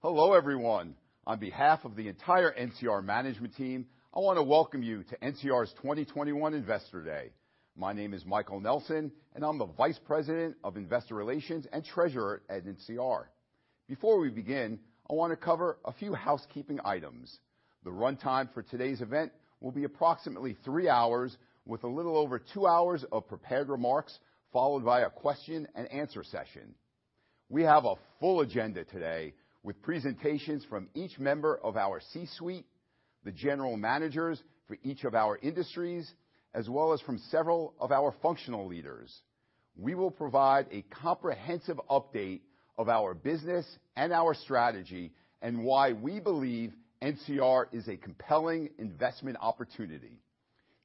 Hello, everyone. On behalf of the entire NCR management team, I want to welcome you to NCR's 2021 Investor Day. My name is Michael Nelson, and I'm the Vice President of Investor Relations and Treasurer at NCR. Before we begin, I want to cover a few housekeeping items. The runtime for today's event will be approximately three hours, with a little over two hours of prepared remarks, followed by a question and answer session. We have a full agenda today with presentations from each member of our C-suite, the general managers for each of our industries, as well as from several of our functional leaders. We will provide a comprehensive update of our business and our strategy and why we believe NCR is a compelling investment opportunity.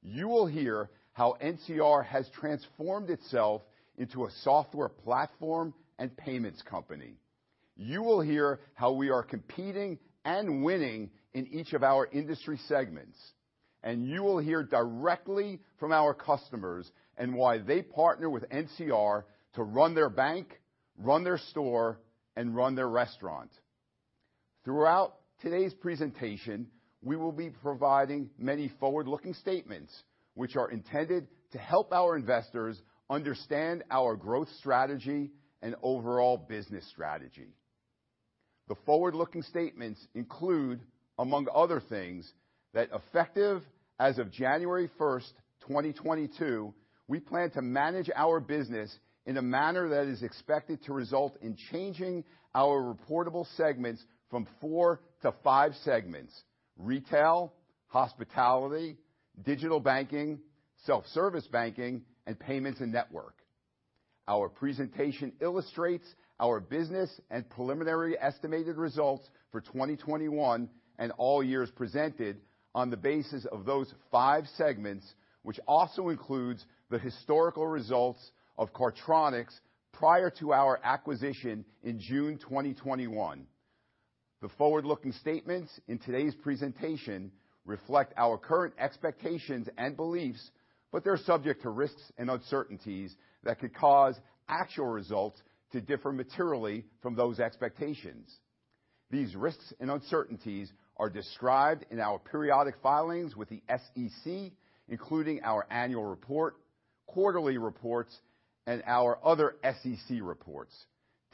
You will hear how NCR has transformed itself into a software platform and payments company. You will hear how we are competing and winning in each of our industry segments, and you will hear directly from our customers and why they partner with NCR to run their bank, run their store, and run their restaurant. Throughout today's presentation, we will be providing many forward-looking statements which are intended to help our investors understand our growth strategy and overall business strategy. The forward-looking statements include, among other things, that effective as of January 1st, 2022, we plan to manage our business in a manner that is expected to result in changing our reportable segments from four to five segments: Retail, Hospitality, Digital Banking, Self-Service Banking, and Payments and Network. Our presentation illustrates our business and preliminary estimated results for 2021 and all years presented on the basis of those five segments, which also includes the historical results of Cardtronics prior to our acquisition in June 2021. The forward-looking statements in today's presentation reflect our current expectations and beliefs, but they're subject to risks and uncertainties that could cause actual results to differ materially from those expectations. These risks and uncertainties are described in our periodic filings with the SEC, including our annual report, quarterly reports, and our other SEC reports.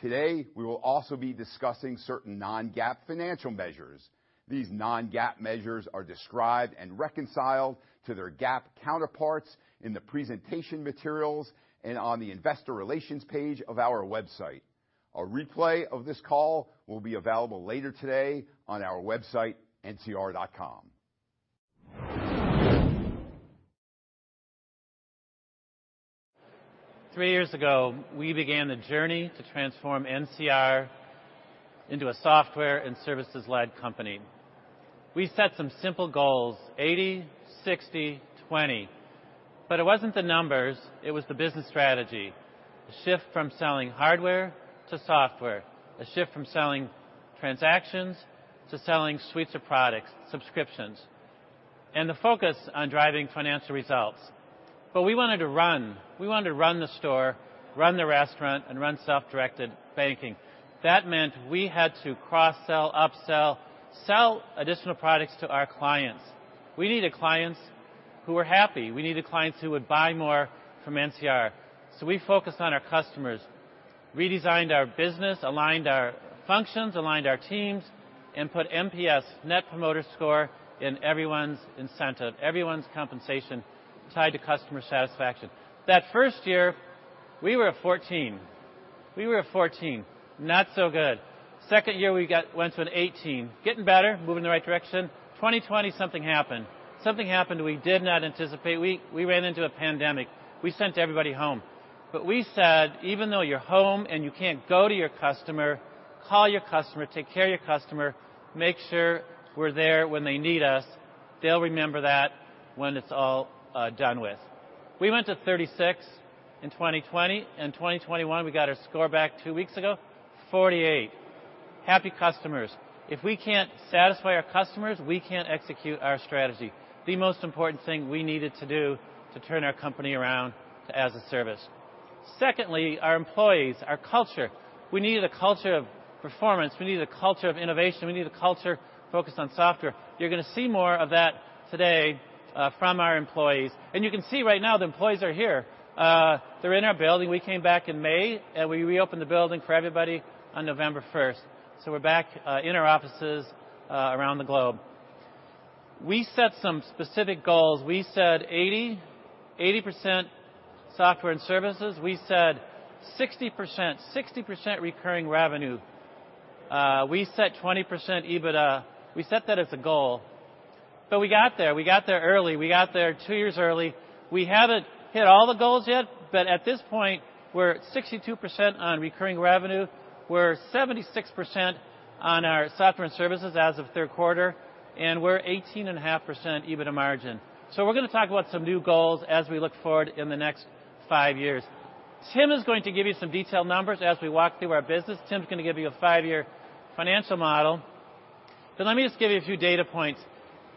Today, we will also be discussing certain non-GAAP financial measures. These non-GAAP measures are described and reconciled to their GAAP counterparts in the presentation materials and on the investor relations page of our website. A replay of this call will be available later today on our website, ncr.com. Three years ago, we began the journey to transform NCR into a software and services-led company. We set some simple goals, 80, 60, 20. It wasn't the numbers, it was the business strategy. A shift from selling hardware to software. A shift from selling transactions to selling suites of products, subscriptions, and the focus on driving financial results. We wanted to run. We wanted to run the store, run the restaurant, and run self-directed banking. That meant we had to cross-sell, upsell, sell additional products to our clients. We needed clients who were happy. We needed clients who would buy more from NCR. We focused on our customers, redesigned our business, aligned our functions, aligned our teams, and put NPS, Net Promoter Score, in everyone's incentive, everyone's compensation tied to customer satisfaction. That first year, we were at 14. Not so good. Second year, we went to an 18. Getting better, moving in the right direction. 2020, something happened we did not anticipate. We ran into a pandemic. We sent everybody home. We said, "Even though you're home and you can't go to your customer, call your customer, take care of your customer. Make sure we're there when they need us. They'll remember that when it's all done with." We went to 36 in 2020. In 2021, we got our score back two weeks ago, 48. Happy customers. If we can't satisfy our customers, we can't execute our strategy. The most important thing we needed to do to turn our company around as a service. Secondly, our employees, our culture. We needed a culture of performance. We needed a culture of innovation. We needed a culture focused on software. You're gonna see more of that today from our employees. You can see right now the employees are here. They're in our building. We came back in May and we reopened the building for everybody on November first. We're back in our offices around the globe. We set some specific goals. We said 80% software and services. We said 60% recurring revenue. We set 20% EBITDA. We set that as a goal, but we got there. We got there early. We got there two years early. We haven't hit all the goals yet, but at this point, we're at 62% on recurring revenue. We're 76% on our software and services as of third quarter, and we're 18.5% EBITDA margin. We're gonna talk about some new goals as we look forward in the next five years. Tim is going to give you some detailed numbers as we walk through our business. Tim's gonna give you a five-year financial model. Let me just give you a few data points.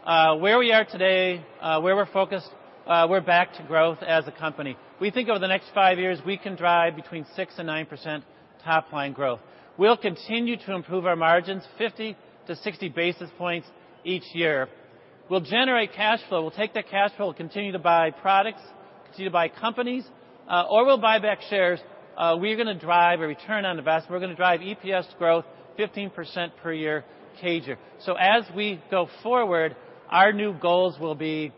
Where we are today, where we're focused, we're back to growth as a company. We think over the next five years, we can drive between 6%-9% top-line growth. We'll continue to improve our margins 50-60 basis points each year. We'll generate cash flow. We'll take that cash flow, continue to buy products, continue to buy companies, or we'll buy back shares. We're gonna drive a return on investment. We're gonna drive 15% EPS growth per year CAGR. As we go forward, our new goals will be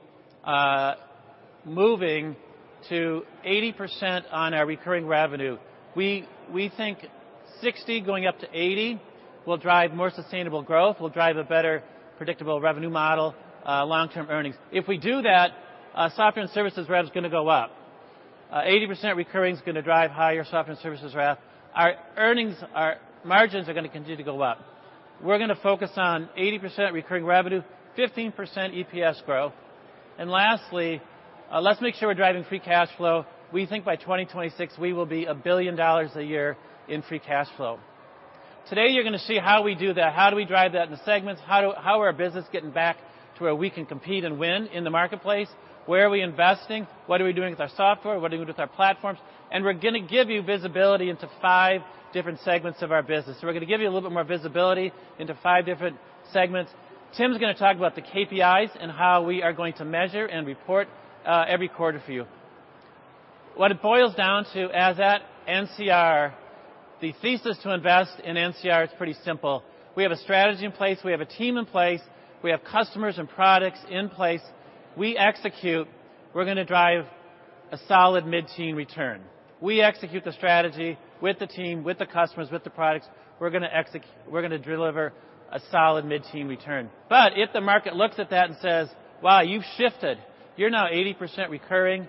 moving to 80% on our recurring revenue. We think 60 going up to 80 will drive more sustainable growth, will drive a better predictable revenue model, long-term earnings. If we do that, software and services rev is gonna go up. 80% recurring is gonna drive higher software and services rev. Our earnings, our margins are gonna continue to go up. We're gonna focus on 80% recurring revenue, 15% EPS growth. Lastly, let's make sure we're driving free cash flow. We think by 2026 we will be $1 billion a year in free cash flow. Today, you're gonna see how we do that, how do we drive that in the segments, how do How are our business getting back to where we can compete and win in the marketplace, where are we investing, what are we doing with our software, what are we doing with our platforms, and we're gonna give you visibility into five different segments of our business. We're gonna give you a little bit more visibility into five different segments. Tim's gonna talk about the KPIs and how we are going to measure and report every quarter for you. What it boils down to as at NCR, the thesis to invest in NCR is pretty simple. We have a strategy in place. We have a team in place. We have customers and products in place. We execute. We're gonna drive a solid mid-teen return. We execute the strategy with the team, with the customers, with the products. We're gonna deliver a solid mid-teen return. If the market looks at that and says, "Wow, you've shifted. You're now 80% recurring.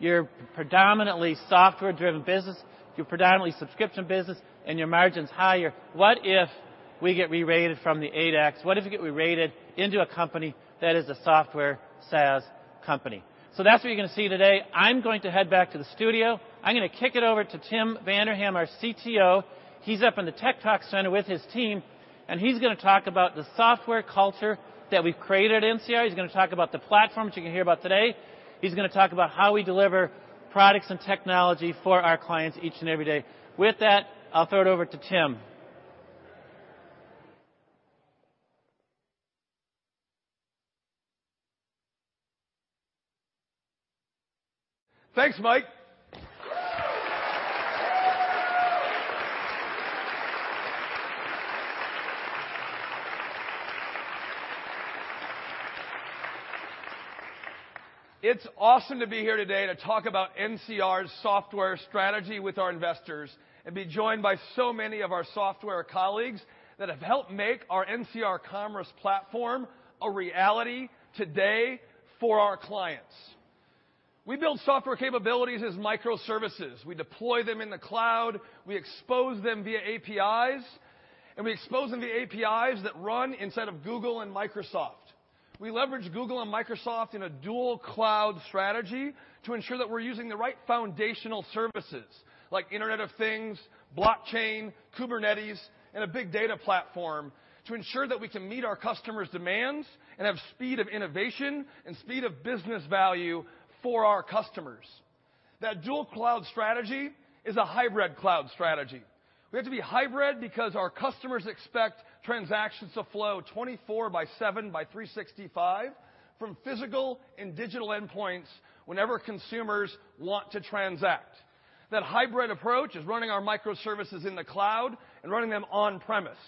You're predominantly software-driven business. You're predominantly subscription business, and your margin's higher." What if we get rerated from the ADX? What if we get rerated into a company that is a software SaaS company? That's what you're gonna see today. I'm going to head back to the studio. I'm gonna kick it over to Tim Vanderham, our CTO. He's up in the Tech Talk Center with his team, and he's gonna talk about the software culture that we've created at NCR. He's gonna talk about the platforms you're gonna hear about today. He's gonna talk about how we deliver products and technology for our clients each and every day. With that, I'll throw it over to Tim. Thanks, Michael. It's awesome to be here today to talk about NCR's software strategy with our investors and be joined by so many of our software colleagues that have helped make our NCR Commerce Platform a reality today for our clients. We build software capabilities as microservices. We deploy them in the cloud, we expose them via APIs, and we expose them via APIs that run inside of Google and Microsoft. We leverage Google and Microsoft in a dual cloud strategy to ensure that we're using the right foundational services like Internet of Things, blockchain, Kubernetes, and a big data platform to ensure that we can meet our customers' demands and have speed of innovation and speed of business value for our customers. That dual cloud strategy is a hybrid cloud strategy. We have to be hybrid because our customers expect transactions to flow 24/7/365 from physical and digital endpoints whenever consumers want to transact. That hybrid approach is running our microservices in the cloud and running them on-premise.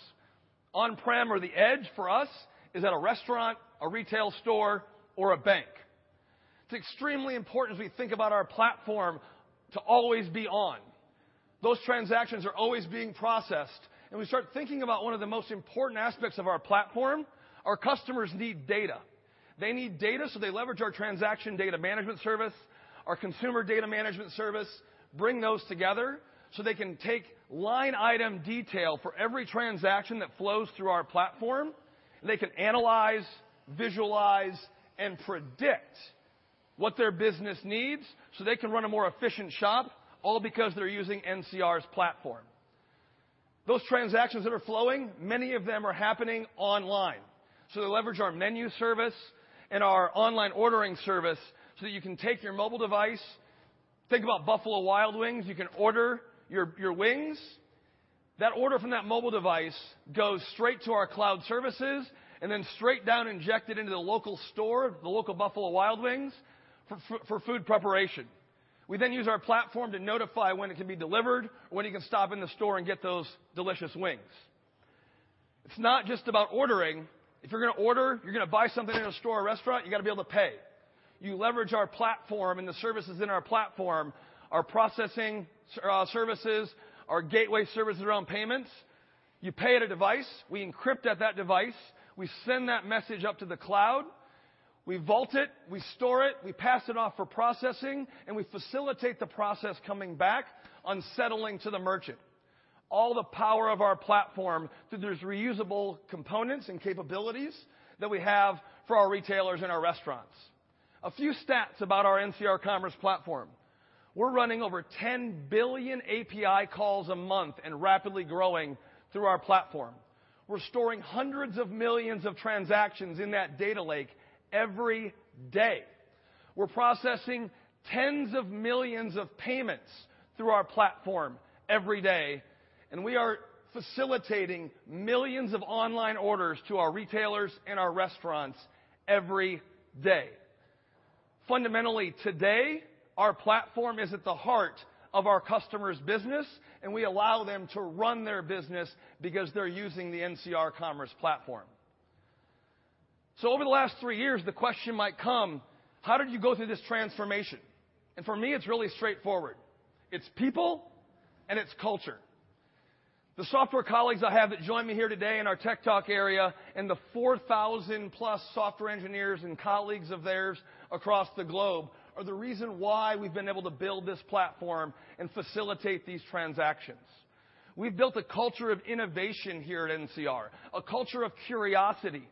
On-prem or the edge for us is at a restaurant, a retail store, or a bank. It's extremely important as we think about our platform to always be on. Those transactions are always being processed, and we start thinking about one of the most important aspects of our platform. Our customers need data. They need data, so they leverage our transaction data management service, our consumer data management service, bring those together so they can take line item detail for every transaction that flows through our platform, and they can analyze, visualize, and predict what their business needs so they can run a more efficient shop, all because they're using NCR's platform. Those transactions that are flowing, many of them are happening online. They leverage our menu service and our online ordering service so that you can take your mobile device. Think about Buffalo Wild Wings. You can order your wings. That order from that mobile device goes straight to our cloud services and then straight down, injected into the local store, the local Buffalo Wild Wings for food preparation. We then use our platform to notify when it can be delivered or when you can stop in the store and get those delicious wings. It's not just about ordering. If you're gonna order, you're gonna buy something in a store or restaurant, you gotta be able to pay. You leverage our platform and the services in our platform, our processing services, our gateway services around payments. You pay at a device, we encrypt at that device, we send that message up to the cloud, we vault it, we store it, we pass it off for processing, and we facilitate the process coming back on settling to the merchant. All the power of our platform through those reusable components and capabilities that we have for our retailers and our restaurants. A few stats about our NCR Commerce Platform. We're running over 10 billion API calls a month and rapidly growing through our platform. We're storing hundreds of millions of transactions in that data lake every day. We're processing tens of millions of payments through our platform every day, and we are facilitating millions of online orders to our retailers and our restaurants every day. Fundamentally, today, our platform is at the heart of our customers' business, and we allow them to run their business because they're using the NCR Commerce Platform. Over the last thhree years, the question might come, "How did you go through this transformation?" For me, it's really straightforward. It's people and it's culture. The software colleagues I have that join me here today in our tech talk area and the 4,000+ software engineers and colleagues of theirs across the globe are the reason why we've been able to build this platform and facilitate these transactions. We've built a culture of innovation here at NCR, a culture of curiosity.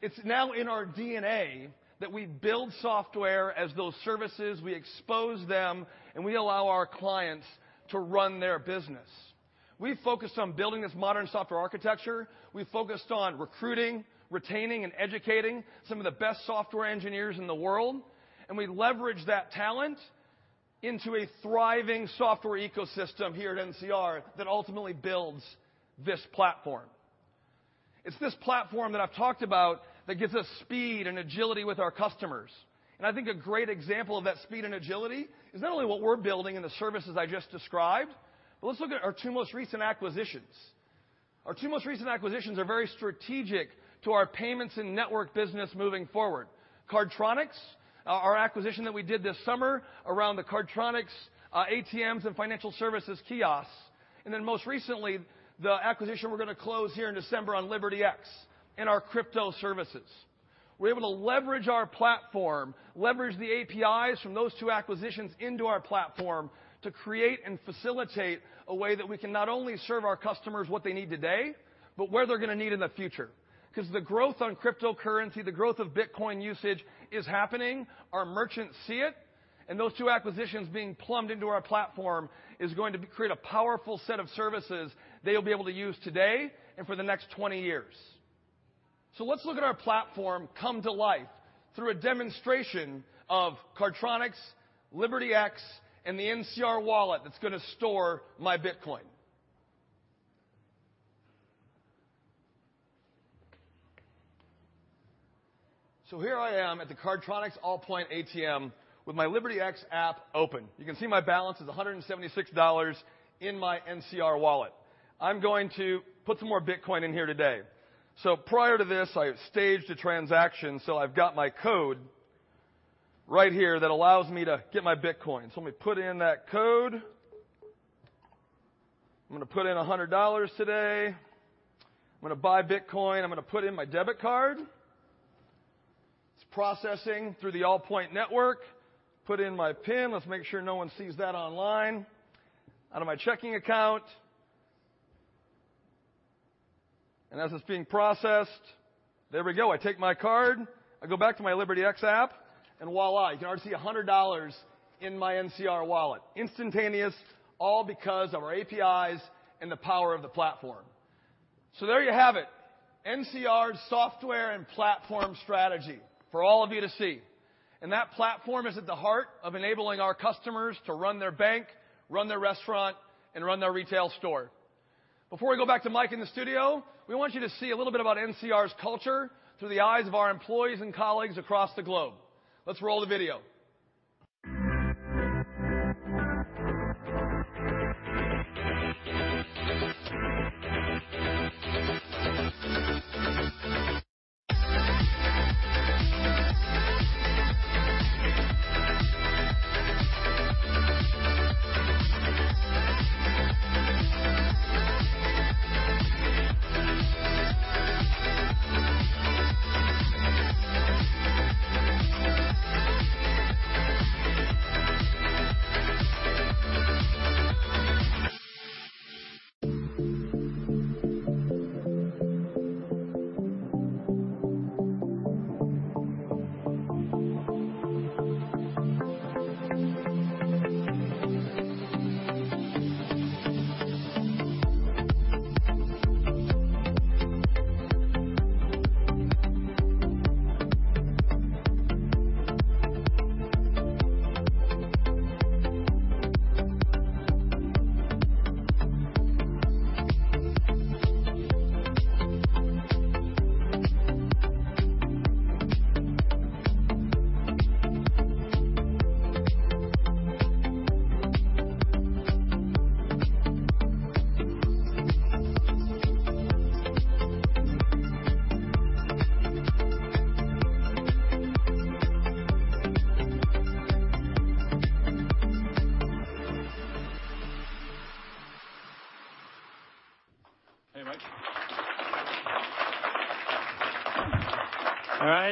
It's now in our DNA that we build software as those services, we expose them, and we allow our clients to run their business. We focus on building this modern software architecture. We focused on recruiting, retaining, and educating some of the best software engineers in the world, and we leverage that talent into a thriving software ecosystem here at NCR that ultimately builds this platform. It's this platform that I've talked about that gives us speed and agility with our customers. I think a great example of that speed and agility is not only what we're building in the services I just described, but let's look at our two most recent acquisitions. Our two most recent acquisitions are very strategic to our payments and network business moving forward. Cardtronics, our acquisition that we did this summer around the Cardtronics ATMs and financial services kiosks, and then most recently, the acquisition we're gonna close here in December on LibertyX and our crypto services. We're able to leverage our platform, leverage the APIs from those two acquisitions into our platform to create and facilitate a way that we can not only serve our customers what they need today, but where they're gonna need in the future. 'Cause the growth on cryptocurrency, the growth of Bitcoin usage is happening. Our merchants see it, and those two acquisitions being plumbed into our platform is going to create a powerful set of services they'll be able to use today and for the next 20 years. Let's look at our platform come to life through a demonstration of Cardtronics, LibertyX, and the NCR wallet that's gonna store my Bitcoin. Here I am at the Cardtronics Allpoint ATM with my LibertyX app open. You can see my balance is $176 in my NCR wallet. I'm going to put some more Bitcoin in here today. Prior to this, I have staged a transaction, so I've got my code right here that allows me to get my Bitcoin. Let me put in that code. I'm gonna put in $100 today. I'm gonna buy Bitcoin. I'm gonna put in my debit card. It's processing through the Allpoint Network. Put in my PIN. Let's make sure no one sees that online. Out of my checking account. As it's being processed, there we go. I take my card, I go back to my LibertyX app, and voilà, you can already see $100 in my NCR wallet. Instantaneous, all because of our APIs and the power of the platform. There you have it, NCR's software and platform strategy for all of you to see. That platform is at the heart of enabling our customers to run their bank, run their restaurant, and run their retail store. Before we go back to Michael in the studio, we want you to see a little bit about NCR's culture through the eyes of our employees and colleagues across the globe. Let's roll the video.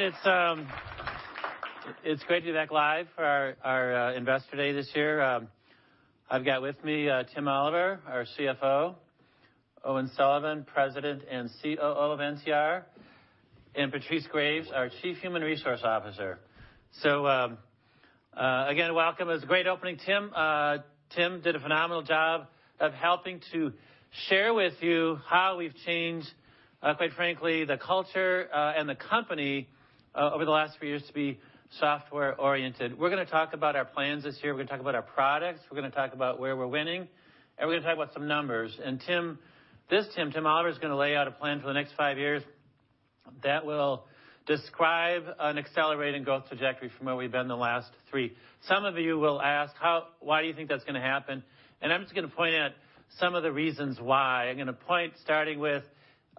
Hey, Michael. All right, it's great to be back live for our Investor Day this year. I've got with me Tim Oliver, our CFO, Owen Sullivan, President and COO of NCR. And Patrice Graves, our Chief Human Resources Officer. Again, welcome. It was a great opening, Tim. Tim did a phenomenal job of helping to share with you how we've changed, quite frankly, the culture and the company over the last few years to be software-oriented. We're gonna talk about our plans this year. We're gonna talk about our products. We're gonna talk about where we're winning, and we're gonna talk about some numbers. This Tim Oliver is gonna lay out a plan for the next five years that will describe an accelerating growth trajectory from where we've been the last three. Some of you will ask, why do you think that's gonna happen? I'm just gonna point out some of the reasons why. I'm gonna point, starting with,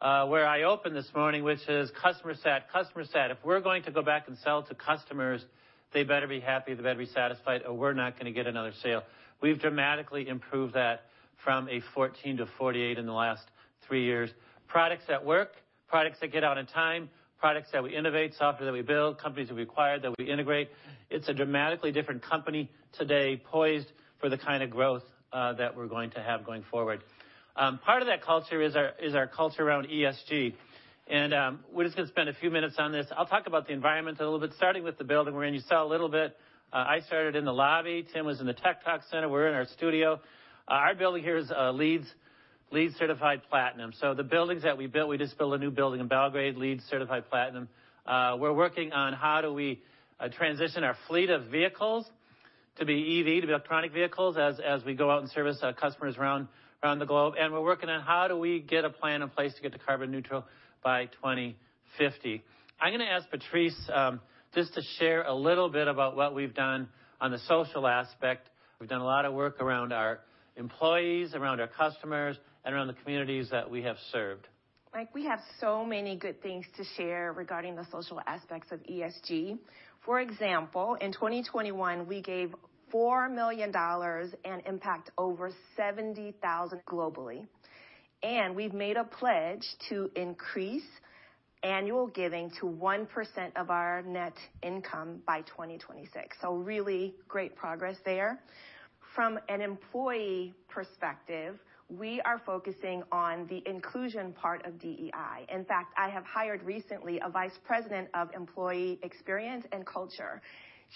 where I opened this morning, which is customer sat. If we're going to go back and sell to customers, they better be happy, they better be satisfied, or we're not gonna get another sale. We've dramatically improved that from a 14 to 48 in the last three years. Products that work, products that get out on time, products that we innovate, software that we build, companies that we acquire, that we integrate. It's a dramatically different company today poised for the kind of growth that we're going to have going forward. Part of that culture is our culture around ESG, and we're just gonna spend a few minutes on this. I'll talk about the environment a little bit, starting with the building we're in. You saw a little bit. I started in the lobby. Tim was in the Tech Talk center. We're in our studio. Our building here is LEED certified platinum. The buildings that we built, we just built a new building in Belgrade, LEED certified platinum. We're working on how do we transition our fleet of vehicles to be EV, to be electric vehicles, as we go out and service our customers around the globe. We're working on how do we get a plan in place to get to carbon neutral by 2050. I'm gonna ask Patrice just to share a little bit about what we've done on the social aspect. We've done a lot of work around our employees, around our customers, and around the communities that we have served. Michael, we have so many good things to share regarding the social aspects of ESG. For example, in 2021, we gave $4 million and impacted over 70,000 globally. We've made a pledge to increase annual giving to 1% of our net income by 2026. Really great progress there. From an employee perspective, we are focusing on the inclusion part of DEI. In fact, I have hired recently a vice president of employee experience and culture.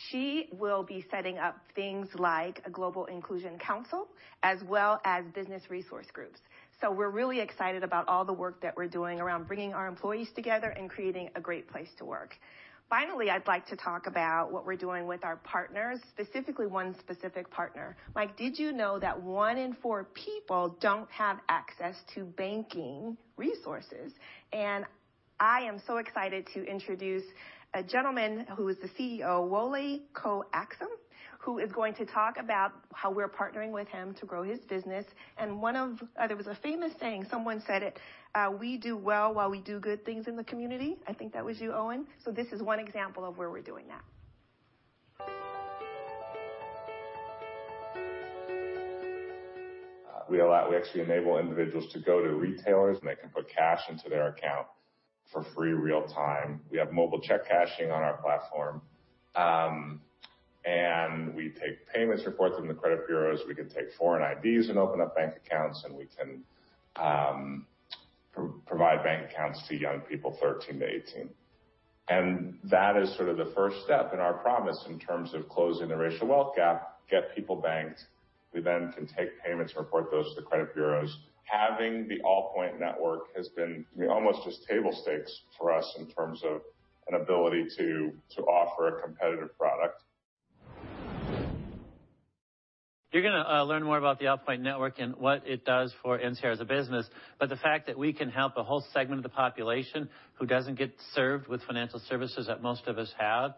She will be setting up things like a global inclusion council as well as business resource groups. We're really excited about all the work that we're doing around bringing our employees together and creating a great place to work. Finally, I'd like to talk about what we're doing with our partners, specifically one specific partner. Michael, did you know that one in four people don't have access to banking resources? I am so excited to introduce a gentleman who is the CEO, Wole Coaxum, who is going to talk about how we're partnering with him to grow his business. Thee was a famous saying, someone said it, "We do well while we do good things in the community." I think that was you, Owen. This is one example of where we're doing that. We actually enable individuals to go to retailers, and they can put cash into their account for free real time. We have mobile check cashing on our platform. We take payment reports from the credit bureaus. We can take foreign IDs and open up bank accounts, and we can provide bank accounts to young people 13-18. That is sort of the first step in our promise in terms of closing the racial wealth gap, get people banked. We then can take payments and report those to the credit bureaus. Having the Allpoint Network has been almost just table stakes for us in terms of an ability to offer a competitive product. You're gonna learn more about the Allpoint Network and what it does for NCR as a business. The fact that we can help a whole segment of the population who doesn't get served with financial services that most of us have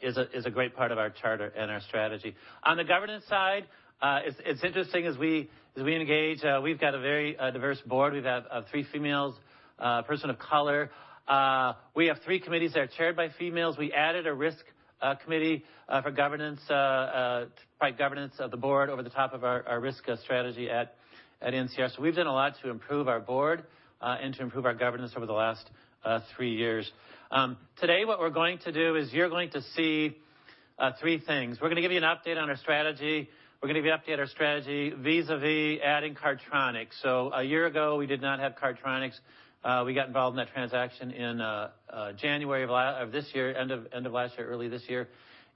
is a great part of our charter and our strategy. On the governance side, it's interesting as we engage. We've got a very diverse board. We've had three females, a person of color. We have three committees that are chaired by females. We added a risk committee for governance of the board over the top of our risk strategy at NCR. We've done a lot to improve our board and to improve our governance over the last three years. Today, what we're going to do is you're going to see three things. We're going to give you an update on our strategy. We're going to give you an update on our strategy vis-à-vis adding Cardtronics. A year ago, we did not have Cardtronics. We got involved in that transaction in January of this year, end of last year, early this year,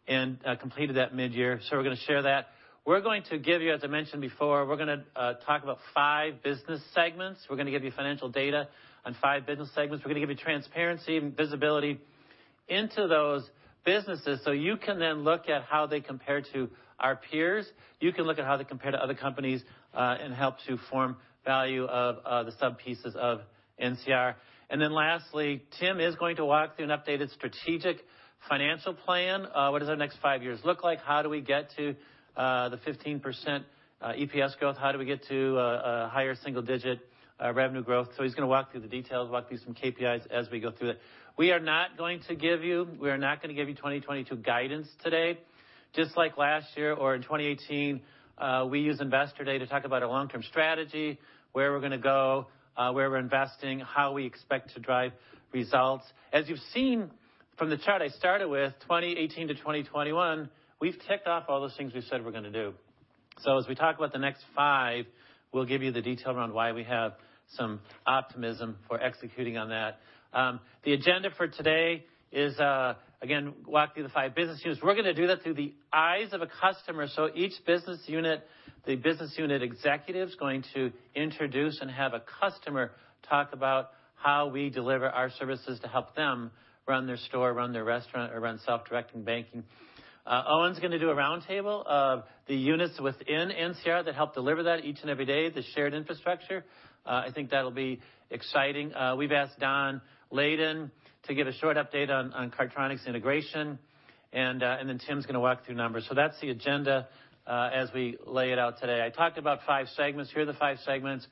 and completed that mid-year. We're going to share that. We're going to give you, as I mentioned before, we're going to talk about five business segments. We're going to give you financial data on five business segments. We're going to give you transparency and visibility into those businesses, so you can then look at how they compare to our peers. You can look at how they compare to other companies and help to form value of the sub-pieces of NCR. Then lastly, Tim is going to walk through an updated strategic financial plan. What does our next five years look like? How do we get to the 15% EPS growth? How do we get to higher single-digit revenue growth? He's gonna walk through the details, walk through some KPIs as we go through it. We are not going to give you 2022 guidance today. Just like last year or in 2018, we use Investor Day to talk about our long-term strategy, where we're gonna go, where we're investing, how we expect to drive results. As you've seen from the chart I started with, 2018 to 2021, we've ticked off all those things we said we're gonna do. As we talk about the next five, we'll give you the detail around why we have some optimism for executing on that. The agenda for today is, again, walk through the five business units. We're gonna do that through the eyes of a customer. Each business unit, the business unit executive's going to introduce and have a customer talk about how we deliver our services to help them run their store, run their restaurant, or run self-directing banking. Owen's gonna do a roundtable of the units within NCR that help deliver that each and every day, the shared infrastructure. I think that'll be exciting. We've asked Don Layden to give a short update on Cardtronics integration, and then Tim's gonna walk through numbers. That's the agenda as we lay it out today. I talked about five segments. Here are the five segments.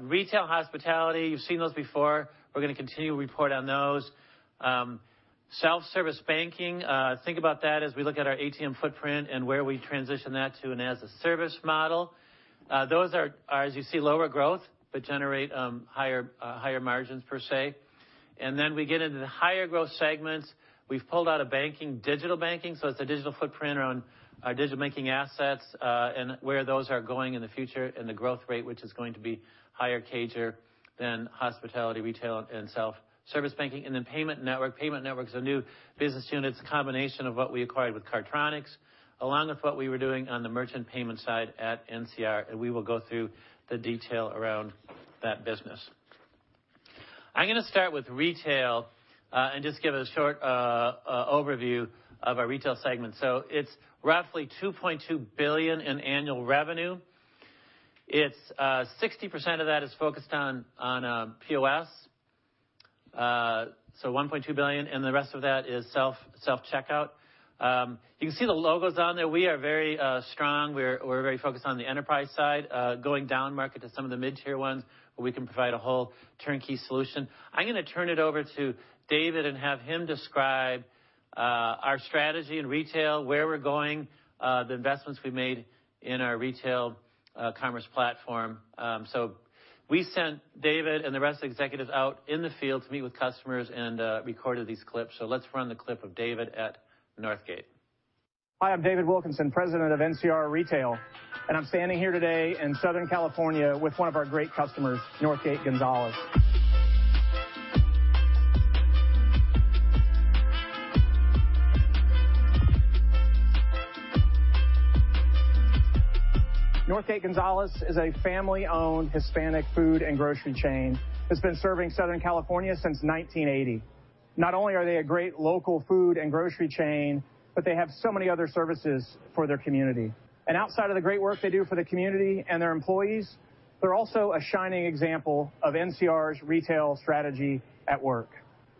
Retail, hospitality, you've seen those before. We're gonna continue to report on those. Self-service banking, think about that as we look at our ATM footprint and where we transition that to an as a service model. Those are as you see lower growth, but generate higher margins per se. Then we get into the higher growth segments. We've pulled out a banking, digital banking, so it's a digital footprint around our digital banking assets, and where those are going in the future and the growth rate, which is going to be higher CAGR than Hospitality, Retail, and Self-Service Banking. Then Payment Network. Payment Network is a new business unit. It's a combination of what we acquired with Cardtronics, along with what we were doing on the merchant payment side at NCR, and we will go through the detail around that business. I'm gonna start with Retail, and just give a short overview of our Retail segment. It's roughly $2.2 billion in annual revenue. 60% of that is focused on POS, so $1.2 billion, and the rest of that is Self-Checkout. You can see the logos on there. We are very strong. We're very focused on the enterprise side, going downmarket to some of the mid-tier ones where we can provide a whole turnkey solution. I'm gonna turn it over to David and have him describe our strategy in retail, where we're going, the investments we made in our retail commerce platform. We sent David and the rest of the executives out in the field to meet with customers and recorded these clips. Let's run the clip of David at Northgate. Hi, I'm David Wilkinson, President of NCR Retail, and I'm standing here today in Southern California with one of our great customers, Northgate González. Northgate González is a family-owned Hispanic food and grocery chain that's been serving Southern California since 1980. Not only are they a great local food and grocery chain, but they have so many other services for their community. Outside of the great work they do for the community and their employees, they're also a shining example of NCR's retail strategy at work.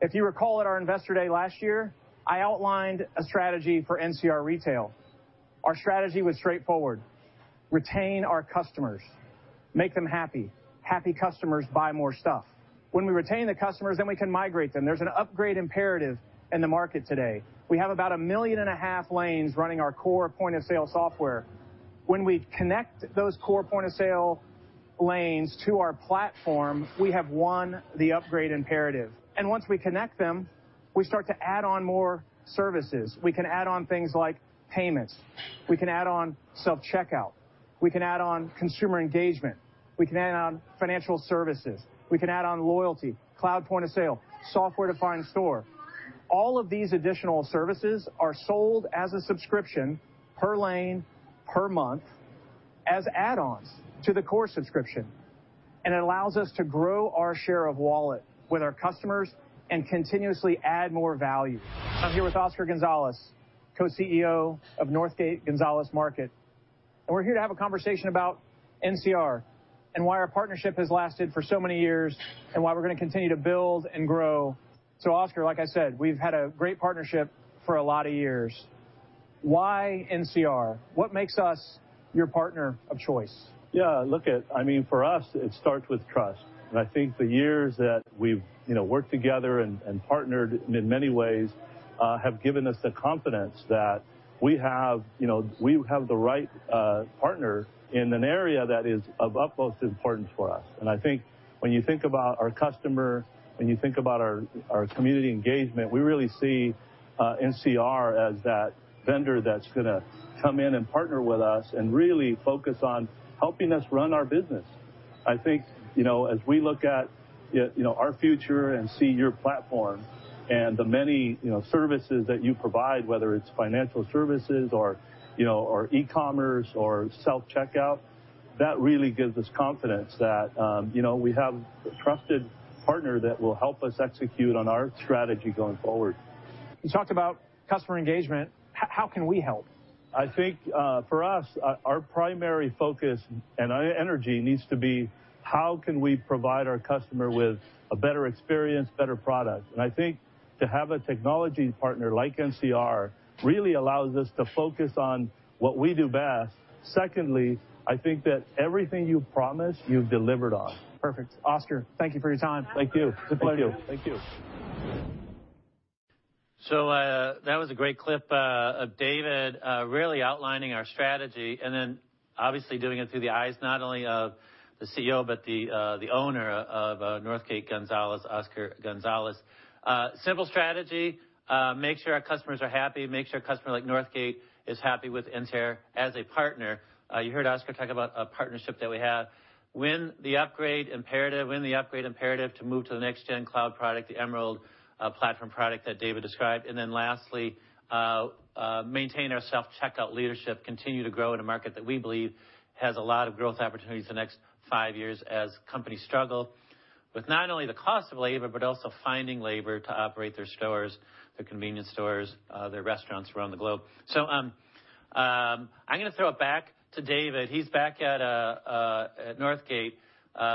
If you recall at our investor day last year, I outlined a strategy for NCR Retail. Our strategy was straightforward: retain our customers, make them happy. Happy customers buy more stuff. When we retain the customers, then we can migrate them. There's an upgrade imperative in the market today. We have about 1.5 million lanes running our core point-of-sale software. When we connect those core point-of-sale lanes to our platform, we have one, the upgrade imperative. Once we connect them, we start to add on more services. We can add on things like payments. We can add on self-checkout. We can add on consumer engagement. We can add on financial services. We can add on loyalty, cloud point of sale, software-defined store. All of these additional services are sold as a subscription per lane, per month, as add-ons to the core subscription. It allows us to grow our share of wallet with our customers and continuously add more value. I'm here with Oscar Gonzalez, Co-CEO of Northgate González Market, and we're here to have a conversation about NCR and why our partnership has lasted for so many years and why we're gonna continue to build and grow. Oscar, like I said, we've had a great partnership for a lot of years. Why NCR? What makes us your partner of choice? Yeah, look, I mean, for us, it starts with trust. I think the years that we've, you know, worked together and partnered in many ways have given us the confidence that we have, you know, we have the right partner in an area that is of utmost importance for us. I think when you think about our customer, when you think about our community engagement, we really see NCR as that vendor that's gonna come in and partner with us and really focus on helping us run our business. I think, you know, as we look at, you know, our future and see your platform and the many, you know, services that you provide, whether it's financial services or, you know, or e-commerce or self-checkout, that really gives us confidence that, you know, we have a trusted partner that will help us execute on our strategy going forward. You talked about customer engagement. How can we help? I think, for us, our primary focus and energy needs to be how can we provide our customer with a better experience, better product? I think to have a technology partner like NCR really allows us to focus on what we do best. Secondly, I think that everything you promise, you've delivered on. Perfect. Oscar, thank you for your time. Thank you. It's a pleasure. Thank you. Thank you. That was a great clip of David really outlining our strategy and then obviously doing it through the eyes not only of the CEO, but the owner of Northgate González, Oscar Gonzalez. Simple strategy, make sure our customers are happy, make sure a customer like Northgate is happy with NCR as a partner. You heard Oscar talk about a partnership that we have. Win the upgrade imperative to move to the next gen cloud product, the Emerald platform product that David described. Lastly, maintain our self-checkout leadership, continue to grow in a market that we believe has a lot of growth opportunities the next five years as companies struggle with not only the cost of labor, but also finding labor to operate their stores, their convenience stores, their restaurants around the globe. I'm gonna throw it back to David. He's back at Northgate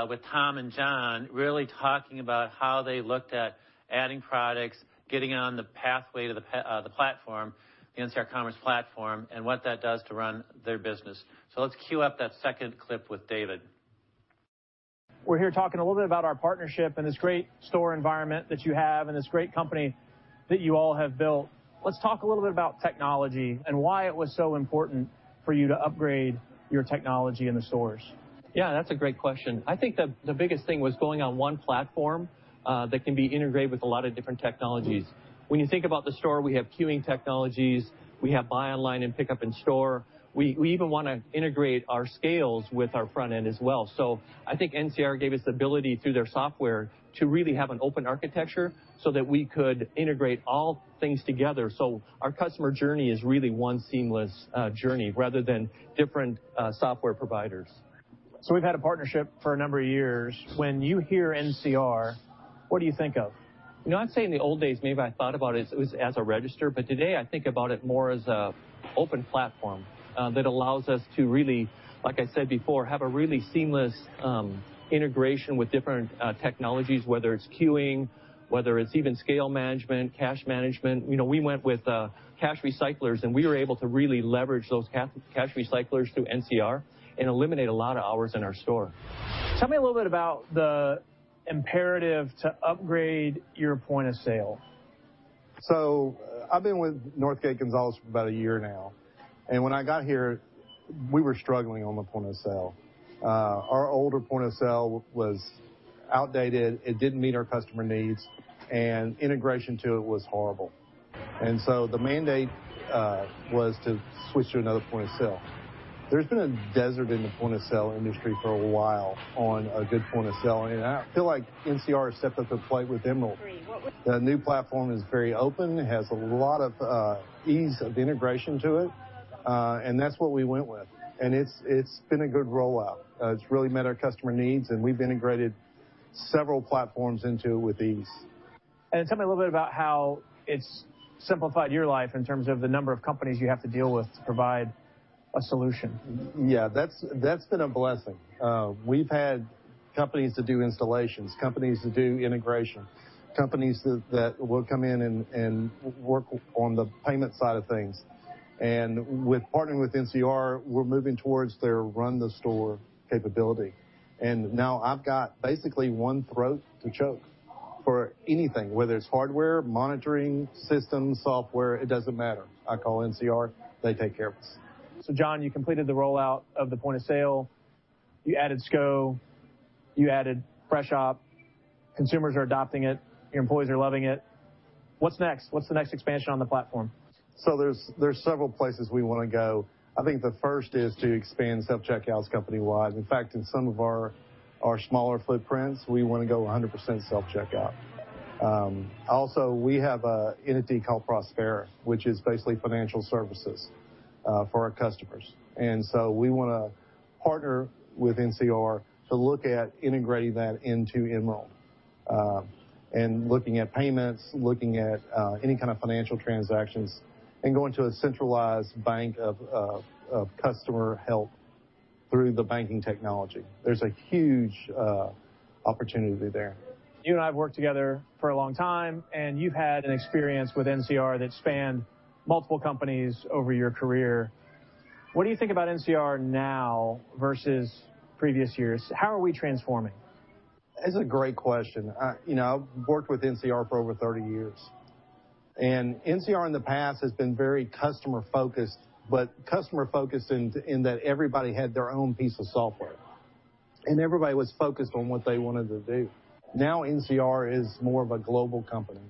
with Tom and John really talking about how they looked at adding products, getting on the pathway to the platform, the NCR Commerce Platform, and what that does to run their business. Let's queue up that second clip with David. We're here talking a little bit about our partnership and this great store environment that you have and this great company that you all have built. Let's talk a little bit about technology and why it was so important for you to upgrade your technology in the stores. Yeah, that's a great question. I think the biggest thing was going on one platform that can be integrated with a lot of different technologies. When you think about the store, we have queuing technologies. We have buy online and pickup in store. We even wanna integrate our scales with our front end as well. So I think NCR gave us the ability through their software to really have an open architecture so that we could integrate all things together. So our customer journey is really one seamless journey rather than different software providers. We've had a partnership for a number of years. When you hear NCR, what do you think of? You know, I'd say in the old days, maybe I thought about it as a register, but today I think about it more as an open platform that allows us to really, like I said before, have a really seamless integration with different technologies, whether it's queuing, whether it's even scale management, cash management. You know, we went with cash recyclers, and we were able to really leverage those cash recyclers through NCR and eliminate a lot of hours in our store. Tell me a little bit about the imperative to upgrade your point of sale? I've been with Northgate Gonzalez for about a year now, and when I got here, we were struggling on the point of sale. Our older point of sale was outdated, it didn't meet our customer needs, and integration to it was horrible. The mandate was to switch to another point of sale. There's been a desert in the point of sale industry for a while on a good point of sale, and I feel like NCR has stepped up to the plate with Emerald. The new platform is very open. It has a lot of ease of integration to it, and that's what we went with. It's been a good rollout. It's really met our customer needs, and we've integrated several platforms into it with ease. Tell me a little bit about how it's simplified your life in terms of the number of companies you have to deal with to provide a solution. Yeah, that's been a blessing. We've had companies to do installations, companies to do integration, companies that will come in and work on the payment side of things. With partnering with NCR, we're moving towards their Run the Store capability. Now I've got basically one throat to choke for anything, whether it's hardware, monitoring, systems, software, it doesn't matter. I call NCR, they take care of us. John, you completed the rollout of the point of sale. You added SCO, you added Freshop. Consumers are adopting it. Your employees are loving it. What's next? What's the next expansion on the platform? There's several places we wanna go. I think the first is to expand self-checkouts company-wide. In fact, in some of our smaller footprints, we wanna go 100% self-checkout. Also we have an entity called Prospera, which is basically financial services for our customers. We wanna partner with NCR to look at integrating that into Emerald. Looking at payments, any kind of financial transactions and going to a centralized bank of customer help through the banking technology. There's a huge opportunity there. You and I have worked together for a long time, and you've had an experience with NCR that spanned multiple companies over your career. What do you think about NCR now versus previous years? How are we transforming? It's a great question. You know, I've worked with NCR for over 30 years, and NCR in the past has been very customer-focused, but customer-focused in that everybody had their own piece of software, and everybody was focused on what they wanted to do. Now NCR is more of a global company,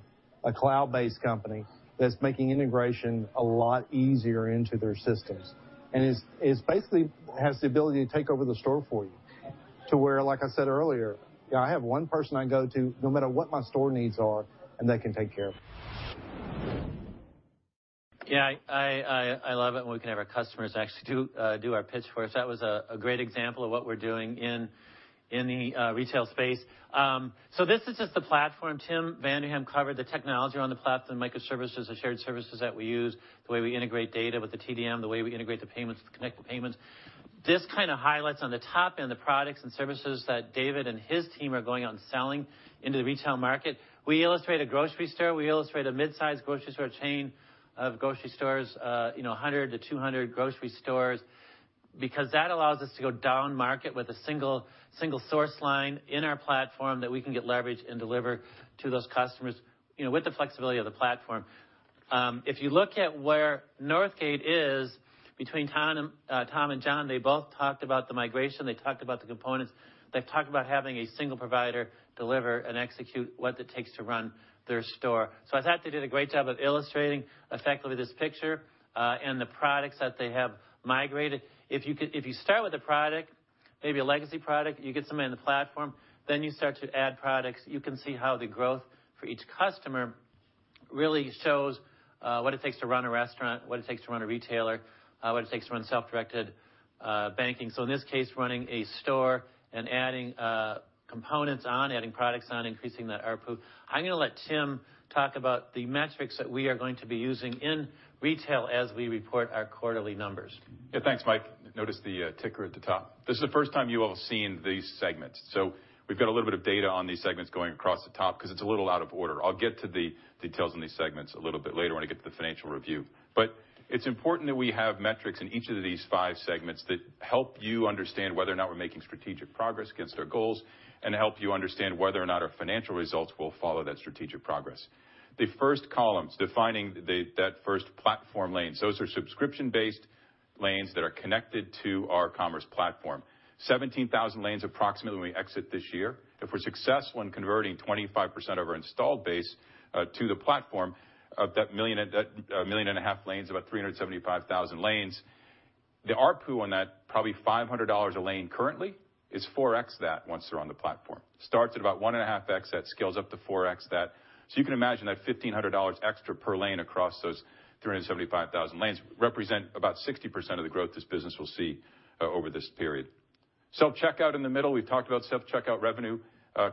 a cloud-based company that's making integration a lot easier into their systems and basically has the ability to take over the store for you to where, like I said earlier, you know, I have one person I go to no matter what my store needs are, and they can take care of it. Yeah, I love it when we can have our customers actually do our pitch for us. That was a great example of what we're doing in the retail space. This is just the platform. Tim Vanderham covered the technology around the platform, microservices, the shared services that we use, the way we integrate data with the TDM, the way we integrate the payments with Connected Payments. This kinda highlights on the top end the products and services that David and his team are going out and selling into the retail market. We illustrate a grocery store, we illustrate a mid-size grocery store chain of grocery stores, you know, 100-200 grocery stores, because that allows us to go down market with a single source line in our platform that we can get leverage and deliver to those customers, you know, with the flexibility of the platform. If you look at where Northgate is between Tom and John, they both talked about the migration. They talked about the components. They've talked about having a single provider deliver and execute what it takes to run their store. I thought they did a great job of illustrating effectively this picture, and the products that they have migrated. If you start with a product, maybe a legacy product, you get somebody on the platform, then you start to add products. You can see how the growth for each customer really shows what it takes to run a restaurant, what it takes to run a retailer, what it takes to run self-directed banking. In this case, running a store and adding components on, adding products on, increasing that ARPU. I'm gonna let Tim talk about the metrics that we are going to be using in retail as we report our quarterly numbers. Yeah. Thanks, Michael. Notice the ticker at the top. This is the first time you all have seen these segments. We've got a little bit of data on these segments going across the top 'cause it's a little out of order. I'll get to the details on these segments a little bit later when I get to the financial review. It's important that we have metrics in each of these five segments that help you understand whether or not we're making strategic progress against our goals and help you understand whether or not our financial results will follow that strategic progress. The first column's defining that first platform lane. Those are subscription-based lanes that are connected to our commerce platform. 17,000 lanes approximately when we exit this year. If we're successful in converting 25% of our installed base to the platform, of that 1.5 million lanes, about 375,000 lanes, the ARPU on that is probably $500 a lane currently, is 4x that once they're on the platform. Starts at about 1.5x, that scales up to 4x that. You can imagine that $1,500 extra per lane across those 375,000 lanes represent about 60% of the growth this business will see over this period. Self-checkout in the middle, we've talked about self-checkout revenue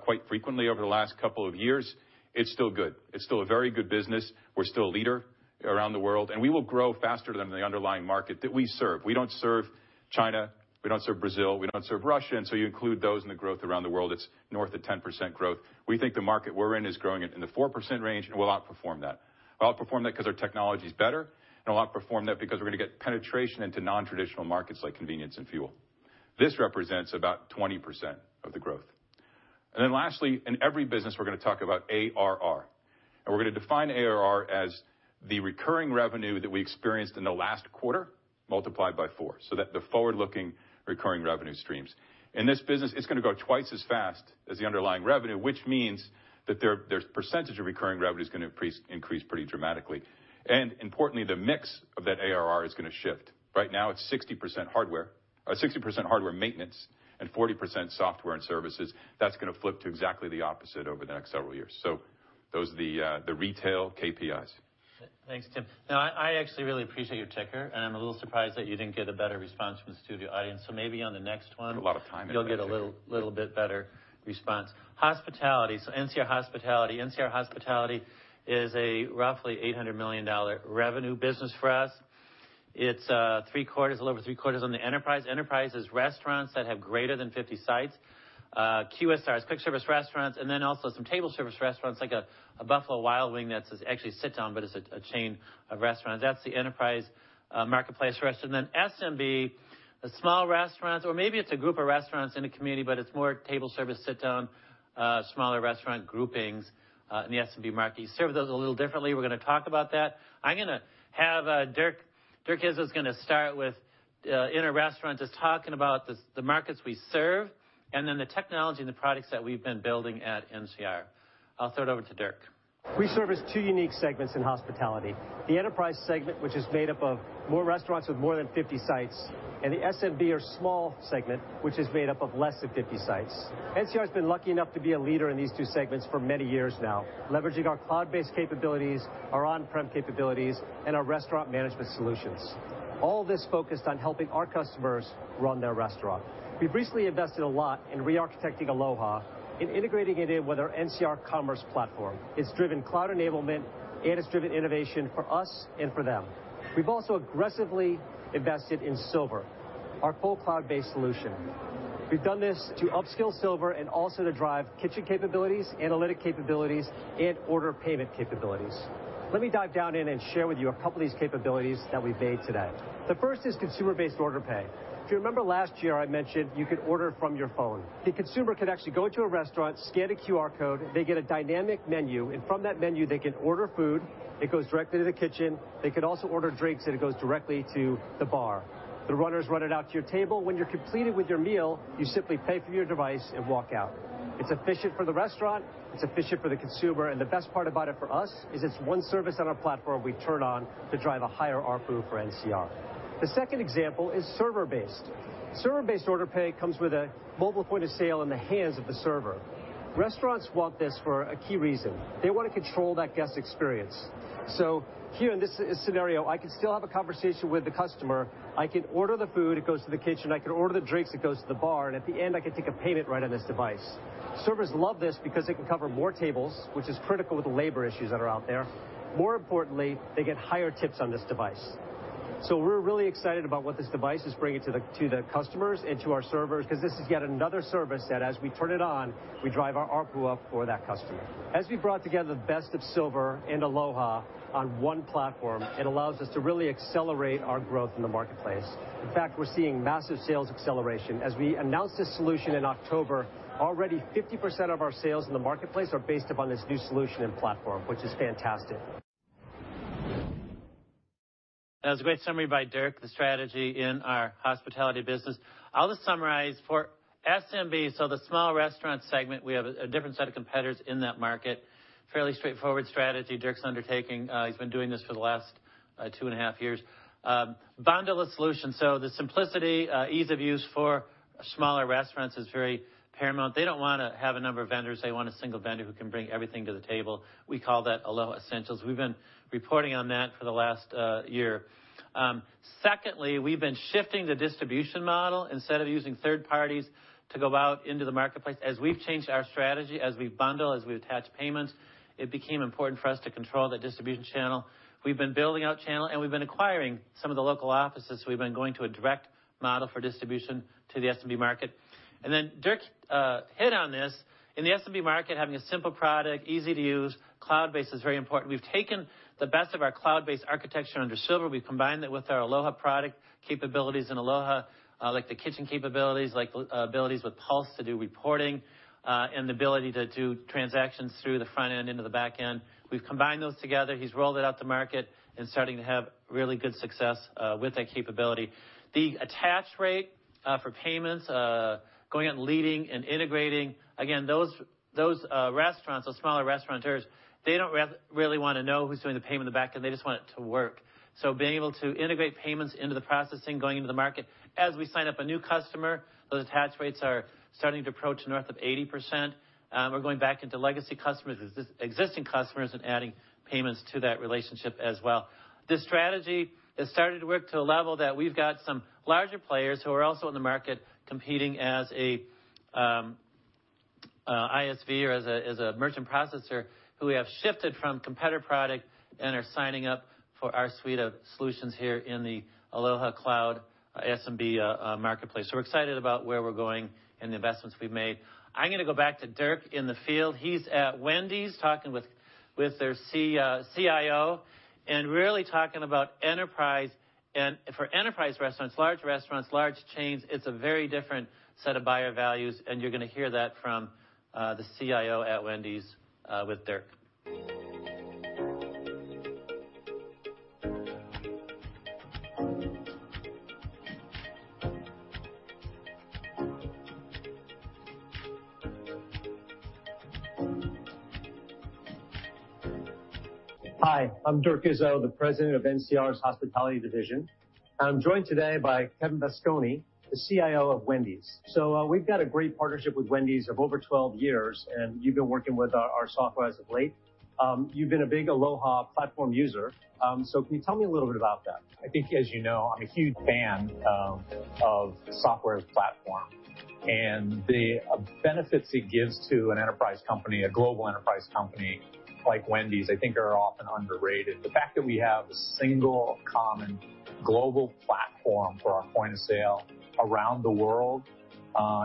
quite frequently over the last couple of years. It's still good. It's still a very good business. We're still a leader around the world, and we will grow faster than the underlying market that we serve. We don't serve China, we don't serve Brazil, we don't serve Russia, and so you include those in the growth around the world, it's north of 10% growth. We think the market we're in is growing in the 4% range, and we'll outperform that. We'll outperform that 'cause our technology's better, and we'll outperform that because we're gonna get penetration into non-traditional markets like convenience and fuel. This represents about 20% of the growth. Lastly, in every business, we're gonna talk about ARR. We're gonna define ARR as the recurring revenue that we experienced in the last quarter multiplied by four, so that the forward-looking recurring revenue streams. In this business, it's gonna grow twice as fast as the underlying revenue, which means that their percentage of recurring revenue is gonna increase pretty dramatically. Importantly, the mix of that ARR is gonna shift. Right now, it's 60% hardware, or 60% hardware maintenance and 40% software and services. That's gonna flip to exactly the opposite over the next several years. Those are the retail KPIs. Thanks, Tim. Now, I actually really appreciate your ticker, and I'm a little surprised that you didn't get a better response from the studio audience. Maybe on the next one. Took a lot of time. You'll get a little bit better response. Hospitality. NCR Hospitality. NCR Hospitality is a roughly $800 million revenue business for us. It's three-quarters, a little over three-quarters on the enterprise. Enterprise is restaurants that have greater than 50 sites, QSRs, quick service restaurants, and then also some table service restaurants like a Buffalo Wild Wings that's actually sit-down, but it's a chain of restaurants. That's the enterprise, marketplace restaurant. Then SMB, small restaurants or maybe it's a group of restaurants in a community, but it's more table service, sit-down, smaller restaurant groupings, in the SMB market. You serve those a little differently. We're gonna talk about that. I'm gonna have Dirk. Dirk is just gonna start with in a restaurant, just talking about the markets we serve and then the technology and the products that we've been building at NCR. I'll throw it over to Dirk. We service two unique segments in hospitality, the enterprise segment, which is made up of more restaurants with more than 50 sites, and the SMB or small segment, which is made up of less than 50 sites. NCR has been lucky enough to be a leader in these two segments for many years now, leveraging our cloud-based capabilities, our on-prem capabilities, and our restaurant management solutions. All this focused on helping our customers run their restaurant. We've recently invested a lot in re-architecting Aloha and integrating it in with our NCR Commerce Platform. It's driven cloud enablement, and it's driven innovation for us and for them. We've also aggressively invested in Silver, our full cloud-based solution. We've done this to upskill Silver and also to drive kitchen capabilities, analytic capabilities, and order payment capabilities. Let me dive into and share with you a couple of these capabilities that we've made to date. The first is consumer-based order pay. If you remember last year, I mentioned you could order from your phone. The consumer can actually go into a restaurant, scan a QR code, they get a dynamic menu, and from that menu, they can order food. It goes directly to the kitchen. They can also order drinks, and it goes directly to the bar. The runners run it out to your table. When you're completed with your meal, you simply pay from your device and walk out. It's efficient for the restaurant, it's efficient for the consumer, and the best part about it for us is it's one service on our platform we turn on to drive a higher ARPU for NCR. The second example is server-based. Server-based order pay comes with a mobile point of sale in the hands of the server. Restaurants want this for a key reason. They wanna control that guest experience. Here in this scenario, I can still have a conversation with the customer. I can order the food, it goes to the kitchen, I can order the drinks, it goes to the bar, and at the end, I can take a payment right on this device. Servers love this because they can cover more tables, which is critical with the labor issues that are out there. More importantly, they get higher tips on this device. We're really excited about what this device is bringing to the customers and to our servers because this is yet another service that as we turn it on, we drive our ARPU up for that customer. As we brought together the best of Silver and Aloha on one platform, it allows us to really accelerate our growth in the marketplace. In fact, we're seeing massive sales acceleration. As we announced this solution in October, already 50% of our sales in the marketplace are based upon this new solution and platform, which is fantastic. That was a great summary by Dirk, the strategy in our hospitality business. I'll just summarize for SMB, so the small restaurant segment, we have a different set of competitors in that market. Fairly straightforward strategy Dirk's undertaking. He's been doing this for the last 2.5 years. Bundle a solution. The simplicity, ease of use for smaller restaurants is very paramount. They don't wanna have a number of vendors. They want a single vendor who can bring everything to the table. We call that Aloha Essentials. We've been reporting on that for the last year. Secondly, we've been shifting the distribution model instead of using third parties to go out into the marketplace. As we've changed our strategy, as we bundle, as we attach payments, it became important for us to control the distribution channel. We've been building out channel, and we've been acquiring some of the local offices. We've been going to a direct model for distribution to the SMB market. Dirk hit on this, in the SMB market, having a simple product, easy to use, cloud-based is very important. We've taken the best of our cloud-based architecture under Silver. We've combined it with our Aloha product capabilities in Aloha, like the kitchen capabilities, like abilities with Pulse to do reporting, and the ability to do transactions through the front-end into the back-end. We've combined those together. He's rolled it out to market and starting to have really good success with that capability. The attach rate for payments going out leading and integrating, again, those restaurants or smaller restaurateurs, they don't really wanna know who's doing the payment in the back-end. They just want it to work. Being able to integrate payments into the processing, going into the market, as we sign up a new customer, those attach rates are starting to approach north of 80%. We're going back into legacy customers, existing customers and adding payments to that relationship as well. This strategy has started to work to a level that we've got some larger players who are also in the market competing as an ISV or as a merchant processor who we have shifted from competitor product and are signing up for our suite of solutions here in the Aloha Cloud SMB marketplace. We're excited about where we're going and the investments we've made. I'm gonna go back to Dirk in the field. He's at Wendy's talking with their CIO and really talking about enterprise. For enterprise restaurants, large restaurants, large chains, it's a very different set of buyer values, and you're gonna hear that from the CIO at Wendy's with Dirk. Hi, I'm Dirk Izzo, the President of NCR's Hospitality Division. I'm joined today by Kevin Vasconi, the CIO of Wendy's. So, we've got a great partnership with Wendy's of over 12 years, and you've been working with our software as of late. You've been a big Aloha platform user. So can you tell me a little bit about that? I think as you know, I'm a huge fan of software as a platform. The benefits it gives to an enterprise company, a global enterprise company like Wendy's, I think are often underrated. The fact that we have a single common global platform for our point of sale around the world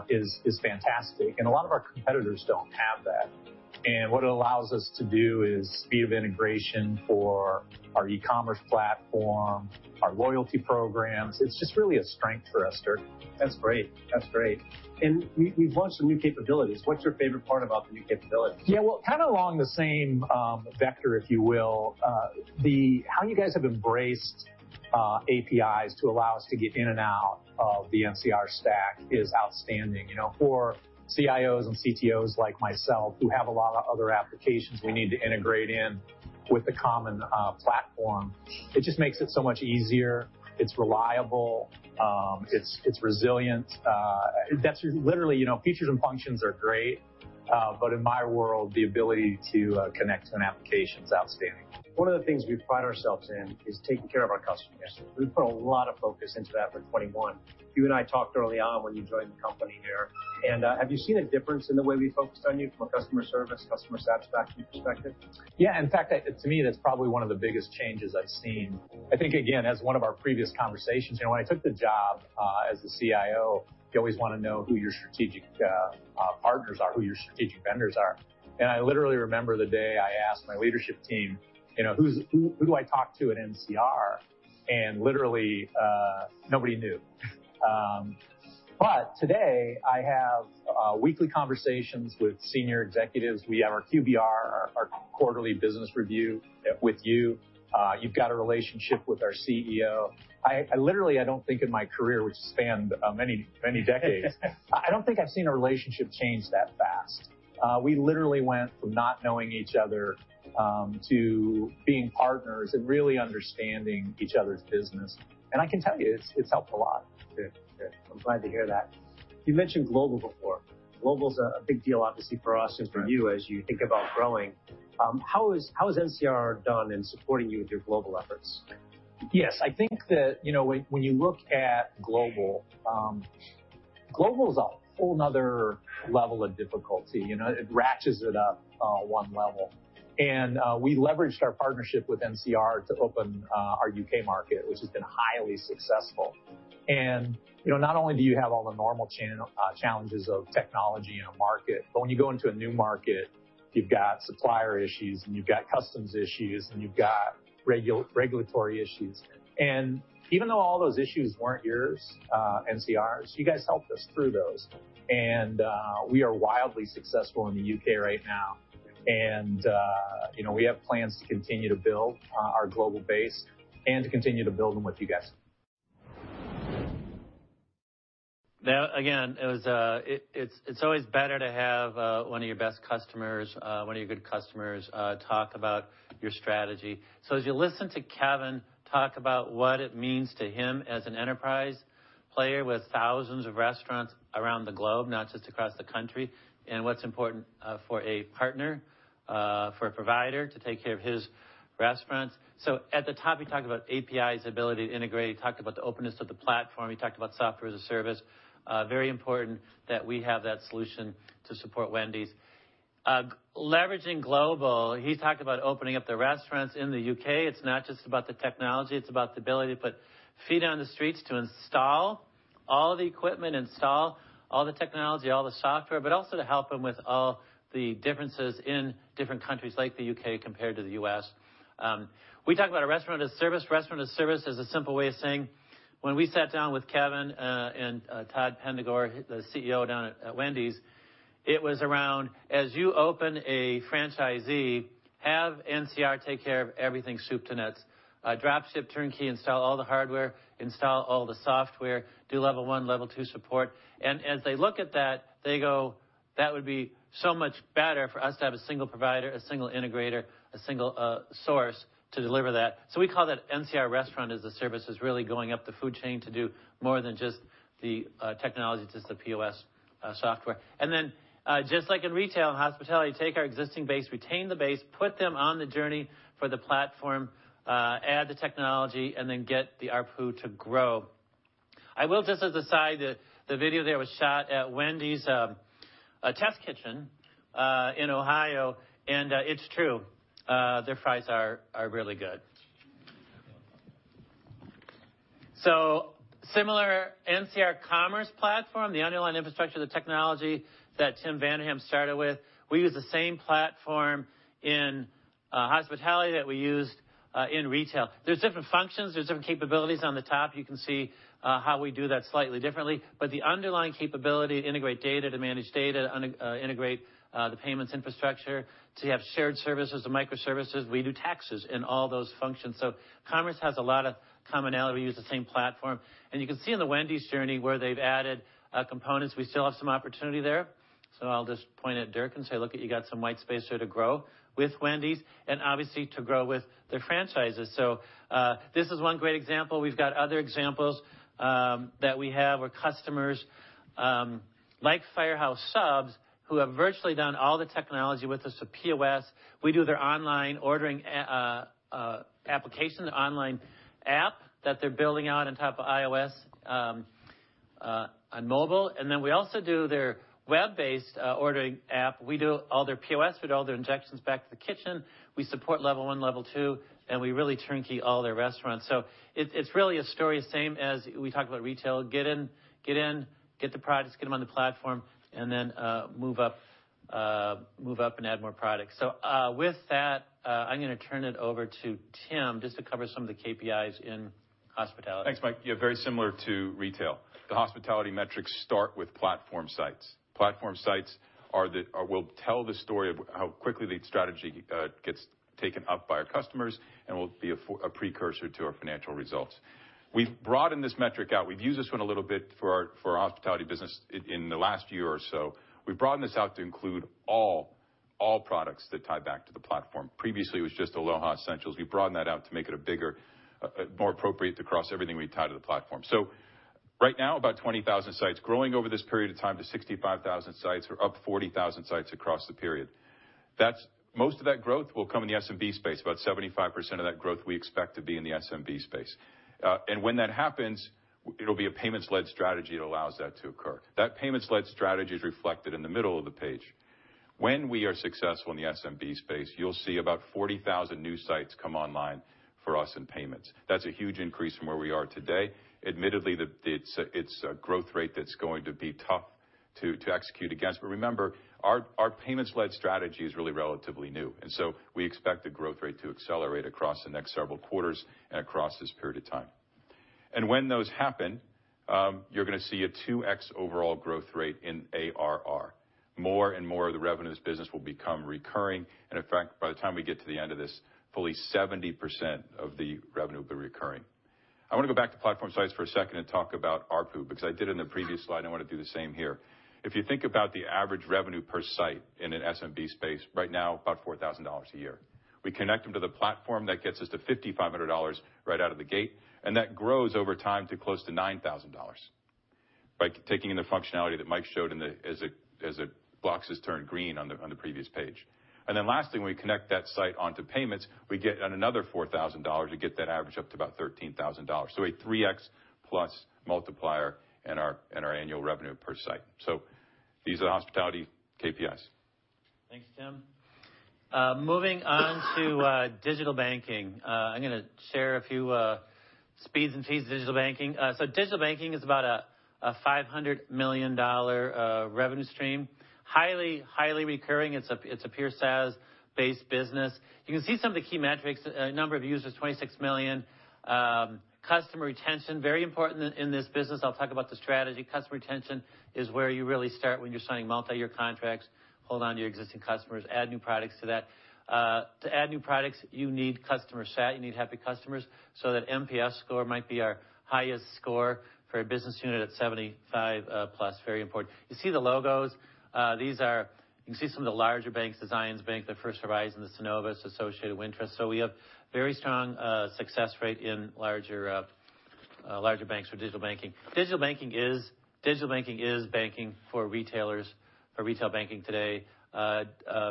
is fantastic. A lot of our competitors don't have that. What it allows us to do is speed of integration for our e-commerce platform, our loyalty programs. It's just really a strength for us, Dirk. That's great. We've launched some new capabilities. What's your favorite part about the new capabilities? Yeah. Well, kind of along the same vector, if you will, how you guys have embraced APIs to allow us to get in and out of the NCR stack is outstanding. You know, for CIOs and CTOs like myself who have a lot of other applications we need to integrate in with a common platform, it just makes it so much easier. It's reliable, it's resilient. That's literally, you know, features and functions are great, but in my world, the ability to connect to an application is outstanding. One of the things we pride ourselves in is taking care of our customers. We put a lot of focus into that for 2021. You and I talked early on when you joined the company here, and, have you seen a difference in the way we focused on you from a customer service, customer satisfaction perspective? Yeah. In fact, to me, that's probably one of the biggest changes I've seen. I think, again, as one of our previous conversations, you know, when I took the job as the CIO, you always wanna know who your strategic partners are, who your strategic vendors are. I literally remember the day I asked my leadership team, you know, who do I talk to at NCR? Literally, nobody knew. Today, I have weekly conversations with senior executives. We have our QBR, our quarterly business review with you. You've got a relationship with our CEO. I literally don't think in my career, which spanned many, many decades, I don't think I've seen a relationship change that fast. We literally went from not knowing each other to being partners and really understanding each other's business. I can tell you, it's helped a lot. Good. Good. I'm glad to hear that. You mentioned global before. Global is a big deal obviously for us and for you as you think about growing. How has NCR done in supporting you with your global efforts? Yes. I think that, you know, when you look at global is a whole another level of difficulty. You know, it ratchets it up one level. We leveraged our partnership with NCR to open our U.K. market, which has been highly successful. You know, not only do you have all the normal challenges of technology in a market, but when you go into a new market, you've got supplier issues, and you've got customs issues, and you've got regulatory issues. Even though all those issues weren't yours, NCR's, you guys helped us through those. We are wildly successful in the U.K. right now. You know, we have plans to continue to build our global base and to continue to build them with you guys. Now, again, it was, it's always better to have one of your best customers, one of your good customers, talk about your strategy. As you listen to Kevin talk about what it means to him as an enterprise player with thousands of restaurants around the globe, not just across the country, and what's important for a partner for a provider to take care of his restaurants. At the top, he talked about API's ability to integrate. He talked about the openness of the platform. He talked about software as a service. Very important that we have that solution to support Wendy's. Leveraging global, he talked about opening up the restaurants in the U.K. It's not just about the technology, it's about the ability to put feet on the streets to install all the equipment, install all the technology, all the software, but also to help him with all the differences in different countries like the U.K. compared to the U.S. We talk about Restaurant as a Service. Restaurant as a Service is a simple way of saying when we sat down with Kevin and Todd Penegor, the CEO down at Wendy's, it was around, as you open a franchise, have NCR take care of everything soup to nuts. Drop ship, turnkey install all the hardware, install all the software, do level one, level two support. As they look at that, they go, "That would be so much better for us to have a single provider, a single integrator, a single source to deliver that." We call that NCR Restaurant as a Service, is really going up the food chain to do more than just the technology, just the POS software. Just like in retail and hospitality, take our existing base, retain the base, put them on the journey for the platform, add the technology, and then get the ARPU to grow. I will just as an aside, the video there was shot at Wendy's test kitchen in Ohio, and it's true. Their fries are really good. Similar NCR Commerce Platform, the underlying infrastructure of the technology that Tim Vanderham started with. We use the same platform in hospitality that we used in retail. There's different functions, there's different capabilities on the top. You can see how we do that slightly differently. The underlying capability to integrate data, to manage data, to integrate the payments infrastructure, to have shared services and microservices. We do that in all those functions. Commerce has a lot of commonality. We use the same platform. You can see in the Wendy's journey where they've added components, we still have some opportunity there. I'll just point at Dirk and say, "Look it, you got some white space here to grow with Wendy's, and obviously to grow with their franchises." This is one great example. We've got other examples that we have where customers like Firehouse Subs who have virtually done all the technology with us for POS. We do their online ordering application, their online app that they're building out on top of iOS on mobile. Then we also do their web-based ordering app. We do all their POS. We do all their integrations back to the kitchen. We support level one, level two, and we really turnkey all their restaurants. It's really a story the same as we talk about retail, get in, get the products, get them on the platform, and then move up and add more products. With that, I'm gonna turn it over to Tim just to cover some of the KPIs in hospitality. Thanks, Michael. Yeah, very similar to retail. The hospitality metrics start with platform sites. Platform sites will tell the story of how quickly the strategy gets taken up by our customers and will be a precursor to our financial results. We've broadened this metric out. We've used this one a little bit for our hospitality business in the last year or so. We've broadened this out to include all products that tie back to the platform. Previously, it was just Aloha Essentials. We broadened that out to make it a bigger, more appropriate to cross everything we tie to the platform. So right now, about 20,000 sites, growing over this period of time to 65,000 sites or up 40,000 sites across the period. Most of that growth will come in the SMB space. About 75% of that growth we expect to be in the SMB space. When that happens, it'll be a payments-led strategy that allows that to occur. That payments-led strategy is reflected in the middle of the page. When we are successful in the SMB space, you'll see about 40,000 new sites come online for us in payments. That's a huge increase from where we are today. Admittedly, it's a growth rate that's going to be tough to execute against. Remember, our payments-led strategy is really relatively new, and so we expect the growth rate to accelerate across the next several quarters and across this period of time. When those happen, you're gonna see a 2x overall growth rate in ARR. More and more of the revenue of this business will become recurring, and in fact, by the time we get to the end of this, fully 70% of the revenue will be recurring. I wanna go back to platform sites for a second and talk about ARPU, because I did in the previous slide, and I wanna do the same here. If you think about the average revenue per site in an SMB space, right now about $4,000 a year. We connect them to the platform, that gets us to $5,500 right out of the gate, and that grows over time to close to $9,000 by taking the functionality that Michael showed as the blocks turned green on the previous page. Last thing, we connect that site onto payments, we get another $4,000. We get that average up to about $13,000. A 3x plus multiplier in our annual revenue per site. These are the hospitality KPIs. Thanks, Tim. Moving on to digital banking. I'm gonna share a few speeds and feeds of digital banking. Digital banking is about a $500 million revenue stream. Highly recurring. It's a pure SaaS-based business. You can see some of the key metrics. Number of users, 26 million. Customer retention, very important in this business. I'll talk about the strategy. Customer retention is where you really start when you're signing multiyear contracts, hold onto your existing customers, add new products to that. To add new products, you need customer sat, you need happy customers, so that NPS score might be our highest score for a business unit at 75+, very important. You see the logos. These are... You can see some of the larger banks, the Zions Bank, the First Horizon, the Synovus, Associated, Wintrust. We have very strong success rate in larger banks for digital banking. Digital banking is banking for retailers or retail banking today.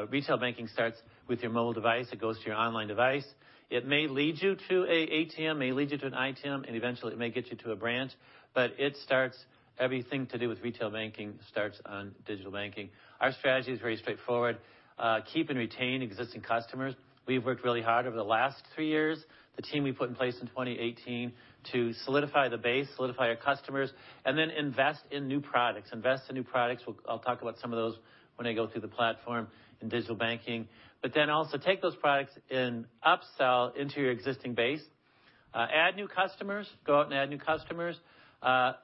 Retail banking starts with your mobile device. It goes to your online device. It may lead you to an ATM, may lead you to an ITM, and eventually it may get you to a branch. Everything to do with retail banking starts on digital banking. Our strategy is very straightforward, keep and retain existing customers. We've worked really hard over the last three years, the team we put in place in 2018 to solidify the base, solidify our customers, and then invest in new products. Invest in new products. I'll talk about some of those when I go through the platform in digital banking. Then also take those products and upsell into your existing base. Add new customers. Go out and add new customers.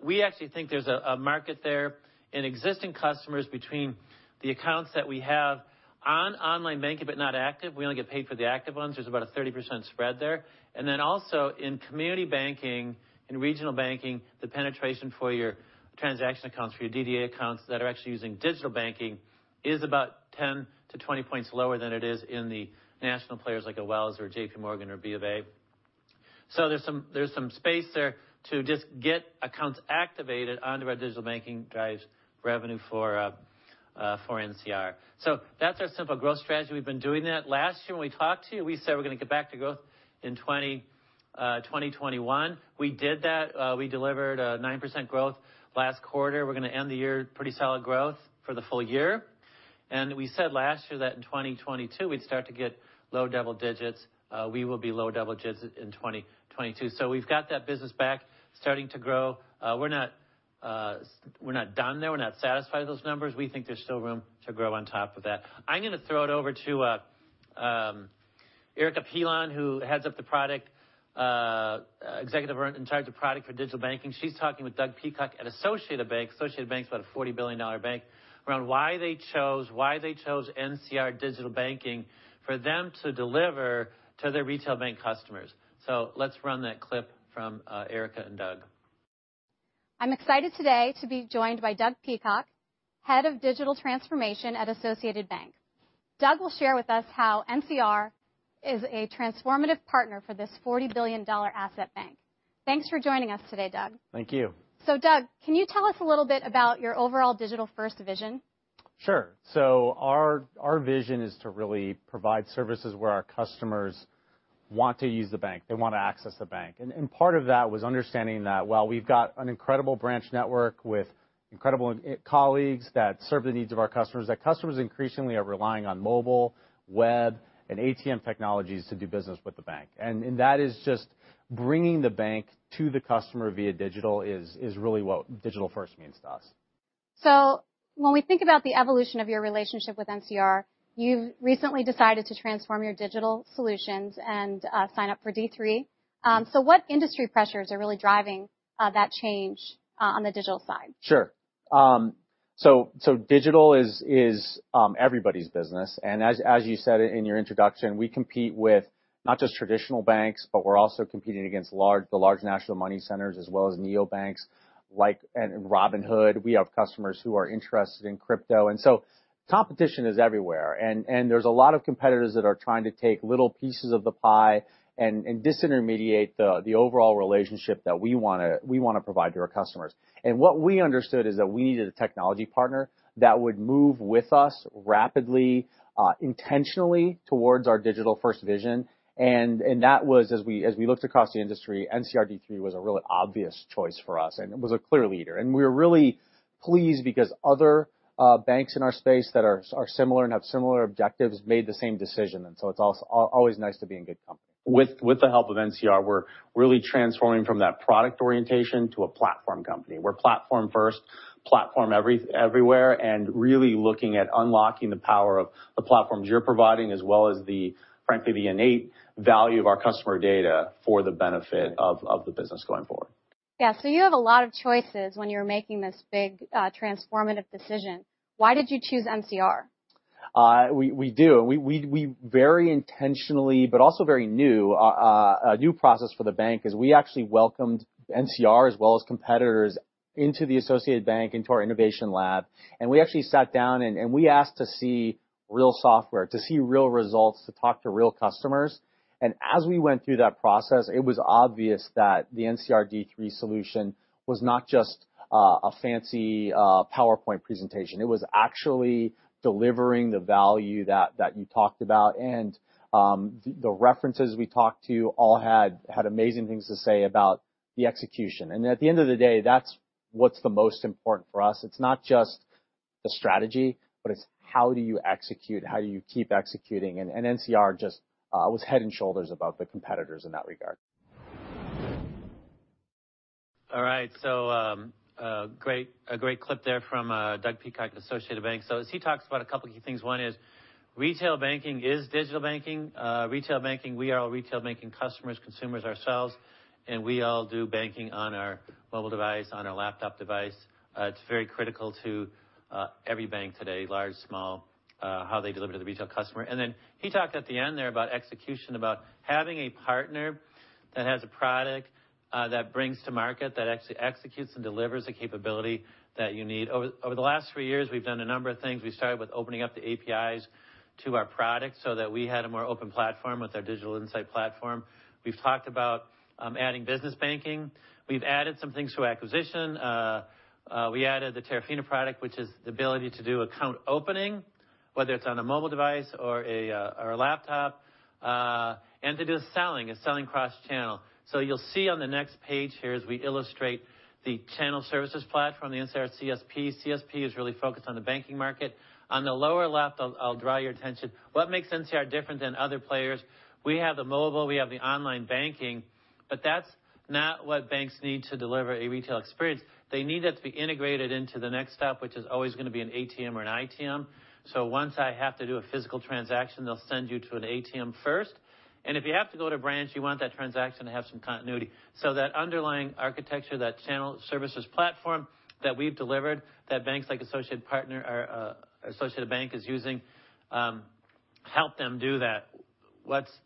We actually think there's a market there in existing customers between the accounts that we have on online banking but not active. We only get paid for the active ones. There's about a 30% spread there. Then also in community banking and regional banking, the penetration for your transaction accounts, for your DDA accounts that are actually using digital banking is about 10-20 points lower than it is in the national players like a Wells or JPMorgan or B of A. There's some space there to just get accounts activated onto our digital banking, drives revenue for NCR. That's our simple growth strategy. We've been doing that. Last year when we talked to you, we said we're gonna get back to growth in 2021. We did that. We delivered 9% growth last quarter. We're gonna end the year pretty solid growth for the full year. We said last year that in 2022 we'd start to get low double digits. We will be low double digits in 2022. We've got that business back starting to grow. We're not done there. We're not satisfied with those numbers. We think there's still room to grow on top of that. I'm gonna throw it over to Erica Pilon, who heads up the product, executive in charge of product for digital banking. She's talking with Doug Peacock at Associated Bank. Associated Bank's about a $40 billion bank, about why they chose NCR Digital Banking for them to deliver to their retail bank customers. Let's run that clip from Erica and Doug. I'm excited today to be joined by Doug Peacock, Head of Digital Transformation at Associated Bank. Doug will share with us how NCR is a transformative partner for this $40 billion asset bank. Thanks for joining us today, Doug. Thank you. Doug, can you tell us a little bit about your overall digital-first vision? Sure. Our vision is to really provide services where our customers want to use the bank, they wanna access the bank. Our part of that was understanding that while we've got an incredible branch network with incredible colleagues that serve the needs of our customers, that customers increasingly are relying on mobile, web, and ATM technologies to do business with the bank. That is just bringing the bank to the customer via digital is really what digital first means to us. When we think about the evolution of your relationship with NCR, you've recently decided to transform your digital solutions and sign up for D3. What industry pressures are really driving that change on the digital side? Sure. Digital is everybody's business. As you said in your introduction, we compete with not just traditional banks, but we're also competing against the large national money centers as well as neobanks like and Robinhood. We have customers who are interested in crypto, and so competition is everywhere. There's a lot of competitors that are trying to take little pieces of the pie and disintermediate the overall relationship that we wanna provide to our customers. What we understood is that we needed a technology partner that would move with us rapidly intentionally towards our digital-first vision. That was, as we looked across the industry, NCR D3 was a really obvious choice for us, and it was a clear leader. We were really pleased because other banks in our space that are similar and have similar objectives made the same decision. It's always nice to be in good company. With the help of NCR, we're really transforming from that product orientation to a platform company. We're platform first, platform everywhere, and really looking at unlocking the power of the platforms you're providing as well as frankly the innate value of our customer data for the benefit of the business going forward. Yeah. You have a lot of choices when you're making this big, transformative decision. Why did you choose NCR? We do. We very intentionally but also very new, a new process for the bank is we actually welcomed NCR as well as competitors into the Associated Bank, into our innovation lab. We actually sat down and we asked to see real software, to see real results, to talk to real customers. As we went through that process, it was obvious that the NCR D3 solution was not just a fancy PowerPoint presentation. It was actually delivering the value that you talked about. The references we talked to all had amazing things to say about the execution. At the end of the day, that's what's the most important for us. It's not just the strategy, but it's how do you execute, how do you keep executing, and NCR just was head and shoulders above the competitors in that regard. All right. Great, a great clip there from Doug Peacock, Associated Bank. As he talks about a couple of key things, one is retail banking is digital banking. Retail banking, we are all retail banking customers, consumers ourselves, and we all do banking on our mobile device, on our laptop device. It's very critical to every bank today, large, small, how they deliver to the retail customer. Then he talked at the end there about execution, about having a partner that has a product that brings to market, that actually executes and delivers the capability that you need. Over the last three years, we've done a number of things. We started with opening up the APIs to our products so that we had a more open platform with our Digital Insight platform. We've talked about adding business banking. We've added some things through acquisition. We added the Terafina product, which is the ability to do account opening, whether it's on a mobile device or a laptop, and to do selling cross-channel. You'll see on the next page here as we illustrate the channel services platform, the NCR CSP. CSP is really focused on the banking market. On the lower left, I'll draw your attention. What makes NCR different than other players, we have the mobile, we have the online banking, but that's not what banks need to deliver a retail experience. They need that to be integrated into the next step, which is always gonna be an ATM or an ITM. Once I have to do a physical transaction, they'll send you to an ATM first. If you have to go to a branch, you want that transaction to have some continuity. That underlying architecture, that Channel Services Platform that we've delivered, that banks like Associated Bank is using, help them do that.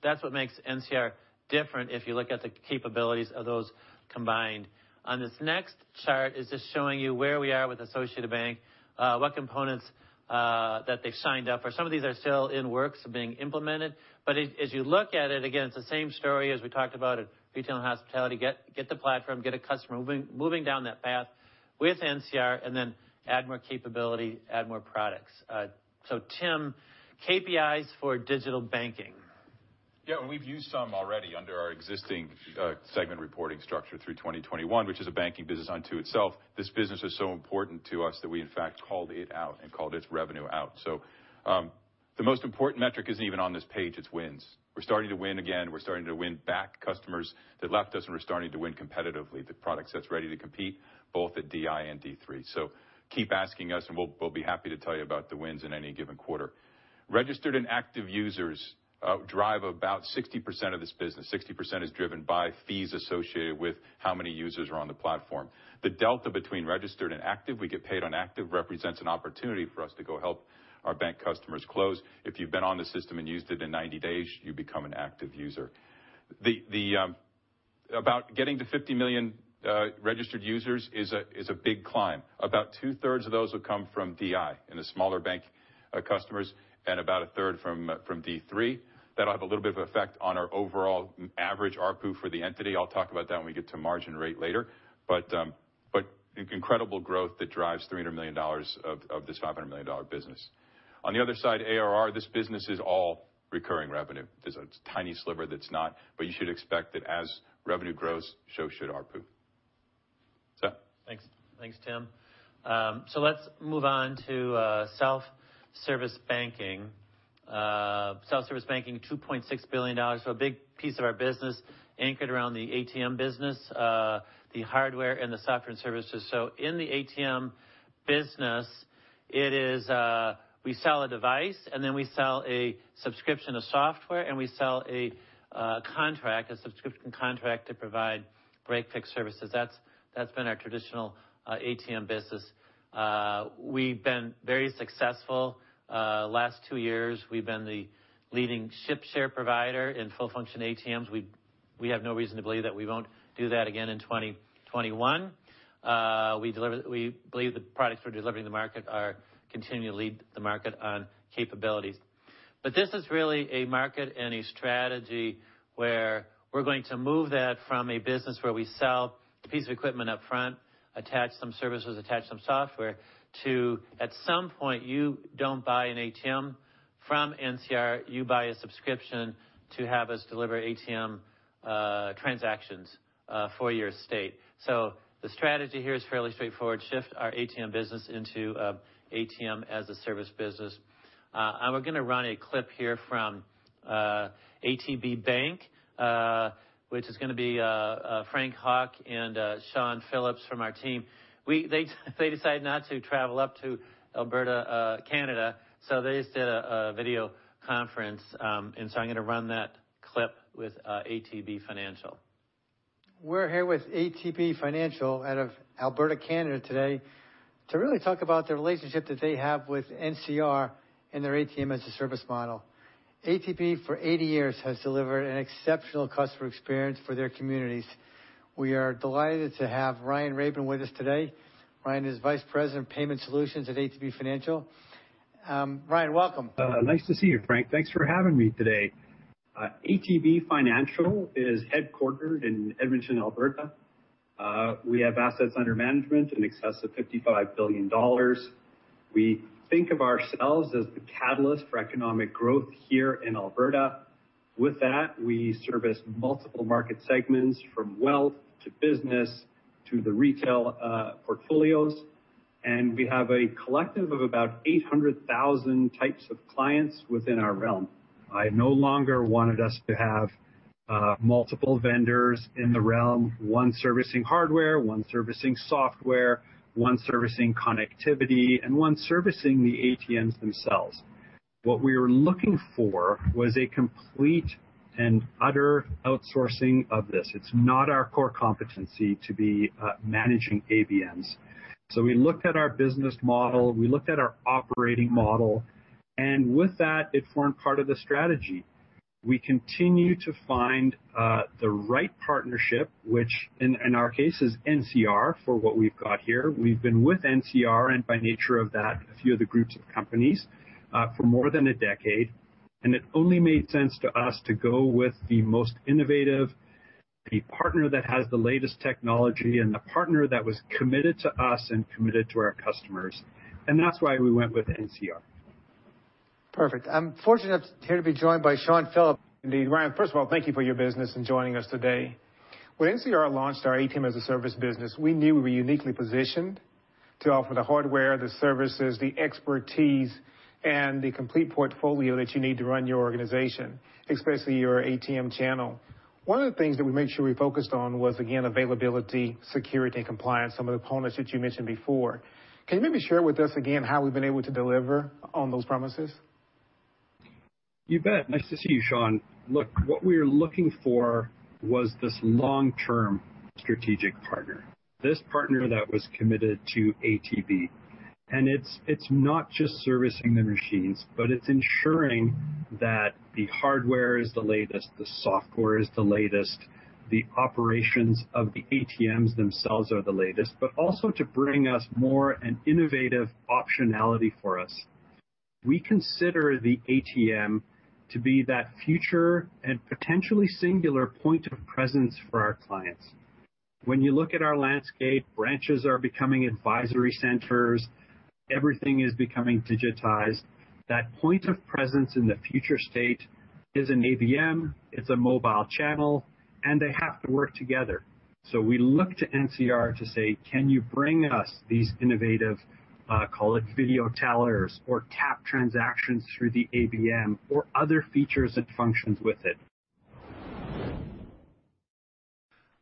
That's what makes NCR different if you look at the capabilities of those combined. On this next chart is just showing you where we are with Associated Bank, what components that they've signed up for. Some of these are still in the works of being implemented, but as you look at it, again, it's the same story as we talked about at retail and hospitality. Get the platform, get a customer moving down that path with NCR, and then add more capability, add more products. So Tim, KPIs for digital banking. We've used some already under our existing segment reporting structure through 2021, which is a banking business unto itself. This business is so important to us that we, in fact, called it out and called its revenue out. The most important metric isn't even on this page, it's wins. We're starting to win again. We're starting to win back customers that left us, and we're starting to win competitively the product sets ready to compete both at DI and D3. Keep asking us and we'll be happy to tell you about the wins in any given quarter. Registered and active users drive about 60% of this business. 60% is driven by fees associated with how many users are on the platform. The delta between registered and active, we get paid on active, represents an opportunity for us to go help our bank customers close. If you've been on the system and used it in 90 days, you become an active user. About getting to 50 million registered users is a big climb. About two-thirds of those will come from DI in the smaller bank customers and about a third from D3. That'll have a little bit of effect on our overall average ARPU for the entity. I'll talk about that when we get to margins later. Incredible growth that drives $300 million of this $500 million business. On the other side, ARR, this business is all recurring revenue. There's a tiny sliver that's not, but you should expect that as revenue grows, so should ARPU. Seth? Thanks. Thanks, Tim. Let's move on to self-service banking. Self-service banking, $2.6 billion. A big piece of our business anchored around the ATM business, the hardware and the software and services. In the ATM business, it is, we sell a device and then we sell a subscription of software, and we sell a subscription contract to provide break fix services. That's been our traditional ATM business. We've been very successful. Last two years, we've been the leading ship share provider in full function ATMs. We have no reason to believe that we won't do that again in 2021. We believe the products we're delivering to the market are continuing to lead the market on capabilities. This is really a market and a strategy where we're going to move that from a business where we sell the piece of equipment up front, attach some services, attach some software, to at some point, you don't buy an ATM from NCR, you buy a subscription to have us deliver ATM transactions for your state. The strategy here is fairly straightforward, shift our ATM business into ATM as a Service business. We're gonna run a clip here from ATB Financial, which is gonna be Frank Hauck and Sean Phillips from our team. They decided not to travel up to Alberta, Canada, so they just did a video conference. I'm gonna run that clip with ATB Financial. We're here with ATB Financial out of Alberta, Canada today to really talk about the relationship that they have with NCR and their ATM as a Service model. ATB for 80 years has delivered an exceptional customer experience for their communities. We are delighted to have Ryan Rabin with us today. Ryan is Vice President of Payment Solutions at ATB Financial. Ryan, welcome. Nice to see you, Frank. Thanks for having me today. ATB Financial is headquartered in Edmonton, Alberta. We have assets under management in excess of 55 billion dollars. We think of ourselves as the catalyst for economic growth here in Alberta. With that, we service multiple market segments from wealth to business to the retail portfolios. We have a collective of about 800,000 types of clients within our realm. I no longer wanted us to have multiple vendors in the realm, one servicing hardware, one servicing software, one servicing connectivity, and one servicing the ATMs themselves. What we were looking for was a complete and utter outsourcing of this. It's not our core competency to be managing ABMs. We looked at our business model, we looked at our operating model, and with that, it formed part of the strategy. We continue to find the right partnership, which in our case is NCR for what we've got here. We've been with NCR and by nature of that, a few of the groups of companies, for more than a decade, and it only made sense to us to go with the most innovative, the partner that has the latest technology and the partner that was committed to us and committed to our customers, and that's why we went with NCR. Perfect. I'm fortunate here to be joined by Shawn Phillips. Indeed. Ryan, first of all, thank you for your business and joining us today. When NCR launched our ATM as a Service business, we knew we were uniquely positioned to offer the hardware, the services, the expertise, and the complete portfolio that you need to run your organization, especially your ATM channel. One of the things that we made sure we focused on was, again, availability, security, and compliance, some of the components that you mentioned before. Can you maybe share with us again how we've been able to deliver on those promises? You bet. Nice to see you, Shawn. Look, what we were looking for was this long-term strategic partner, this partner that was committed to ATB. It's not just servicing the machines, but it's ensuring that the hardware is the latest, the software is the latest, the operations of the ATMs themselves are the latest, but also to bring us more and innovative optionality for us. We consider the ATM to be that future and potentially singular point of presence for our clients. When you look at our landscape, branches are becoming advisory centers. Everything is becoming digitized. That point of presence in the future state is an ABM, it's a mobile channel, and they have to work together. We look to NCR to say, "Can you bring us these innovative, call it video tellers or tap transactions through the ABM or other features and functions with it?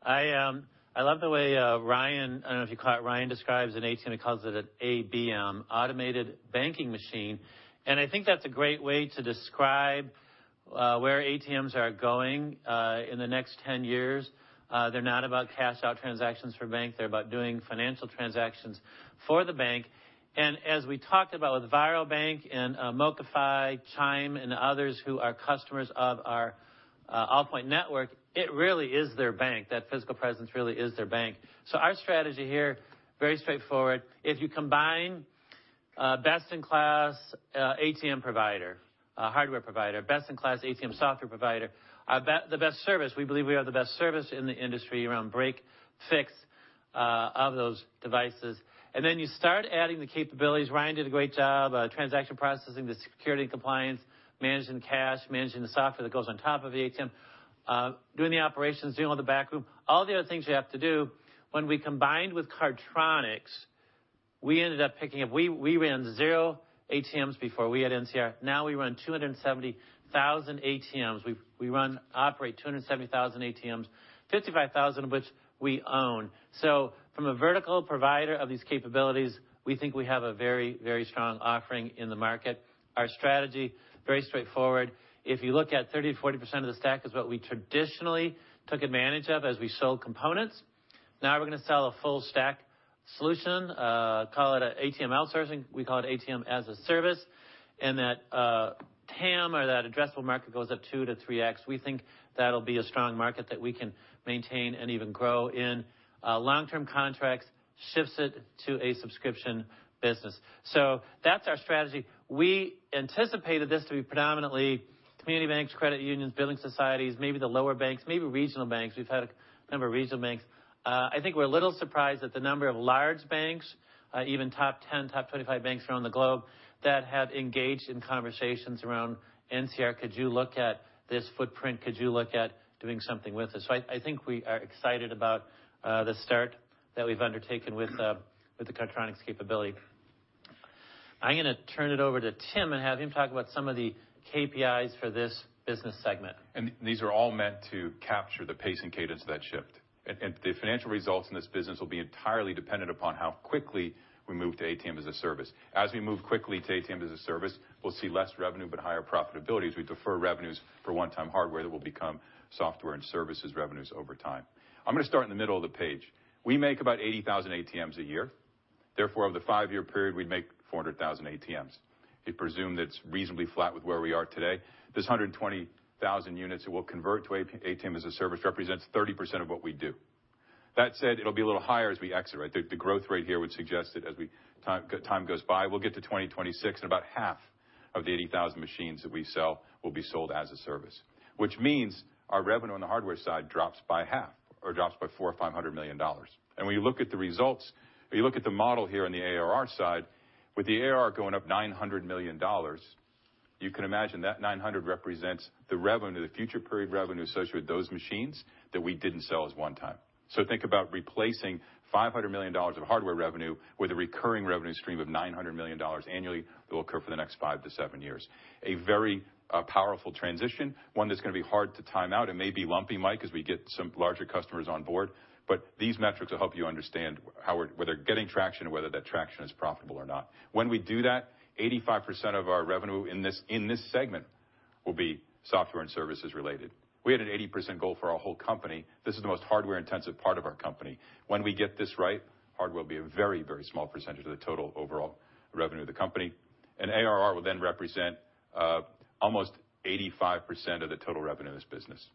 I love the way, Ryan, I don't know if you caught it, Ryan describes an ATM. He calls it an ABM, automated banking machine. I think that's a great way to describe where ATMs are going in the next 10 years. They're not about cash out transactions for bank. They're about doing financial transactions for the bank. As we talked about with Varo Bank and MoCaFi, Chime, and others who are customers of our Allpoint network, it really is their bank. That physical presence really is their bank. Our strategy here very straightforward. If you combine best-in-class ATM provider, hardware provider, best-in-class ATM software provider, our best service. We believe we have the best service in the industry around break-fix of those devices. Then you start adding the capabilities. Ryan did a great job, transaction processing, the security and compliance, managing the cash, managing the software that goes on top of the ATM, doing the operations, doing all the back room, all the other things you have to do. When we combined with Cardtronics, we ran zero ATMs before we had NCR. Now we run 270,000 ATMs. We operate 270,000 ATMs, 55,000 which we own. So from a vertical provider of these capabilities, we think we have a very, very strong offering in the market. Our strategy, very straightforward. If you look at 30%-40% of the stack is what we traditionally took advantage of as we sold components. Now we're gonna sell a full stack solution, call it ATM outsourcing. We call it ATM as a Service, and that TAM or that addressable market goes up 2x-3x. We think that'll be a strong market that we can maintain and even grow in. Long-term contracts shifts it to a subscription business. That's our strategy. We anticipated this to be predominantly community banks, credit unions, building societies, maybe the lower banks, maybe regional banks. We've had a number of regional banks. I think we're a little surprised at the number of large banks, even top 10, top 25 banks around the globe that have engaged in conversations around NCR. "Could you look at this footprint? Could you look at doing something with us?" I think we are excited about the start that we've undertaken with the Cardtronics capability. I'm gonna turn it over to Tim and have him talk about some of the KPIs for this business segment. These are all meant to capture the pace and cadence of that shift. The financial results in this business will be entirely dependent upon how quickly we move to ATM as a Service. As we move quickly to ATM as a Service, we'll see less revenue but higher profitability as we defer revenues for one-time hardware that will become software and services revenues over time. I'm gonna start in the middle of the page. We make about 80,000 ATMs a year. Therefore, over the five-year period, we'd make 400,000 ATMs. We presume that's reasonably flat with where we are today. This 120,000 units that we'll convert to ATM as a Service represents 30% of what we do. That said, it'll be a little higher as we exit, right? The growth rate here would suggest that as time goes by, we'll get to 2026 and about half of the 80,000 machines that we sell will be sold as a service, which means our revenue on the hardware side drops by half or drops by $400 or $500 million. When you look at the results or you look at the model here on the ARR side, with the ARR going up $900 million. You can imagine that $900 million represents the revenue, the future period revenue associated with those machines that we didn't sell as one time. Think about replacing $500 million of hardware revenue with a recurring revenue stream of $900 million annually that will occur for the next five to seven years. A very powerful transition, one that's gonna be hard to time out. It may be lumpy, Michael, as we get some larger customers on board, but these metrics will help you understand how we're getting traction or whether that traction is profitable or not. When we do that, 85% of our revenue in this segment will be software and services related. We had an 80% goal for our whole company. This is the most hardware-intensive part of our company. When we get this right, hardware will be a very, very small percentage of the total overall revenue of the company. ARR will then represent almost 85% of the total revenue of this business.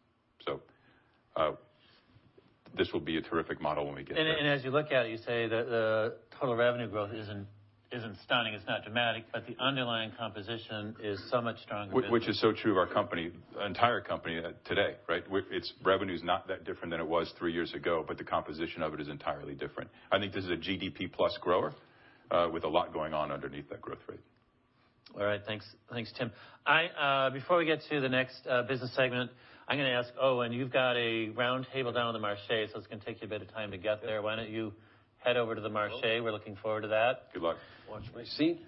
This will be a terrific model when we get there. As you look at it, you say the total revenue growth isn't stunning, it's not dramatic, but the underlying composition is so much stronger than- Which is so true of our company, entire company today, right? Its revenue is not that different than it was three years ago, but the composition of it is entirely different. I think this is a GDP plus grower, with a lot going on underneath that growth rate. All right. Thanks, Tim. Before we get to the next business segment, I'm gonna ask Owen, you've got a roundtable down in the Marche, so it's gonna take you a bit of time to get there. Why don't you head over to the Marche? We're looking forward to that. Good luck. Watch my seat.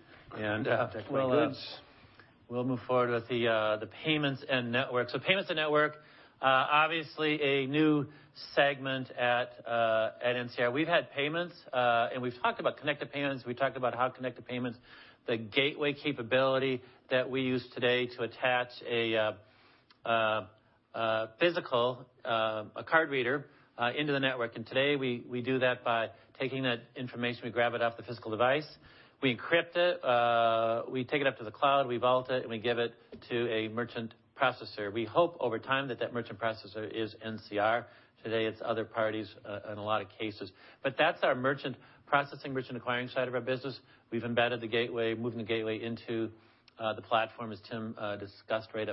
We'll move forward with the payments and network. Payments and network, obviously a new segment at NCR. We've had payments and we've talked about Connected Payments. We talked about how Connected Payments, the gateway capability that we use today to attach a physical card reader into the network. Today, we do that by taking that information, we grab it off the physical device, we encrypt it, we take it up to the cloud, we vault it, and we give it to a merchant processor. We hope over time that that merchant processor is NCR. Today, it's other parties in a lot of cases. That's our merchant processing, merchant acquiring side of our business. We've embedded the gateway, moving the gateway into the platform, as Tim Vanderham discussed right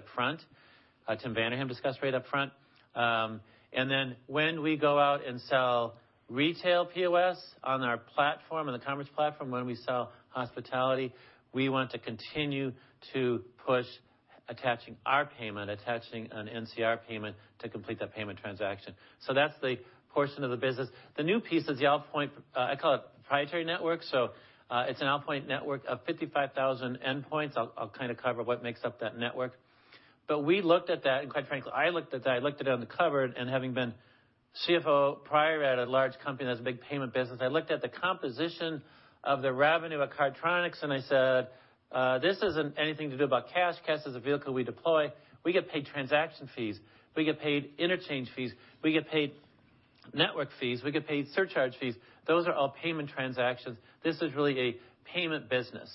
up front. Then when we go out and sell retail POS on our platform, on the commerce platform, when we sell hospitality, we want to continue to push attaching an NCR payment to complete that payment transaction. That's the portion of the business. The new piece is the Allpoint, I call it, proprietary network. It's an Allpoint network of 55,000 endpoints. I'll kinda cover what makes up that network. We looked at that, and quite frankly, I looked at that, I looked at it on the cover, and having been CFO prior at a large company that has a big payment business, I looked at the composition of the revenue at Cardtronics, and I said, "This isn't anything to do about cash. Cash is a vehicle we deploy. We get paid transaction fees. We get paid interchange fees. We get paid network fees. We get paid surcharge fees. Those are all payment transactions. This is really a payment business."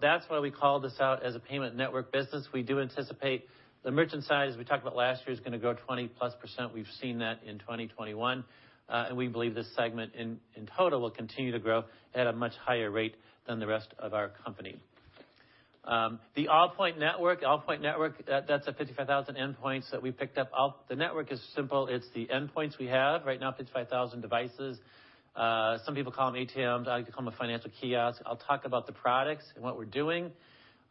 That's why we call this out as a payment network business. We do anticipate the merchant side, as we talked about last year, is gonna grow 20%+. We've seen that in 2021. We believe this segment in total will continue to grow at a much higher rate than the rest of our company. The Allpoint Network, that's at 55,000 endpoints that we picked up. The network is simple. It's the endpoints we have. Right now, 55,000 devices. Some people call them ATMs. I like to call them financial kiosks. I'll talk about the products and what we're doing,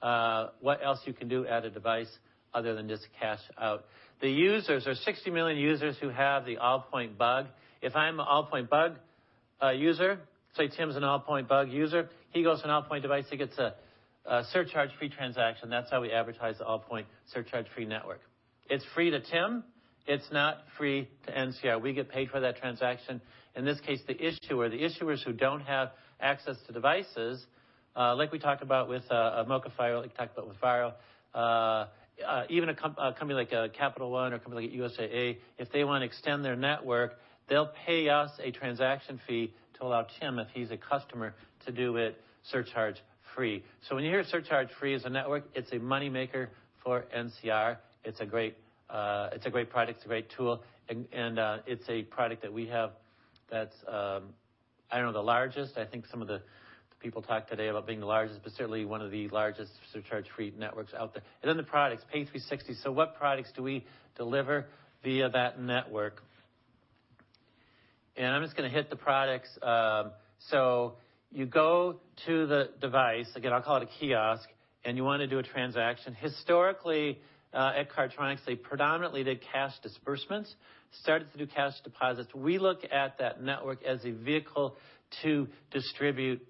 what else you can do at a device other than just cash out. The users, there's 60 million users who have the Allpoint badge. If I'm an Allpoint badge user, say Tim's an Allpoint badge user, he goes to an Allpoint device, he gets a surcharge-free transaction. That's how we advertise the Allpoint surcharge-free network. It's free to Tim. It's not free to NCR. We get paid for that transaction. In this case, the issuer, the issuers who don't have access to devices, like we talked about with MoCaFi, even a company like Capital One or a company like USAA, if they wanna extend their network, they'll pay us a transaction fee to allow Tim, if he's a customer, to do it surcharge-free. When you hear surcharge-free as a network, it's a money maker for NCR. It's a great product. It's a great tool. It's a product that we have that's, I don't know, the largest. I think some of the people talked today about being the largest, but certainly one of the largest surcharge-free networks out there. Then the products, Pay360. What products do we deliver via that network? I'm just gonna hit the products. You go to the device, again, I'll call it a kiosk, and you wanna do a transaction. Historically, at Cardtronics, they predominantly did cash disbursements, started to do cash deposits. We look at that network as a vehicle to distribute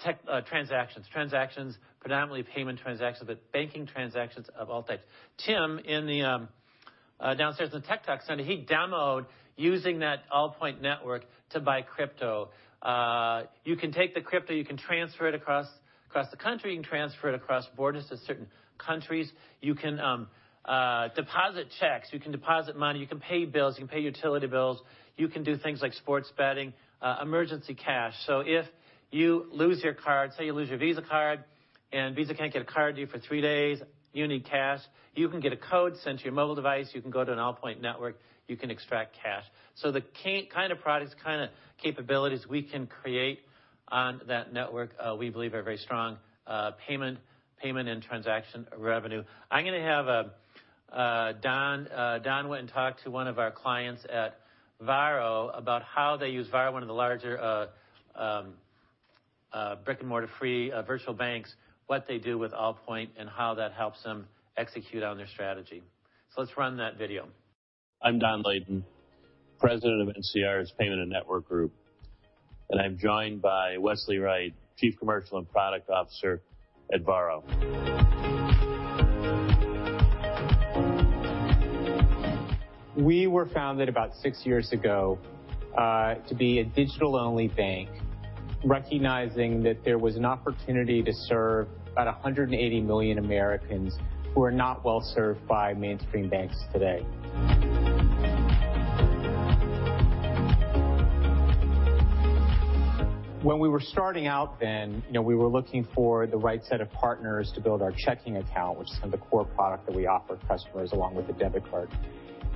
tech transactions. Transactions, predominantly payment transactions, but banking transactions of all types. Tim, in the downstairs tech talk center, he demoed using that Allpoint network to buy crypto. You can take the crypto, you can transfer it across the country, you can transfer it across borders to certain countries. You can deposit checks, you can deposit money, you can pay bills, you can pay utility bills, you can do things like sports betting, emergency cash. If you lose your card, say you lose your Visa card, and Visa can't get a card to you for three days, you need cash, you can get a code sent to your mobile device, you can go to an Allpoint Network, you can extract cash. The kind of products, kind of capabilities we can create on that network, we believe are very strong, payment and transaction revenue. Don went and talked to one of our clients at Varo about how they use Varo, one of the larger brick-and-mortar-free virtual banks, what they do with Allpoint, and how that helps them execute on their strategy. Let's run that video. I'm Don Layden, President of NCR's Payment and Network group, and I'm joined by Wesley Wright, Chief Commercial and Product Officer at Varo. We were founded about six years ago to be a digital-only bank, recognizing that there was an opportunity to serve about 180 million Americans who are not well-served by mainstream banks today. When we were starting out then, you know, we were looking for the right set of partners to build our checking account, which is kind of the core product that we offer customers along with the debit card.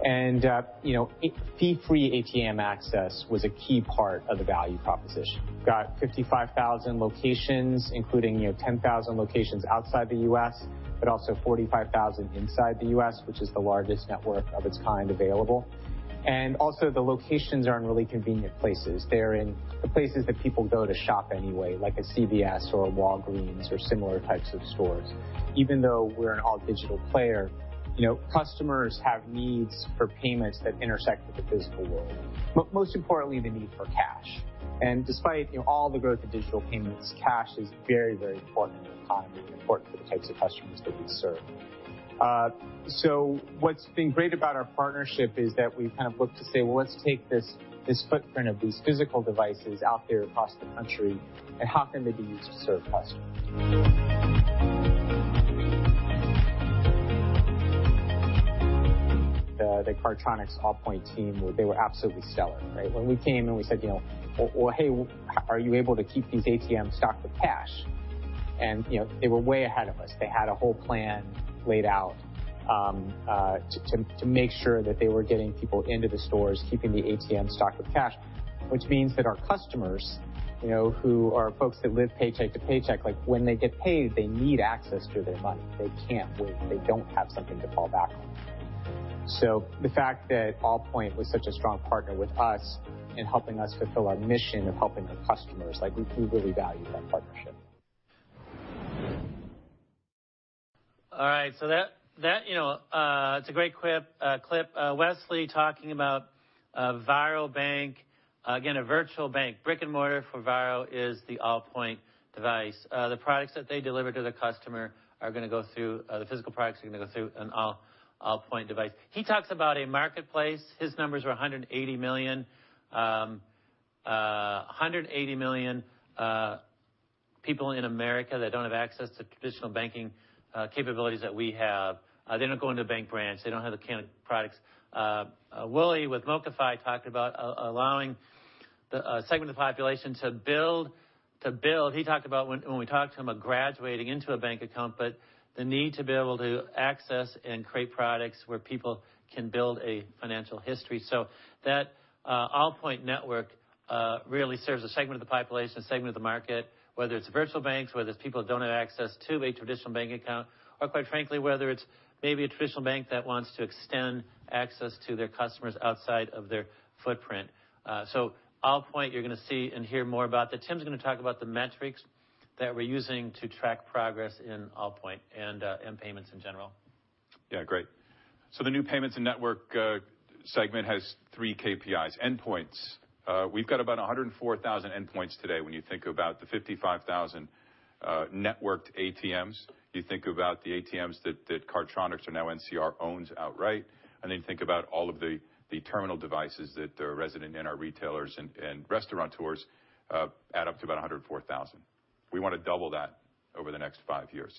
You know, fee-free ATM access was a key part of the value proposition. Got 55,000 locations, including, you know, 10,000 locations outside the U.S., but also 45,000 inside the U.S., which is the largest network of its kind available. The locations are in really convenient places. They're in the places that people go to shop anyway, like a CVS or a Walgreens or similar types of stores. Even though we're an all-digital player, you know, customers have needs for payments that intersect with the physical world, most importantly, the need for cash. Despite, you know, all the growth of digital payments, cash is very, very important to the economy and important to the types of customers that we serve. So what's been great about our partnership is that we've kind of looked to say, "Well, let's take this footprint of these physical devices out there across the country and how can they be used to serve customers?" The Cardtronics Allpoint team, they were absolutely stellar, right? When we came and we said, you know, "Well, hey, are you able to keep these ATMs stocked with cash?" You know, they were way ahead of us. They had a whole plan laid out, to make sure that they were getting people into the stores, keeping the ATM stocked with cash, which means that our customers, you know, who are folks that live paycheck to paycheck, like when they get paid, they need access to their money. They can't wait. They don't have something to fall back on. The fact that Allpoint was such a strong partner with us in helping us fulfill our mission of helping our customers, like, we really value that partnership. All right, that, you know, it's a great clip. Wesley talking about Varo Bank. Again, a virtual bank. Brick-and-mortar for Varo is the Allpoint device. The physical products that they deliver to the customer are gonna go through an Allpoint device. He talks about a marketplace. His numbers are 180 million. 180 million people in America that don't have access to traditional banking capabilities that we have. They don't go into bank branch. They don't have the kind of products. Willie with MoCaFi talked about allowing the segment of population to build. He talked about when we talked to him about graduating into a bank account, but the need to be able to access and create products where people can build a financial history. Allpoint Network really serves a segment of the population, a segment of the market, whether it's virtual banks, whether it's people who don't have access to a traditional bank account, or quite frankly, whether it's maybe a traditional bank that wants to extend access to their customers outside of their footprint. Allpoint, you're gonna see and hear more about that. Tim's gonna talk about the metrics that we're using to track progress in Allpoint and in payments in general. Yeah, great. The new Payments and Network segment has three KPIs: endpoints. We've got about 104,000 endpoints today. When you think about the 55,000 networked ATMs, you think about the ATMs that Cardtronics or now NCR owns outright, and then think about all of the terminal devices that are resident in our retailers and restaurateurs, add up to about 104,000. We wanna double that over the next five years.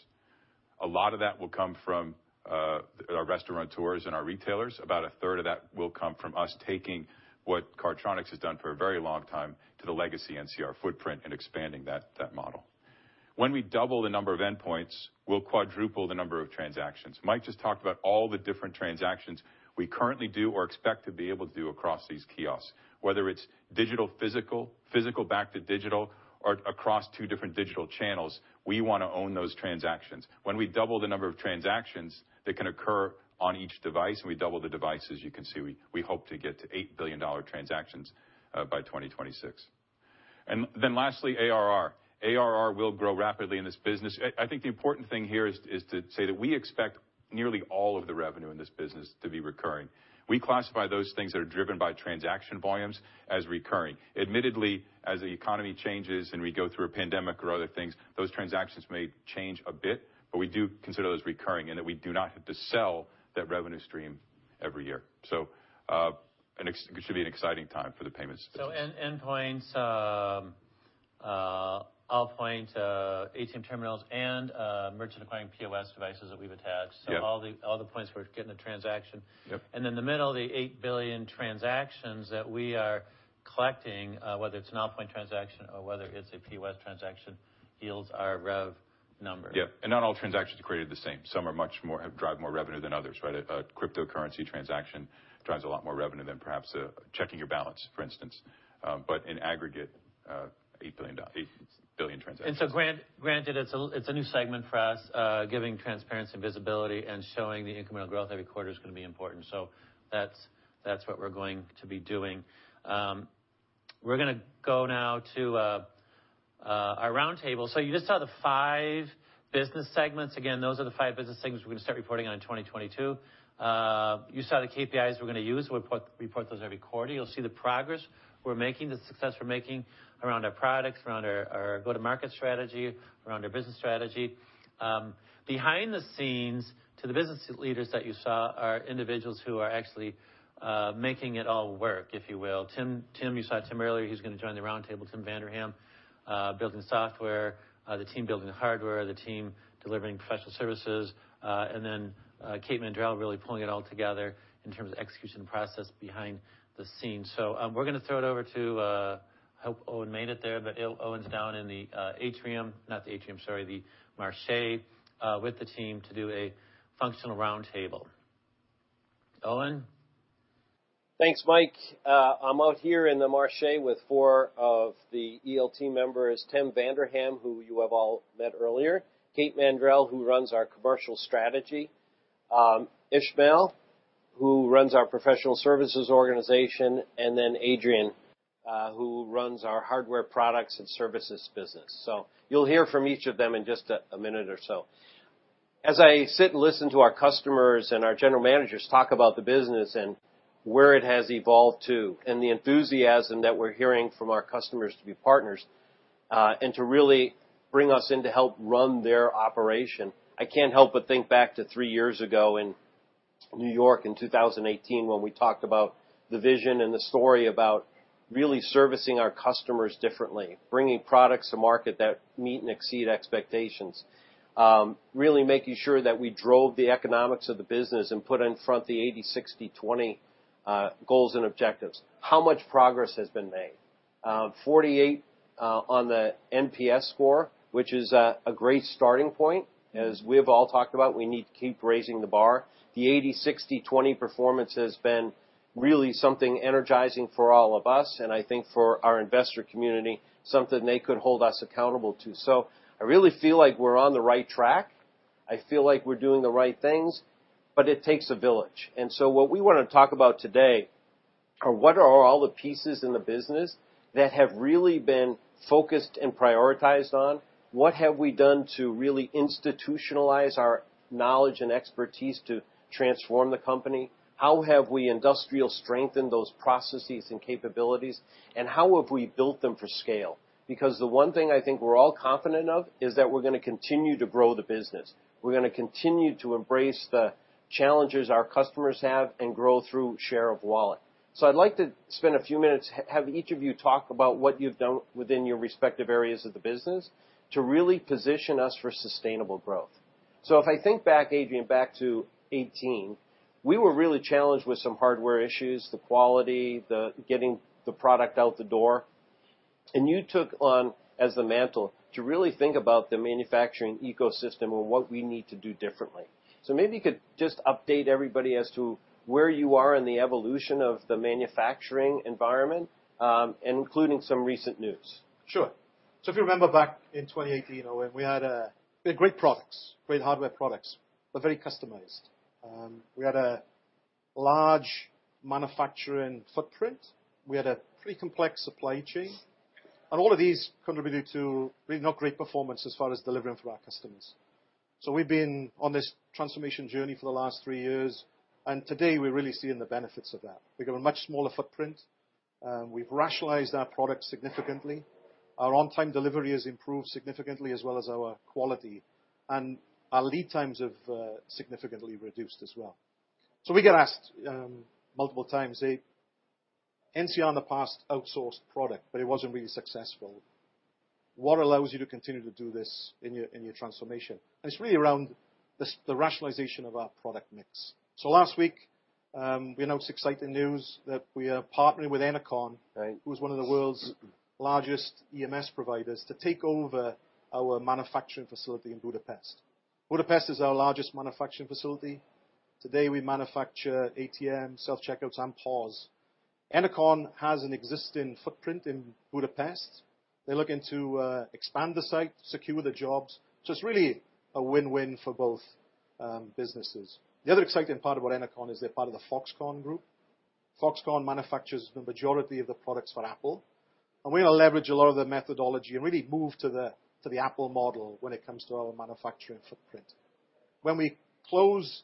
A lot of that will come from our restaurateurs and our retailers. About a third of that will come from us taking what Cardtronics has done for a very long time to the legacy NCR footprint and expanding that model. When we double the number of endpoints, we'll quadruple the number of transactions. Michael just talked about all the different transactions we currently do or expect to be able to do across these kiosks. Whether it's digital to physical back to digital, or across two different digital channels, we wanna own those transactions. When we double the number of transactions that can occur on each device, and we double the devices, you can see we hope to get to $8 billion transactions by 2026. Lastly, ARR. ARR will grow rapidly in this business. I think the important thing here is to say that we expect nearly all of the revenue in this business to be recurring. We classify those things that are driven by transaction volumes as recurring. Admittedly, as the economy changes and we go through a pandemic or other things, those transactions may change a bit, but we do consider those recurring in that we do not have to sell that revenue stream every year. It should be an exciting time for the payments business. Endpoints, Allpoint ATM terminals and merchant acquiring POS devices that we've attached. Yep. All the points where we're getting the transaction. Yep. The middle of the eight billion transactions that we are collecting, whether it's an Allpoint transaction or whether it's a POS transaction, yields our rev number. Yeah. Not all transactions are created the same. Some drive more revenue than others, right? A cryptocurrency transaction drives a lot more revenue than perhaps checking your balance, for instance. In aggregate, eight billion transactions. Granted it's a new segment for us, giving transparency and visibility and showing the incremental growth every quarter is gonna be important. That's what we're going to be doing. We're gonna go now to our roundtable. You just saw the five business segments. Again, those are the five business segments we're gonna start reporting on in 2022. You saw the KPIs we're gonna use. We'll report those every quarter. You'll see the progress we're making, the success we're making around our products, around our go-to-market strategy, around our business strategy. Behind the scenes to the business leaders that you saw are individuals who are actually making it all work, if you will. Tim, you saw Tim earlier. He's gonna join the roundtable, Tim Vanderham, building software, the team building the hardware, the team delivering professional services, and then Kate Mandrell really pulling it all together in terms of execution and process behind the scenes. We're gonna throw it over to, I hope Owen made it there, but Owen's down in the atrium. Not the atrium, sorry, the Marche, with the team to do a functional roundtable. Owen? Thanks, Michael. I'm out here in the market with four of the ELT members, Tim Vanderham, who you have all met earlier, Kate Mandrell, who runs our commercial strategy, Ismail, who runs our professional services organization, and then Adrian, who runs our hardware products and services business. You'll hear from each of them in just a minute or so. As I sit and listen to our customers and our general managers talk about the business and where it has evolved to and the enthusiasm that we're hearing from our customers to be partners, and to really bring us in to help run their operation, I can't help but think back to three years ago in New York in 2018 when we talked about the vision and the story about really servicing our customers differently, bringing products to market that meet and exceed expectations, really making sure that we drove the economics of the business and put in front the 80/60/20, goals and objectives. How much progress has been made? 48 on the NPS score, which is a great starting point. As we have all talked about, we need to keep raising the bar. The 80/60/20 performance has been really something energizing for all of us, and I think for our investor community, something they could hold us accountable to. I really feel like we're on the right track. I feel like we're doing the right things, but it takes a village. What we wanna talk about today are what are all the pieces in the business that have really been focused and prioritized on? What have we done to really institutionalize our knowledge and expertise to transform the company? How have we industrially strengthened those processes and capabilities, and how have we built them for scale? Because the one thing I think we're all confident of is that we're gonna continue to grow the business. We're gonna continue to embrace the challenges our customers have and grow through share of wallet. I'd like to spend a few minutes have each of you talk about what you've done within your respective areas of the business to really position us for sustainable growth. If I think back, Adrian, back to 2018, we were really challenged with some hardware issues, the quality, the getting the product out the door, and you took on the mantle to really think about the manufacturing ecosystem and what we need to do differently. Maybe you could just update everybody as to where you are in the evolution of the manufacturing environment, and including some recent news. Sure. If you remember back in 2018, Owen, we had great products, great hardware products, but very customized. We had a large manufacturing footprint. We had a pretty complex supply chain. All of these contributed to really not great performance as far as delivering for our customers. We've been on this transformation journey for the last three years, and today we're really seeing the benefits of that. We've got a much smaller footprint. We've rationalized our product significantly. Our on-time delivery has improved significantly as well as our quality, and our lead times have significantly reduced as well. We get asked multiple times, "NCR in the past outsourced product, but it wasn't really successful. What allows you to continue to do this in your transformation? It's really around the rationalization of our product mix. Last week, we announced exciting news that we are partnering with Ennoconn- Right Who's one of the world's largest EMS providers, to take over our manufacturing facility in Budapest. Budapest is our largest manufacturing facility. Today, we manufacture ATMs, self-checkouts and POS. Ennoconn has an existing footprint in Budapest. They're looking to expand the site, secure the jobs, so it's really a win-win for both businesses. The other exciting part about Ennoconn is they're part of the Foxconn group. Foxconn manufactures the majority of the products for Apple, and we're gonna leverage a lot of their methodology and really move to the Apple model when it comes to our manufacturing footprint. When we close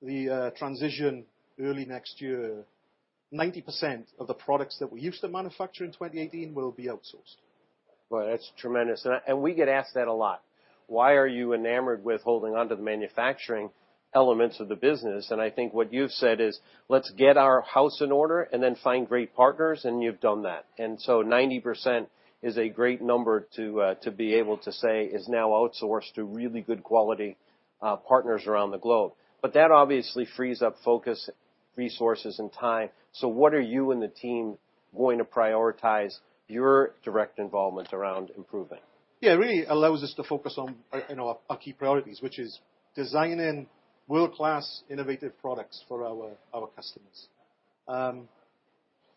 the transition early next year, 90% of the products that we used to manufacture in 2018 will be outsourced. Boy, that's tremendous. We get asked that a lot. Why are you enamored with holding onto the manufacturing elements of the business? I think what you've said is, "Let's get our house in order and then find great partners," and you've done that. 90% is a great number to be able to say is now outsourced to really good quality partners around the globe. That obviously frees up focus, resources, and time. What are you and the team going to prioritize your direct involvement around improving? Yeah. It really allows us to focus on you know, our key priorities, which is designing world-class innovative products for our customers.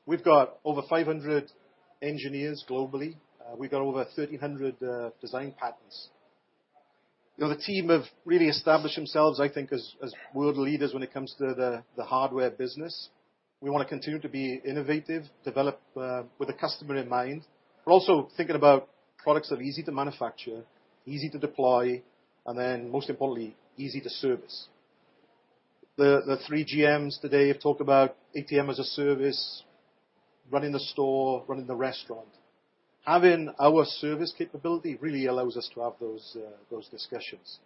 We've got over 500 engineers globally. We've got over 1,300 design patents. You know, the team have really established themselves, I think, as world leaders when it comes to the hardware business. We wanna continue to be innovative, develop with the customer in mind, but also thinking about products that are easy to manufacture, easy to deploy, and then most importantly, easy to service. The three GMs today have talked about ATM as a Service, Running the Store, Running the Restaurant. Having our service capability really allows us to have those discussions.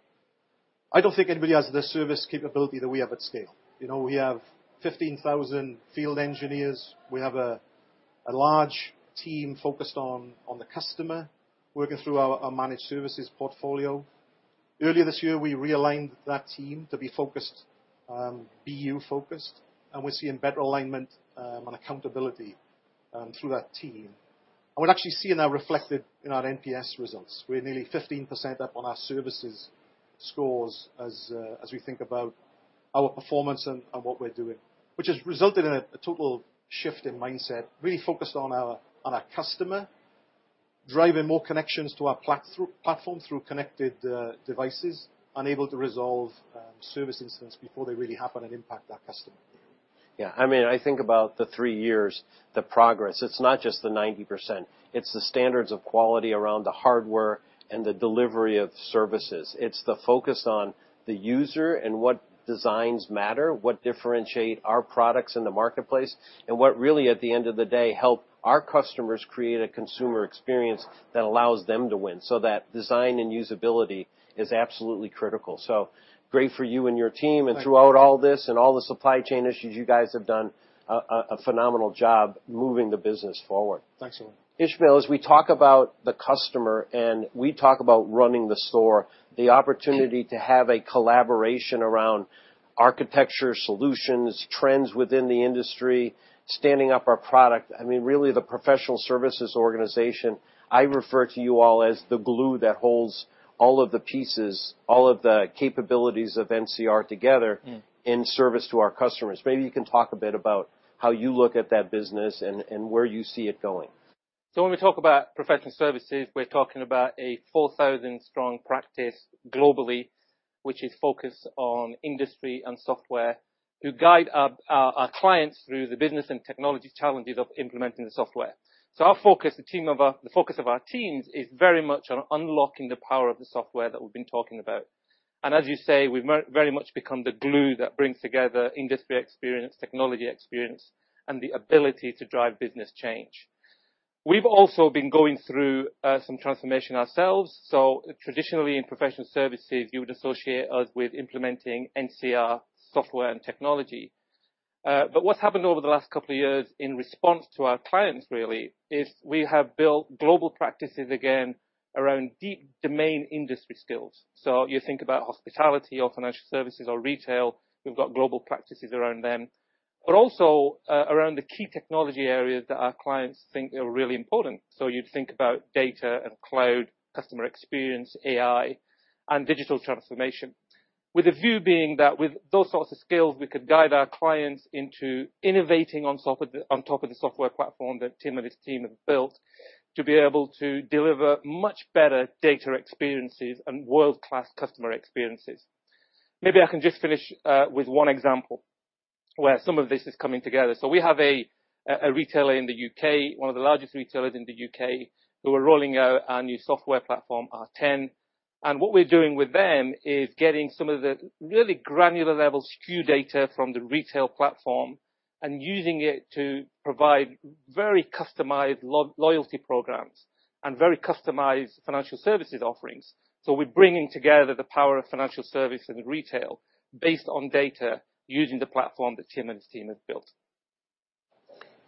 I don't think anybody has the service capability that we have at scale. You know, we have 15,000 field engineers. We have a large team focused on the customer, working through our managed services portfolio. Earlier this year, we realigned that team to be focused, BU-focused, and we're seeing better alignment and accountability through that team. We're actually seeing that reflected in our NPS results. We're nearly 15% up on our services scores as we think about our performance and what we're doing, which has resulted in a total shift in mindset, really focused on our customer, driving more connections to our platform through connected devices and able to resolve service incidents before they really happen and impact our customer. Yeah, I mean, I think about the three years, the progress. It's not just the 90%, it's the standards of quality around the hardware and the delivery of services. It's the focus on the user and what designs matter, what differentiate our products in the marketplace, and what really, at the end of the day, help our customers create a consumer experience that allows them to win. That design and usability is absolutely critical. Great for you and your team. Thank you. Throughout all this and all the supply chain issues, you guys have done a phenomenal job moving the business forward. Thanks, Owen. Ishmael, as we talk about the customer and we talk about running the store, the opportunity to have a collaboration around architecture solutions, trends within the industry, standing up our product, I mean, really the professional services organization, I refer to you all as the glue that holds all of the pieces, all of the capabilities of NCR together. Yeah. In service to our customers. Maybe you can talk a bit about how you look at that business and where you see it going. When we talk about professional services, we're talking about a 4,000-strong practice globally, which is focused on industry and software to guide our clients through the business and technology challenges of implementing the software. Our focus, the focus of our teams is very much on unlocking the power of the software that we've been talking about. As you say, we've very much become the glue that brings together industry experience, technology experience, and the ability to drive business change. We've also been going through some transformation ourselves. Traditionally in professional services, you would associate us with implementing NCR software and technology. But what's happened over the last couple of years in response to our clients, really, is we have built global practices again around deep domain industry skills. You think about hospitality or financial services or retail, we've got global practices around them. Also, around the key technology areas that our clients think are really important. You'd think about data and cloud, customer experience, AI, and digital transformation. With a view being that with those sorts of skills, we could guide our clients into innovating on top of the software platform that Tim and his team have built to be able to deliver much better data experiences and world-class customer experiences. Maybe I can just finish with one example where some of this is coming together. We have a retailer in the U.K., one of the largest retailers in the U.K., who are rolling out our new software platform, R10. What we're doing with them is getting some of the really granular level SKU data from the retail platform and using it to provide very customized loyalty programs and very customized financial services offerings. We're bringing together the power of financial service and retail based on data using the platform that Tim and his team have built.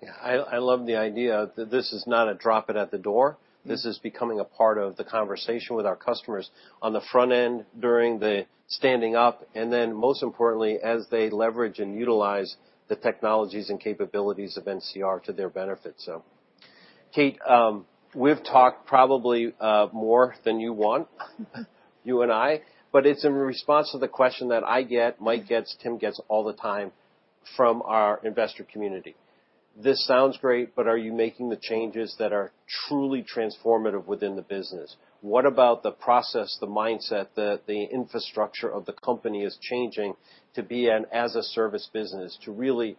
Yeah. I love the idea that this is not a drop it at the door. Mm-hmm. This is becoming a part of the conversation with our customers on the front end during the standing up, and then most importantly, as they leverage and utilize the technologies and capabilities of NCR to their benefit. Kate, we've talked probably more than you want, you and I, but it's in response to the question that I get, Michael gets, Tim gets all the time from our investor community. This sounds great, but are you making the changes that are truly transformative within the business? What about the process, the mindset that the infrastructure of the company is changing to be an as-a-service business, to really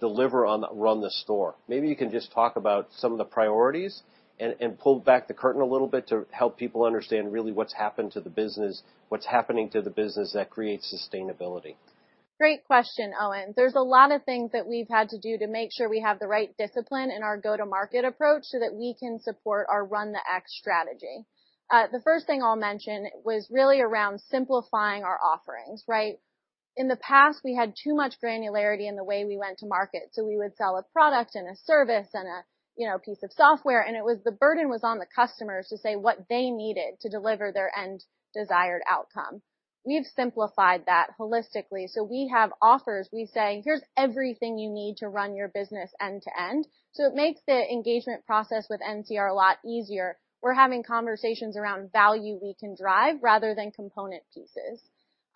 deliver on Run the Store? Maybe you can just talk about some of the priorities and pull back the curtain a little bit to help people understand really what's happened to the business, what's happening to the business that creates sustainability. Great question, Owen. There's a lot of things that we've had to do to make sure we have the right discipline in our go-to-market approach so that we can support our Run the X strategy. The first thing I'll mention was really around simplifying our offerings, right? In the past, we had too much granularity in the way we went to market, so we would sell a product and a service and a, you know, piece of software, and it was the burden on the customers to say what they needed to deliver their end desired outcome. We've simplified that holistically. So we have offers, we say, "Here's everything you need to run your business end to end." So it makes the engagement process with NCR a lot easier. We're having conversations around value we can drive rather than component pieces.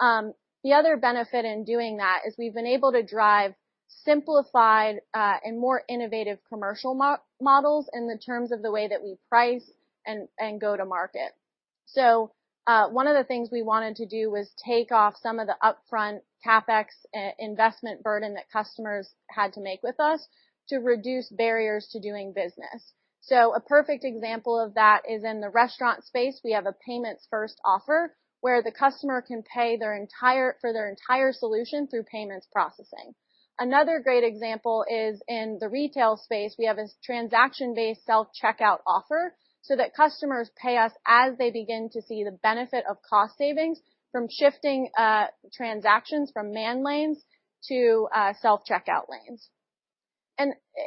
The other benefit in doing that is we've been able to drive simplified, and more innovative commercial models in terms of the way that we price and go to market. One of the things we wanted to do was take off some of the upfront CapEx investment burden that customers had to make with us to reduce barriers to doing business. A perfect example of that is in the restaurant space, we have a payments first offer, where the customer can pay their entire solution through payments processing. Another great example is in the retail space, we have a transaction-based self-checkout offer so that customers pay us as they begin to see the benefit of cost savings from shifting transactions from manned lanes to self-checkout lanes.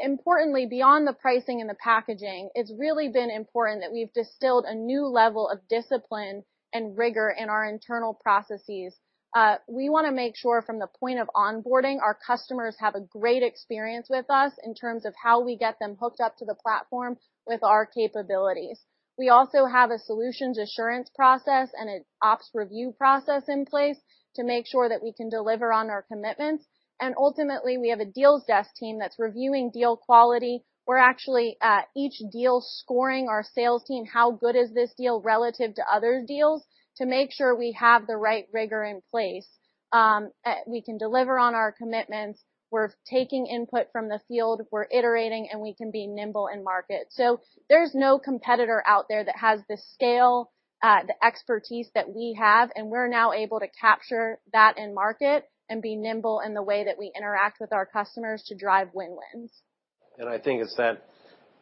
Importantly, beyond the pricing and the packaging, it's really been important that we've distilled a new level of discipline and rigor in our internal processes. We wanna make sure from the point of onboarding, our customers have a great experience with us in terms of how we get them hooked up to the platform with our capabilities. We also have a solutions assurance process and an ops review process in place to make sure that we can deliver on our commitments. Ultimately, we have a deals desk team that's reviewing deal quality. We're actually each deal, scoring our sales team, how good is this deal relative to other deals, to make sure we have the right rigor in place, we can deliver on our commitments, we're taking input from the field, we're iterating, and we can be nimble in market. There's no competitor out there that has the scale, the expertise that we have, and we're now able to capture that in market and be nimble in the way that we interact with our customers to drive win-wins. I think it's that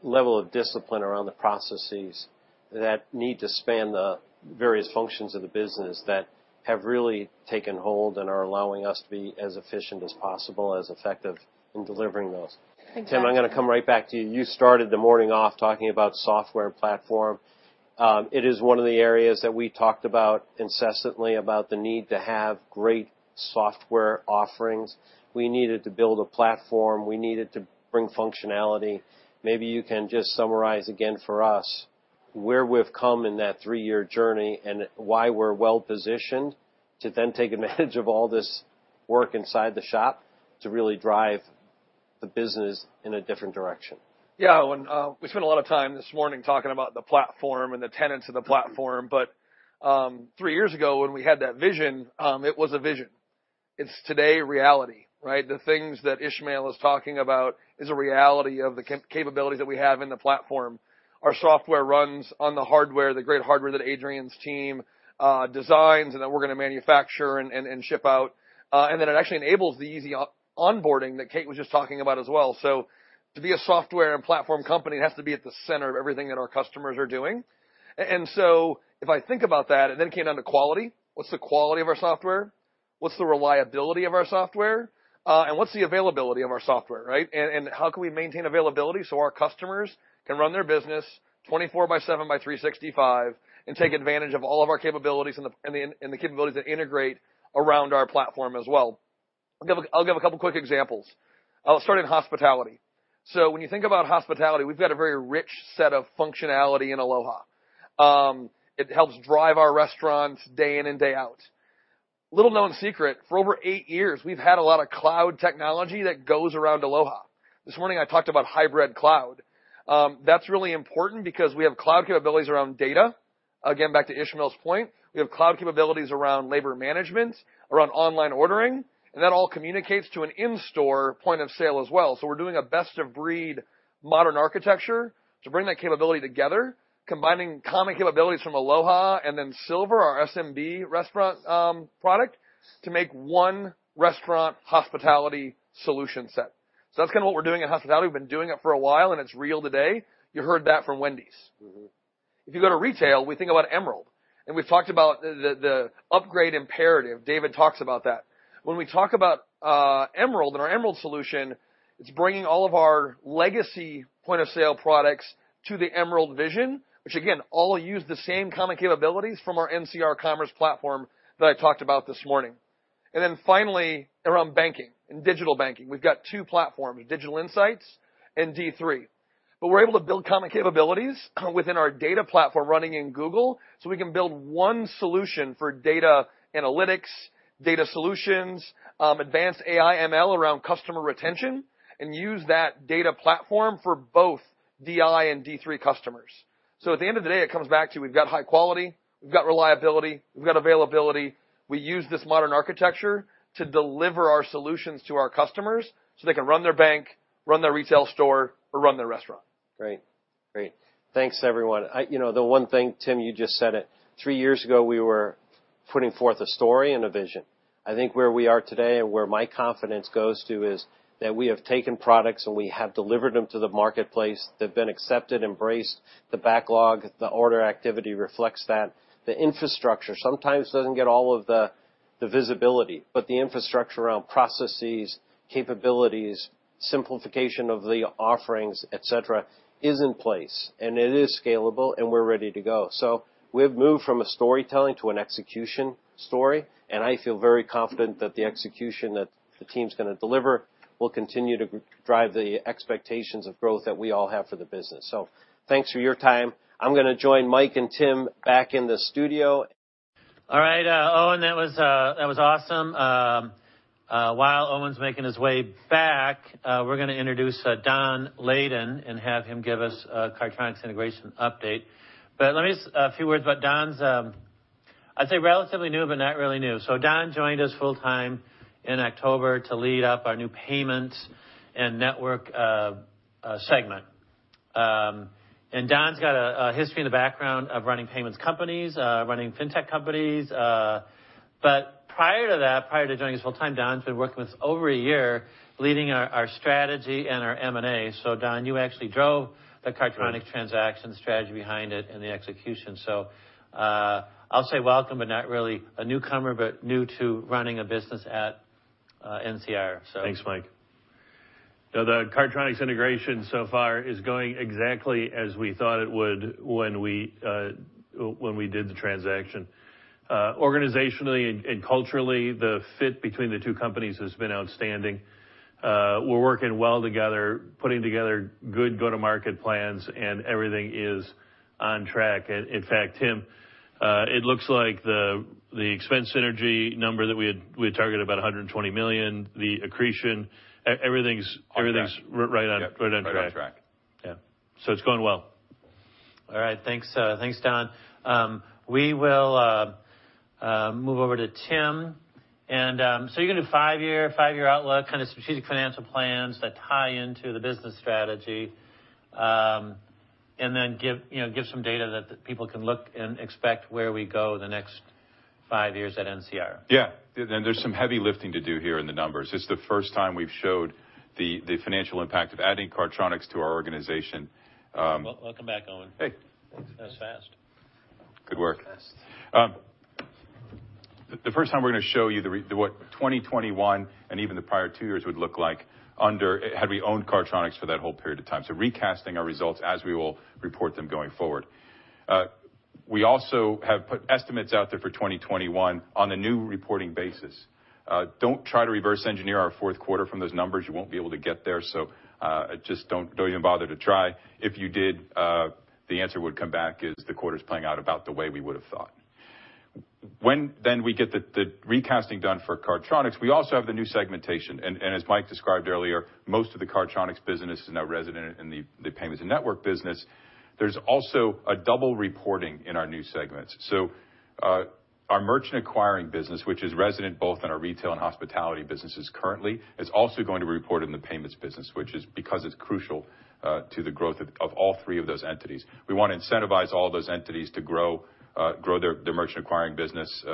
level of discipline around the processes that need to span the various functions of the business that have really taken hold and are allowing us to be as efficient as possible, as effective in delivering those. Exactly. Tim, I'm gonna come right back to you. You started the morning off talking about software platform. It is one of the areas that we talked about incessantly about the need to have great software offerings. We needed to build a platform, we needed to bring functionality. Maybe you can just summarize again for us where we've come in that three-year journey and why we're well-positioned to then take advantage of all this work inside the shop to really drive the business in a different direction. Yeah. When we spent a lot of time this morning talking about the platform and the tenets of the platform, but three years ago, when we had that vision, it was a vision. It's today reality, right? The things that Ismail is talking about is a reality of the capabilities that we have in the platform. Our software runs on the hardware, the great hardware that Adrian's team designs, and that we're gonna manufacture and ship out. It actually enables the easy onboarding that Kate was just talking about as well. To be a software and platform company, it has to be at the center of everything that our customers are doing. If I think about that, and then it came down to quality, what's the quality of our software? What's the reliability of our software? What's the availability of our software, right? How can we maintain availability so our customers can run their business 24/7/365 and take advantage of all of our capabilities and the capabilities that integrate around our platform as well. I'll give a couple quick examples. I'll start in hospitality. When you think about hospitality, we've got a very rich set of functionality in Aloha. It helps drive our restaurants day in and day out. Little known secret, for over eight years, we've had a lot of cloud technology that goes around Aloha. This morning, I talked about hybrid cloud. That's really important because we have cloud capabilities around data. Again, back to Ismael's point, we have cloud capabilities around labor management, around online ordering, and that all communicates to an in-store point of sale as well. We're doing a best of breed modern architecture to bring that capability together, combining common capabilities from Aloha and then Silver, our SMB restaurant product, to make one restaurant hospitality solution set. That's kinda what we're doing in hospitality. We've been doing it for a while, and it's real today. You heard that from Wendy's. Mm-hmm. If you go to retail, we think about Emerald. We've talked about the upgrade imperative. David talks about that. When we talk about Emerald and our Emerald solution, it's bringing all of our legacy point of sale products to the Emerald vision, which again, all use the same common capabilities from our NCR Commerce platform that I talked about this morning. Then finally, around banking and digital banking. We've got two platforms, Digital Insight and D3. But we're able to build common capabilities within our data platform running in Google, so we can build one solution for data analytics, data solutions, advanced AI ML around customer retention, and use that data platform for both DI and D3 customers. At the end of the day, it comes back to we've got high quality, we've got reliability, we've got availability. We use this modern architecture to deliver our solutions to our customers so they can run their bank, run their retail store, or run their restaurant. Great. Thanks, everyone. You know, the one thing, Tim, you just said it. three years ago, we were putting forth a story and a vision. I think where we are today and where my confidence goes to is that we have taken products, and we have delivered them to the marketplace. They've been accepted, embraced. The backlog, the order activity reflects that. The infrastructure sometimes doesn't get all of the visibility, but the infrastructure around processes, capabilities, simplification of the offerings, et cetera, is in place, and it is scalable, and we're ready to go. We have moved from a storytelling to an execution story, and I feel very confident that the execution that the team's gonna deliver will continue to drive the expectations of growth that we all have for the business. Thanks for your time. I'm gonna join Michael and Tim back in the studio. All right, Owen, that was awesome. While Owen's making his way back, we're gonna introduce Don Layden and have him give us a Cardtronics integration update. Let me just a few words about Don's. I'd say relatively new, but not really new. Don joined us full-time in October to lead up our new payments and network segment. Don's got a history in the background of running payments companies, running fintech companies. Prior to that, prior to joining us full-time, Don's been working with us over a year, leading our strategy and our M&A. Don, you actually drove the Cardtronics transaction strategy behind it and the execution. I'll say welcome, but not really a newcomer, but new to running a business at NCR. Thanks, Michael. The Cardtronics integration so far is going exactly as we thought it would when we did the transaction. Organizationally and culturally, the fit between the two companies has been outstanding. We're working well together, putting together good go-to-market plans, and everything is on track. In fact, Tim, it looks like the expense synergy number that we had targeted about $120 million, the accretion, everything's on track. Everything's right on track. Yep, right on track. Yeah. It's going well. All right. Thanks, Don. We will move over to Tim. You're gonna do five-year outlook, kinda strategic financial plans that tie into the business strategy, and then give, you know, give some data that the people can look and expect where we go the next five years at NCR. Yeah. There's some heavy lifting to do here in the numbers. It's the first time we've showed the financial impact of adding Cardtronics to our organization. Welcome back, Owen. Hey. That was fast. Good work. Fast. The first time we're gonna show you what 2021 and even the prior two years would look like under had we owned Cardtronics for that whole period of time, so recasting our results as we will report them going forward. We also have put estimates out there for 2021 on a new reporting basis. Don't try to reverse engineer our fourth quarter from those numbers. You won't be able to get there. Just don't even bother to try. If you did, the answer would come back is the quarter's playing out about the way we would have thought. When we get the recasting done for Cardtronics, we also have the new segmentation. As Michael described earlier, most of the Cardtronics business is now resident in the payments and network business. There's also a double reporting in our new segments. Our merchant acquiring business, which is resident both in our retail and hospitality businesses currently, is also going to be reported in the payments business, which is because it's crucial to the growth of all three of those entities. We wanna incentivize all those entities to grow their merchant acquiring business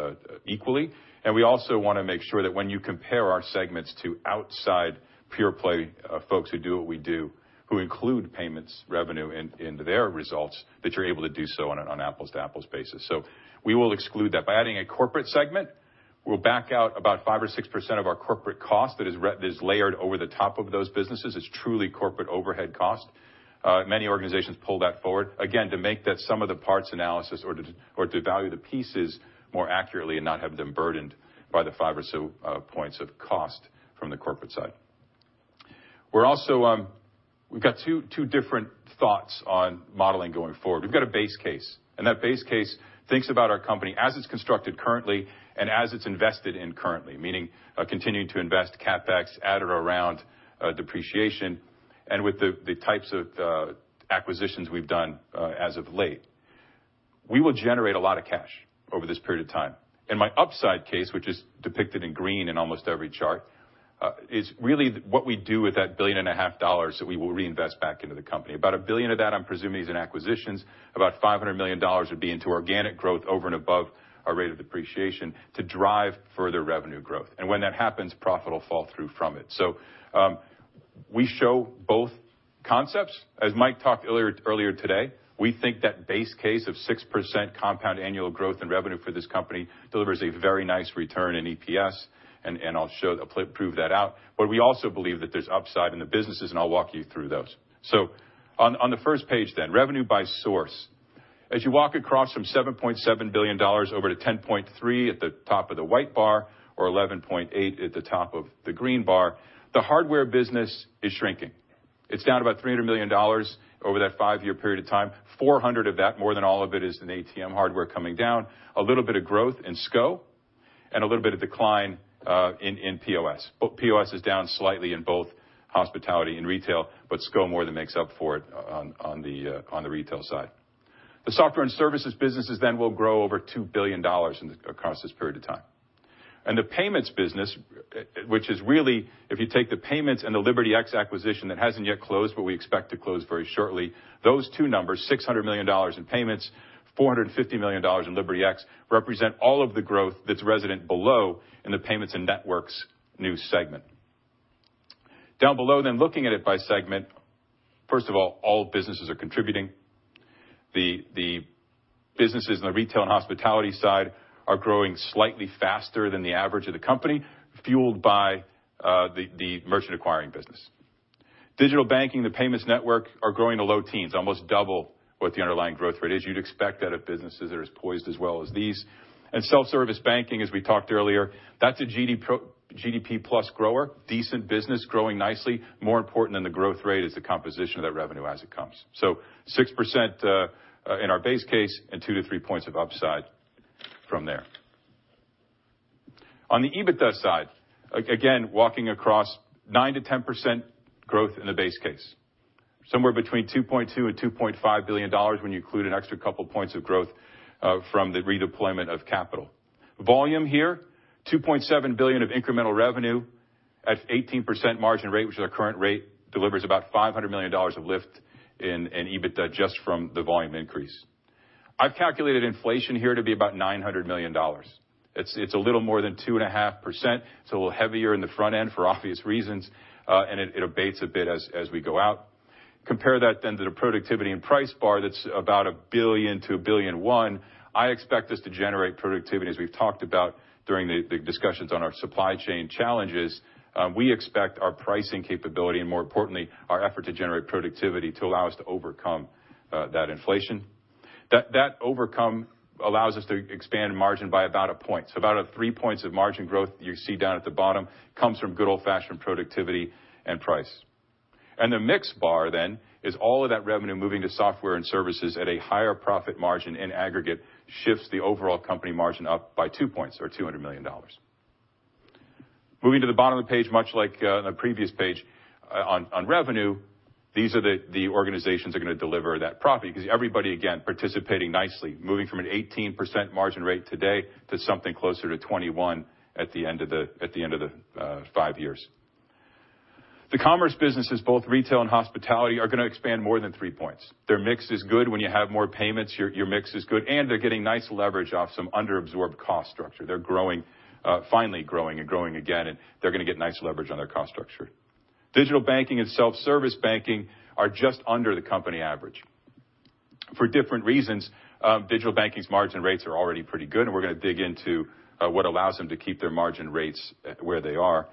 equally. We also wanna make sure that when you compare our segments to outside pure play folks who do what we do, who include payments revenue into their results, that you're able to do so on an apples to apples basis. We will exclude that. By adding a corporate segment, we'll back out about 5% or 6% of our corporate cost that is layered over the top of those businesses. It's truly corporate overhead cost. Many organizations pull that forward, again, to make that sum of the parts analysis or to value the pieces more accurately and not have them burdened by the five or so points of cost from the corporate side. We're also. We've got two different thoughts on modeling going forward. We've got a base case, and that base case thinks about our company as it's constructed currently and as it's invested in currently, meaning continuing to invest CapEx at or around depreciation and with the types of acquisitions we've done as of late. We will generate a lot of cash over this period of time. My upside case, which is depicted in green in almost every chart, is really what we do with that $1.5 billion that we will reinvest back into the company. About $1 billion of that I'm presuming is in acquisitions. About $500 million would be into organic growth over and above our rate of depreciation to drive further revenue growth. When that happens, profit will fall through from it. We show both concepts. As Michael talked earlier today, we think that base case of 6% compound annual growth in revenue for this company delivers a very nice return in EPS, and I'll show, I'll prove that out. We also believe that there's upside in the businesses, and I'll walk you through those. On the first page then, revenue by source. As you walk across from $7.7 billion over to $10.3 billion at the top of the white bar or $11.8 billion at the top of the green bar, the hardware business is shrinking. It's down about $300 million over that five-year period of time.$400 million of that, more than all of it, is in ATM hardware coming down. A little bit of growth in SCO and a little bit of decline in POS. POS is down slightly in both hospitality and retail, but SCO more than makes up for it on the retail side. The software and services businesses then will grow over $2 billion across this period of time. The payments business, which is really if you take the payments and the LibertyX acquisition that hasn't yet closed, but we expect to close very shortly, those two numbers, $600 million in payments, $450 million in LibertyX, represent all of the growth that's resident below in the payments and networks new segment. Down below, looking at it by segment, first of all businesses are contributing. The businesses in the retail and hospitality side are growing slightly faster than the average of the company, fueled by the merchant acquiring business. Digital banking, the payments network are growing in the low teens%, almost double what the underlying growth rate is. You'd expect that of businesses that are as poised as well as these. Self-service banking, as we talked earlier, that's a GDP plus grower, decent business growing nicely. More important than the growth rate is the composition of that revenue as it comes. 6% in our base case and two-three points of upside from there. On the EBITDA side, again, walking across 9%-10% growth in the base case, somewhere between $2.2 billion and $2.5 billion when you include an extra couple points of growth from the redeployment of capital. Volume here, $2.7 billion of incremental revenue at 18% margin rate, which is our current rate, delivers about $500 million of lift in EBITDA just from the volume increase. I've calculated inflation here to be about $900 million. It's a little more than 2.5%, it's a little heavier in the front end for obvious reasons, and it abates a bit as we go out. Compare that then to the productivity and price bar that's about $1 billion-$1.1 billion. I expect this to generate productivity. As we've talked about during the discussions on our supply chain challenges, we expect our pricing capability and more importantly, our effort to generate productivity to allow us to overcome that inflation. That overcome allows us to expand margin by about one point. About three points of margin growth you see down at the bottom comes from good old-fashioned productivity and price. The mix bar then is all of that revenue moving to software and services at a higher profit margin in aggregate shifts the overall company margin up by 2 points or $200 million. Moving to the bottom of the page, much like the previous page on revenue, these are the organizations that are gonna deliver that profit because everybody, again, participating nicely, moving from an 18% margin rate today to something closer to 21% at the end of the five years. The commerce businesses, both Retail and Hospitality, are gonna expand more than three points. Their mix is good. When you have more payments, your mix is good, and they're getting nice leverage off some under-absorbed cost structure. They're growing, finally growing and growing again, and they're gonna get nice leverage on their cost structure. Digital banking and self-service banking are just under the company average. For different reasons, digital banking's margin rates are already pretty good, and we're gonna dig into what allows them to keep their margin rates where they are.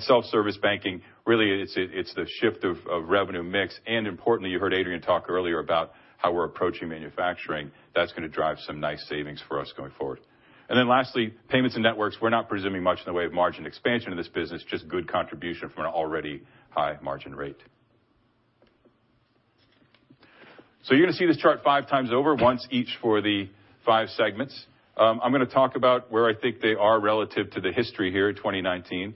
Self-service banking, really it's the shift of revenue mix, and importantly, you heard Adrian talk earlier about how we're approaching manufacturing. That's gonna drive some nice savings for us going forward. Lastly, payments and networks. We're not presuming much in the way of margin expansion in this business, just good contribution from an already high margin rate. You're gonna see this chart five times over, once each for the five segments. I'm gonna talk about where I think they are relative to the history here at 2019.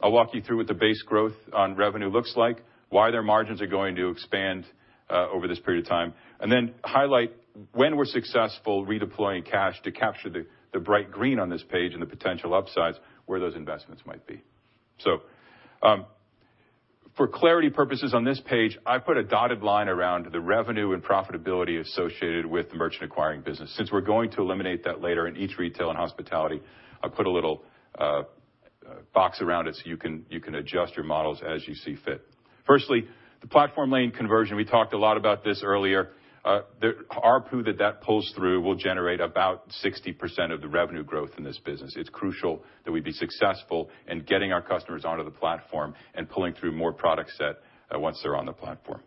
I'll walk you through what the base growth on revenue looks like, why their margins are going to expand over this period of time, and then highlight when we're successful redeploying cash to capture the bright green on this page and the potential upsides where those investments might be. For clarity purposes on this page, I put a dotted line around the revenue and profitability associated with the merchant acquiring business. Since we're going to eliminate that later in each retail and hospitality, I'll put a little box around it so you can adjust your models as you see fit. Firstly, the platform lane conversion, we talked a lot about this earlier. The ARPU that pulls through will generate about 60% of the revenue growth in this business. It's crucial that we be successful in getting our customers onto the platform and pulling through more product set once they're on the platform.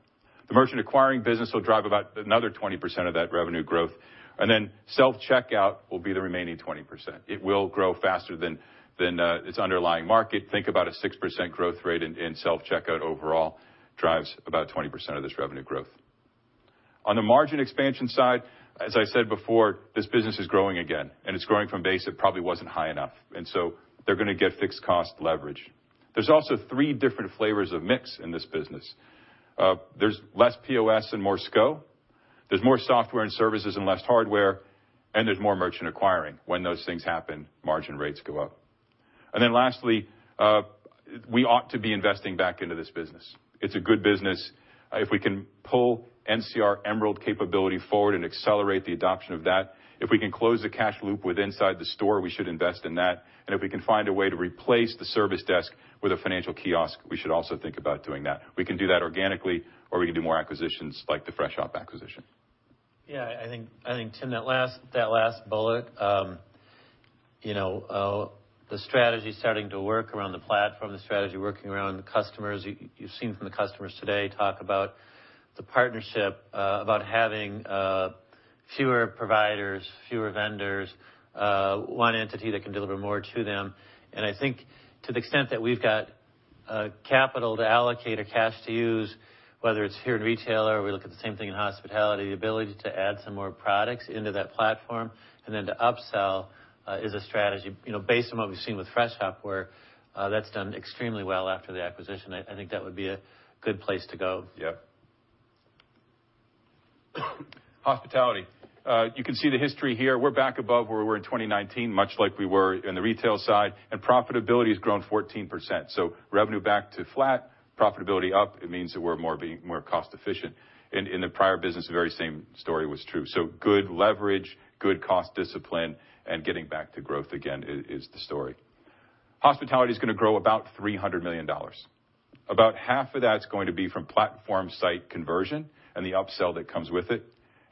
The merchant acquiring business will drive about another 20% of that revenue growth, and then self-checkout will be the remaining 20%. It will grow faster than its underlying market. Think about a 6% growth rate in self-checkout overall drives about 20% of this revenue growth. On the margin expansion side, as I said before, this business is growing again, and it's growing from base that probably wasn't high enough, and so they're gonna get fixed cost leverage. There's also three different flavors of mix in this business. There's less POS and more SCO. There's more software and services and less hardware, and there's more merchant acquiring. When those things happen, margin rates go up. Then lastly, we ought to be investing back into this business. It's a good business. If we can pull NCR Emerald capability forward and accelerate the adoption of that, if we can close the cash loop with inside the store, we should invest in that. If we can find a way to replace the service desk with a financial kiosk, we should also think about doing that. We can do that organically, or we can do more acquisitions like the Freshop acquisition. Yeah, I think, Tim, that last bullet, you know, the strategy starting to work around the platform, the strategy working around the customers. You've seen the customers today talk about the partnership, about having fewer providers, fewer vendors, one entity that can deliver more to them. I think to the extent that we've got capital to allocate or cash to use, whether it's here in retail or we look at the same thing in hospitality, the ability to add some more products into that platform and then to upsell is a strategy. You know, based on what we've seen with Freshop, where that's done extremely well after the acquisition, I think that would be a good place to go. Yeah. Hospitality. You can see the history here. We're back above where we were in 2019, much like we were in the retail side, and profitability has grown 14%. Revenue back to flat, profitability up, it means that we're being more cost efficient. In the prior business, the very same story was true. Good leverage, good cost discipline, and getting back to growth again is the story. Hospitality is gonna grow about $300 million. About half of that's going to be from platform site conversion and the upsell that comes with it.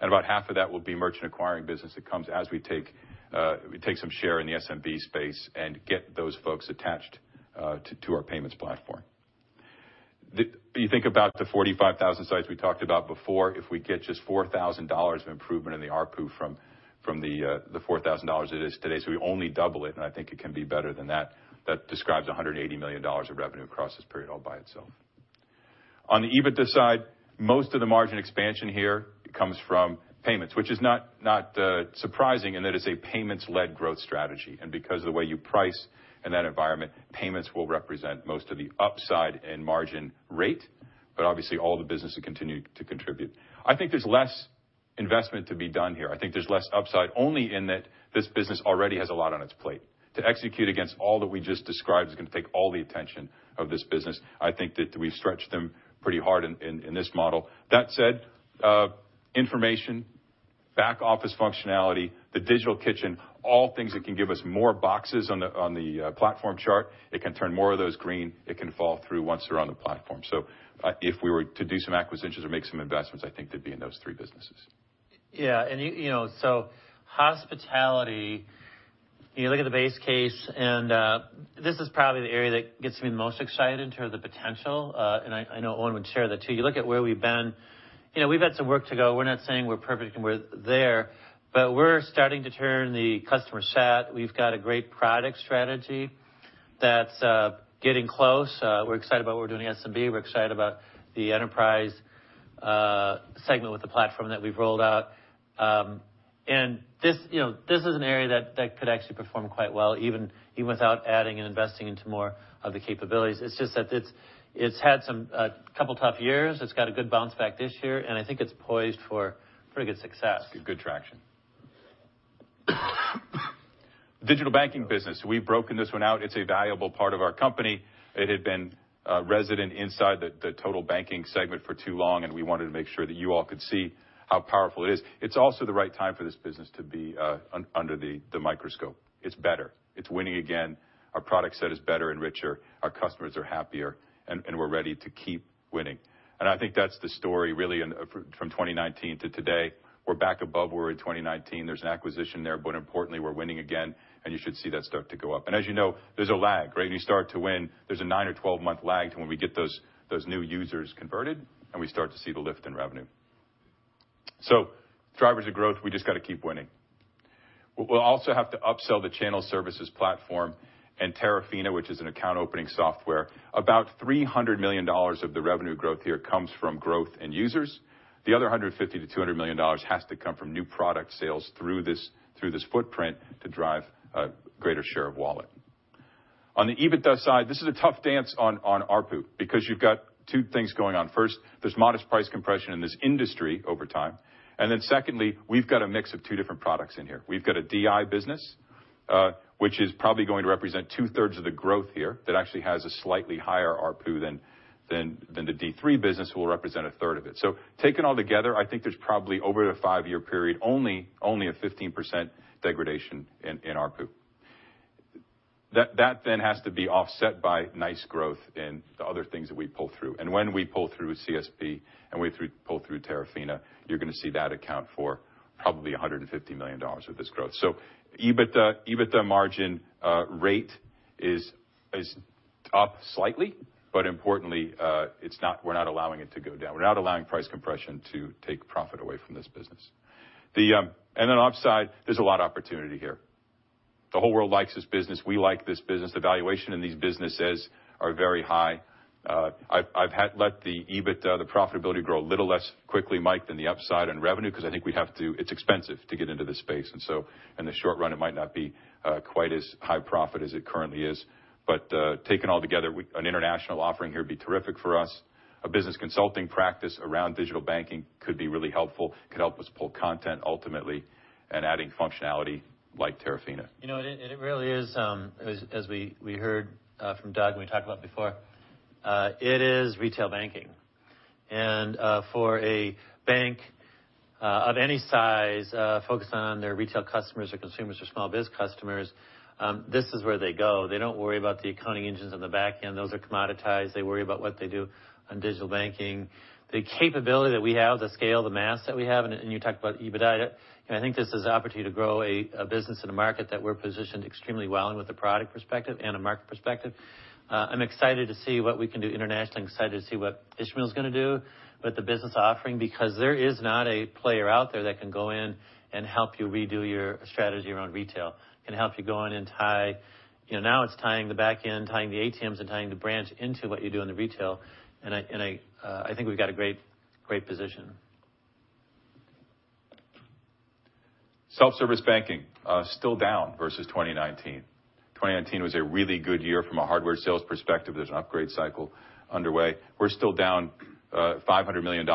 About half of that will be merchant acquiring business that comes as we take some share in the SMB space and get those folks attached to our payments platform. You think about the 45,000 sites we talked about before, if we get just $4,000 of improvement in the ARPU from the $4,000 it is today, so we only double it, and I think it can be better than that. That describes $180 million of revenue across this period all by itself. On the EBITDA side, most of the margin expansion here comes from payments, which is not surprising, and that is a payments-led growth strategy. Because of the way you price in that environment, payments will represent most of the upside and margin rate. Obviously, all the businesses continue to contribute. I think there's less investment to be done here. I think there's less upside only in that this business already has a lot on its plate. To execute against all that we just described is gonna take all the attention of this business. I think that we've stretched them pretty hard in this model. That said, information, back office functionality, the digital kitchen, all things that can give us more boxes on the platform chart. It can turn more of those green. It can flow through once they're on the platform. If we were to do some acquisitions or make some investments, I think they'd be in those three businesses. Yeah. You know, so Hospitality, you look at the base case, and this is probably the area that gets me the most excited in terms of the potential. I know Owen would share that too. You look at where we've been. You know, we've had some work to do. We're not saying we're perfect and we're there, but we're starting to turn the customer sat. We've got a great product strategy that's getting close. We're excited about what we're doing with SMB. We're excited about the enterprise segment with the platform that we've rolled out. This, you know, this is an area that could actually perform quite well, even without adding and investing into more of the capabilities. It's just that it's had some, a couple tough years. It's got a good bounce back this year, and I think it's poised for pretty good success. Good traction. Digital banking business. We've broken this one out. It's a valuable part of our company. It had been resident inside the total banking segment for too long, and we wanted to make sure that you all could see how powerful it is. It's also the right time for this business to be under the microscope. It's better. It's winning again. Our product set is better and richer. Our customers are happier, and we're ready to keep winning. I think that's the story really in from 2019 to today. We're back above where we were in 2019. There's an acquisition there, but importantly, we're winning again, and you should see that start to go up. As you know, there's a lag, right? When you start to win, there's a nine or 12-month lag to when we get those new users converted, and we start to see the lift in revenue. Drivers of growth, we just gotta keep winning. We'll also have to upsell the Channel Services Platform and Terafina, which is an account opening software. About $300 million of the revenue growth here comes from growth in users. The other $150 million-$200 million has to come from new product sales through this footprint to drive a greater share of wallet. On the EBITDA side, this is a tough dance on ARPU because you've got two things going on. First, there's modest price compression in this industry over time. Then secondly, we've got a mix of two different products in here. We've got a DI business, which is probably going to represent two-thirds of the growth here that actually has a slightly higher ARPU than the D3 business will represent a third of it. Taken all together, I think there's probably over a five-year period only a 15% degradation in ARPU. That then has to be offset by nice growth in the other things that we pull through. When we pull through CSP and we pull through Terafina, you're gonna see that account for probably $150 million of this growth. EBITDA margin rate is up slightly, but importantly, it's not, we're not allowing it to go down. We're not allowing price compression to take profit away from this business. Aside, there's a lot of opportunity here. The whole world likes this business. We like this business. The valuation in these businesses are very high. I've had to let the EBITDA, the profitability grow a little less quickly, Michael, than the upside on revenue because I think we have to. It's expensive to get into this space. In the short run, it might not be quite as high profit as it currently is. Taken all together, an international offering here would be terrific for us. A business consulting practice around digital banking could be really helpful, could help us pull content ultimately and adding functionality like Terafina. You know, it really is, as we heard from Doug and we talked about before, it is retail banking. For a bank of any size focused on their retail customers or consumers or small biz customers, this is where they go. They don't worry about the accounting engines on the back end. Those are commoditized. They worry about what they do on digital banking. The capability that we have, the scale, the mass that we have, and you talked about EBITDA, and I think this is an opportunity to grow a business in a market that we're positioned extremely well in with a product perspective and a market perspective. I'm excited to see what we can do internationally. I'm excited to see what Ishmael is gonna do with the business offering because there is not a player out there that can go in and help you redo your strategy around retail, can help you go in and tie. You know, now it's tying the back end, tying the ATMs and tying the branch into what you do in the retail. I think we've got a great position. Self-service banking still down versus 2019. 2019 was a really good year from a hardware sales perspective. There's an upgrade cycle underway. We're still down $500 million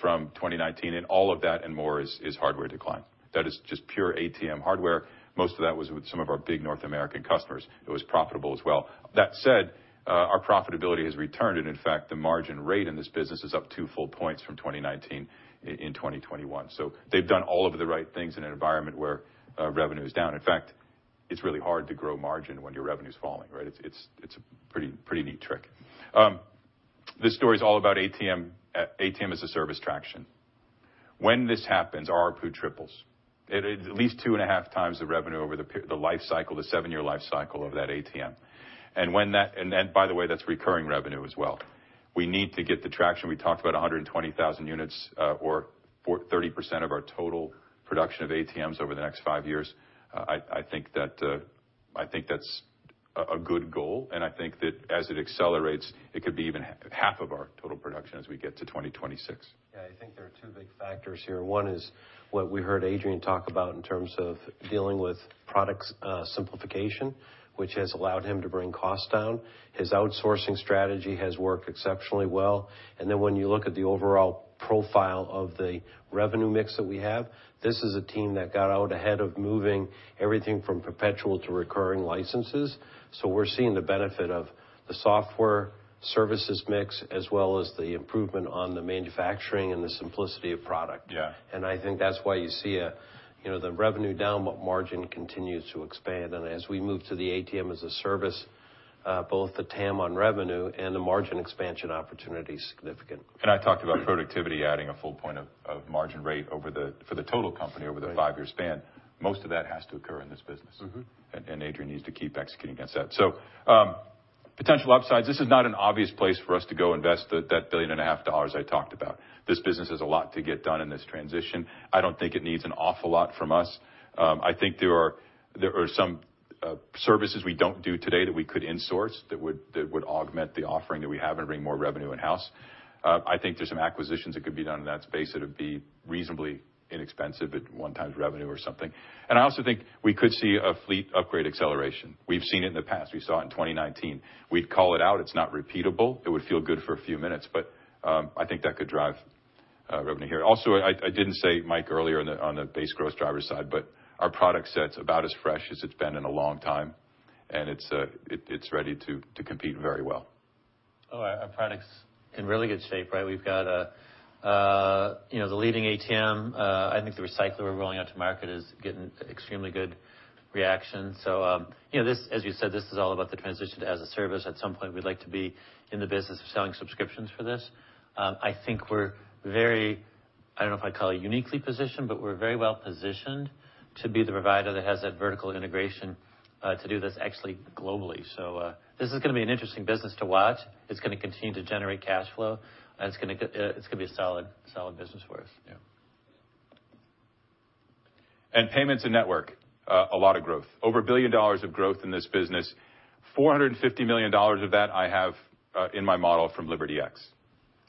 from 2019, and all of that and more is hardware decline. That is just pure ATM hardware. Most of that was with some of our big North American customers. It was profitable as well. That said, our profitability has returned, and in fact, the margin rate in this business is up two full points from 2019 in 2021. They've done all of the right things in an environment where revenue is down. In fact, it's really hard to grow margin when your revenue is falling, right? It's a pretty neat trick. This story is all about ATM as a Service traction. When this happens, ARPU triples. At least two and a half times the revenue over the life cycle, the seven-year life cycle of that ATM. When that happens, then by the way, that's recurring revenue as well. We need to get the traction. We talked about 120,000 units, or 30% of our total production of ATMs over the next five years. I think that's a good goal, and I think that as it accelerates, it could be even half of our total production as we get to 2026. Yeah, I think there are two big factors here. One is what we heard Adrian talk about in terms of dealing with products, simplification, which has allowed him to bring costs down. His outsourcing strategy has worked exceptionally well. When you look at the overall profile of the revenue mix that we have, this is a team that got out ahead of moving everything from perpetual to recurring licenses. We're seeing the benefit of the software services mix as well as the improvement on the manufacturing and the simplicity of product. Yeah. I think that's why you see a, you know, the revenue down, but margin continues to expand. As we move to the ATM as a Service, both the TAM on revenue and the margin expansion opportunity is significant. I talked about productivity adding a full point of margin rate for the total company over the five-year span. Most of that has to occur in this business. Mm-hmm. Adrian needs to keep executing against that. Potential upsides, this is not an obvious place for us to go invest that $1.5 billion I talked about. This business has a lot to get done in this transition. I don't think it needs an awful lot from us. I think there are some services we don't do today that we could insource that would augment the offering that we have and bring more revenue in-house. I think there's some acquisitions that could be done in that space that would be reasonably inexpensive at 1x revenue or something. I also think we could see a fleet upgrade acceleration. We've seen it in the past. We saw it in 2019. We'd call it out. It's not repeatable. It would feel good for a few minutes, but I think that could drive revenue here. Also, I didn't say, Michael, earlier on the base gross driver side, but our product set's about as fresh as it's been in a long time, and it's ready to compete very well. Our product's in really good shape, right? We've got, you know, the leading ATM. I think the recycler we're rolling out to market is getting extremely good reaction. You know, as you said, this is all about the transition to as a service. At some point, we'd like to be in the business of selling subscriptions for this. I think we're very. I don't know if I'd call it uniquely positioned, but we're very well positioned to be the provider that has that vertical integration to do this actually globally. This is gonna be an interesting business to watch. It's gonna continue to generate cash flow, and it's gonna be a solid business for us. Yeah. Payments and Network, a lot of growth. Over $1 billion of growth in this business. $450 million of that I have in my model from LibertyX.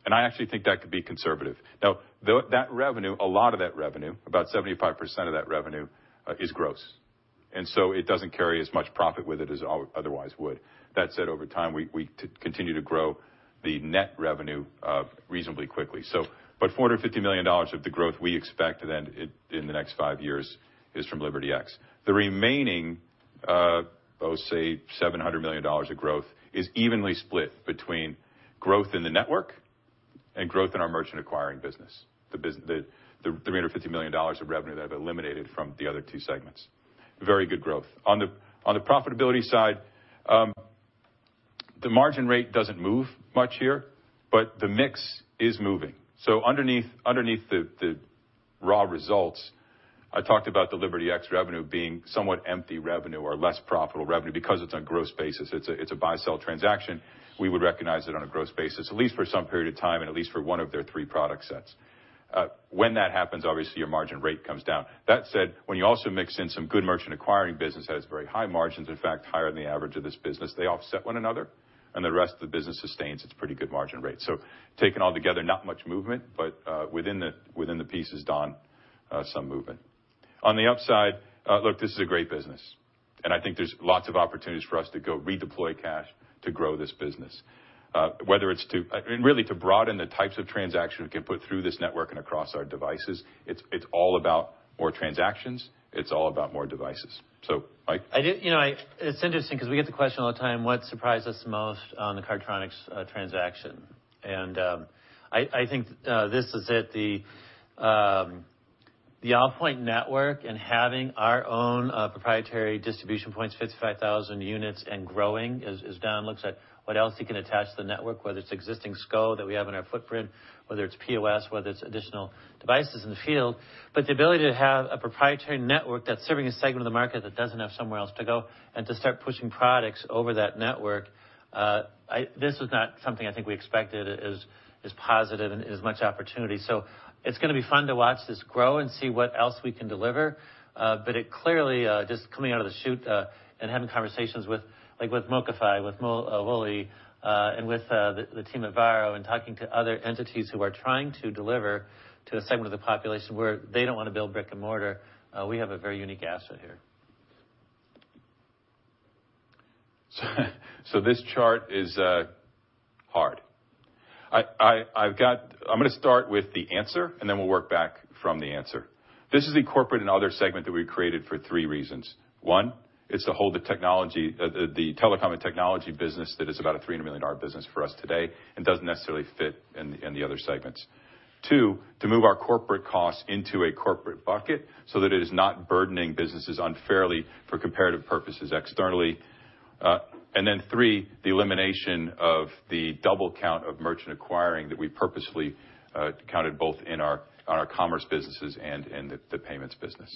I actually think that could be conservative. Now, that revenue, a lot of that revenue, about 75% of that revenue, is gross. It doesn't carry as much profit with it as otherwise would. That said, over time, we continue to grow the net revenue reasonably quickly. $450 million of the growth we expect in the next five years is from LibertyX. The remaining, say, $700 million of growth is evenly split between growth in the network and growth in our merchant acquiring business. the $350 million of revenue that I've eliminated from the other two segments. Very good growth. On the profitability side, the margin rate doesn't move much here, but the mix is moving. So underneath the raw results, I talked about the LibertyX revenue being somewhat empty revenue or less profitable revenue because it's on gross basis. It's a buy/sell transaction. We would recognize it on a gross basis, at least for some period of time and at least for one of their three product sets. When that happens, obviously, your margin rate comes down. That said, when you also mix in some good merchant acquiring business that has very high margins, in fact, higher than the average of this business, they offset one another, and the rest of the business sustains its pretty good margin rate. Taken all together, not much movement, but within the pieces, Don, some movement. On the upside, look, this is a great business, and I think there's lots of opportunities for us to go redeploy cash to grow this business. Whether it's to and really to broaden the types of transactions we can put through this network and across our devices, it's all about more transactions. It's all about more devices. Michael? You know, it's interesting because we get the question all the time, what surprised us the most on the Cardtronics transaction. I think this is it. The Allpoint network and having our own proprietary distribution points, 55,000 units and growing as Don looks at what else he can attach to the network, whether it's existing SCO that we have in our footprint, whether it's POS, whether it's additional devices in the field. The ability to have a proprietary network that's serving a segment of the market that doesn't have somewhere else to go and to start pushing products over that network, this was not something I think we expected as positive and as much opportunity. It's gonna be fun to watch this grow and see what else we can deliver. It clearly just coming out of the chute and having conversations with, like with MoCaFi, with Wole, and with the team at Varo and talking to other entities who are trying to deliver to a segment of the population where they don't wanna build brick-and-mortar, we have a very unique asset here. This chart is hard. I'm gonna start with the answer, and then we'll work back from the answer. This is the Corporate and Other segment that we created for three reasons. One, it's to hold the technology, the telecom and technology business that is about a $300 million business for us today and doesn't necessarily fit in the other segments. Two, to move our corporate costs into a corporate bucket so that it is not burdening businesses unfairly for comparative purposes externally. Three, the elimination of the double count of merchant acquiring that we purposefully counted both in our commerce businesses and in the payments business.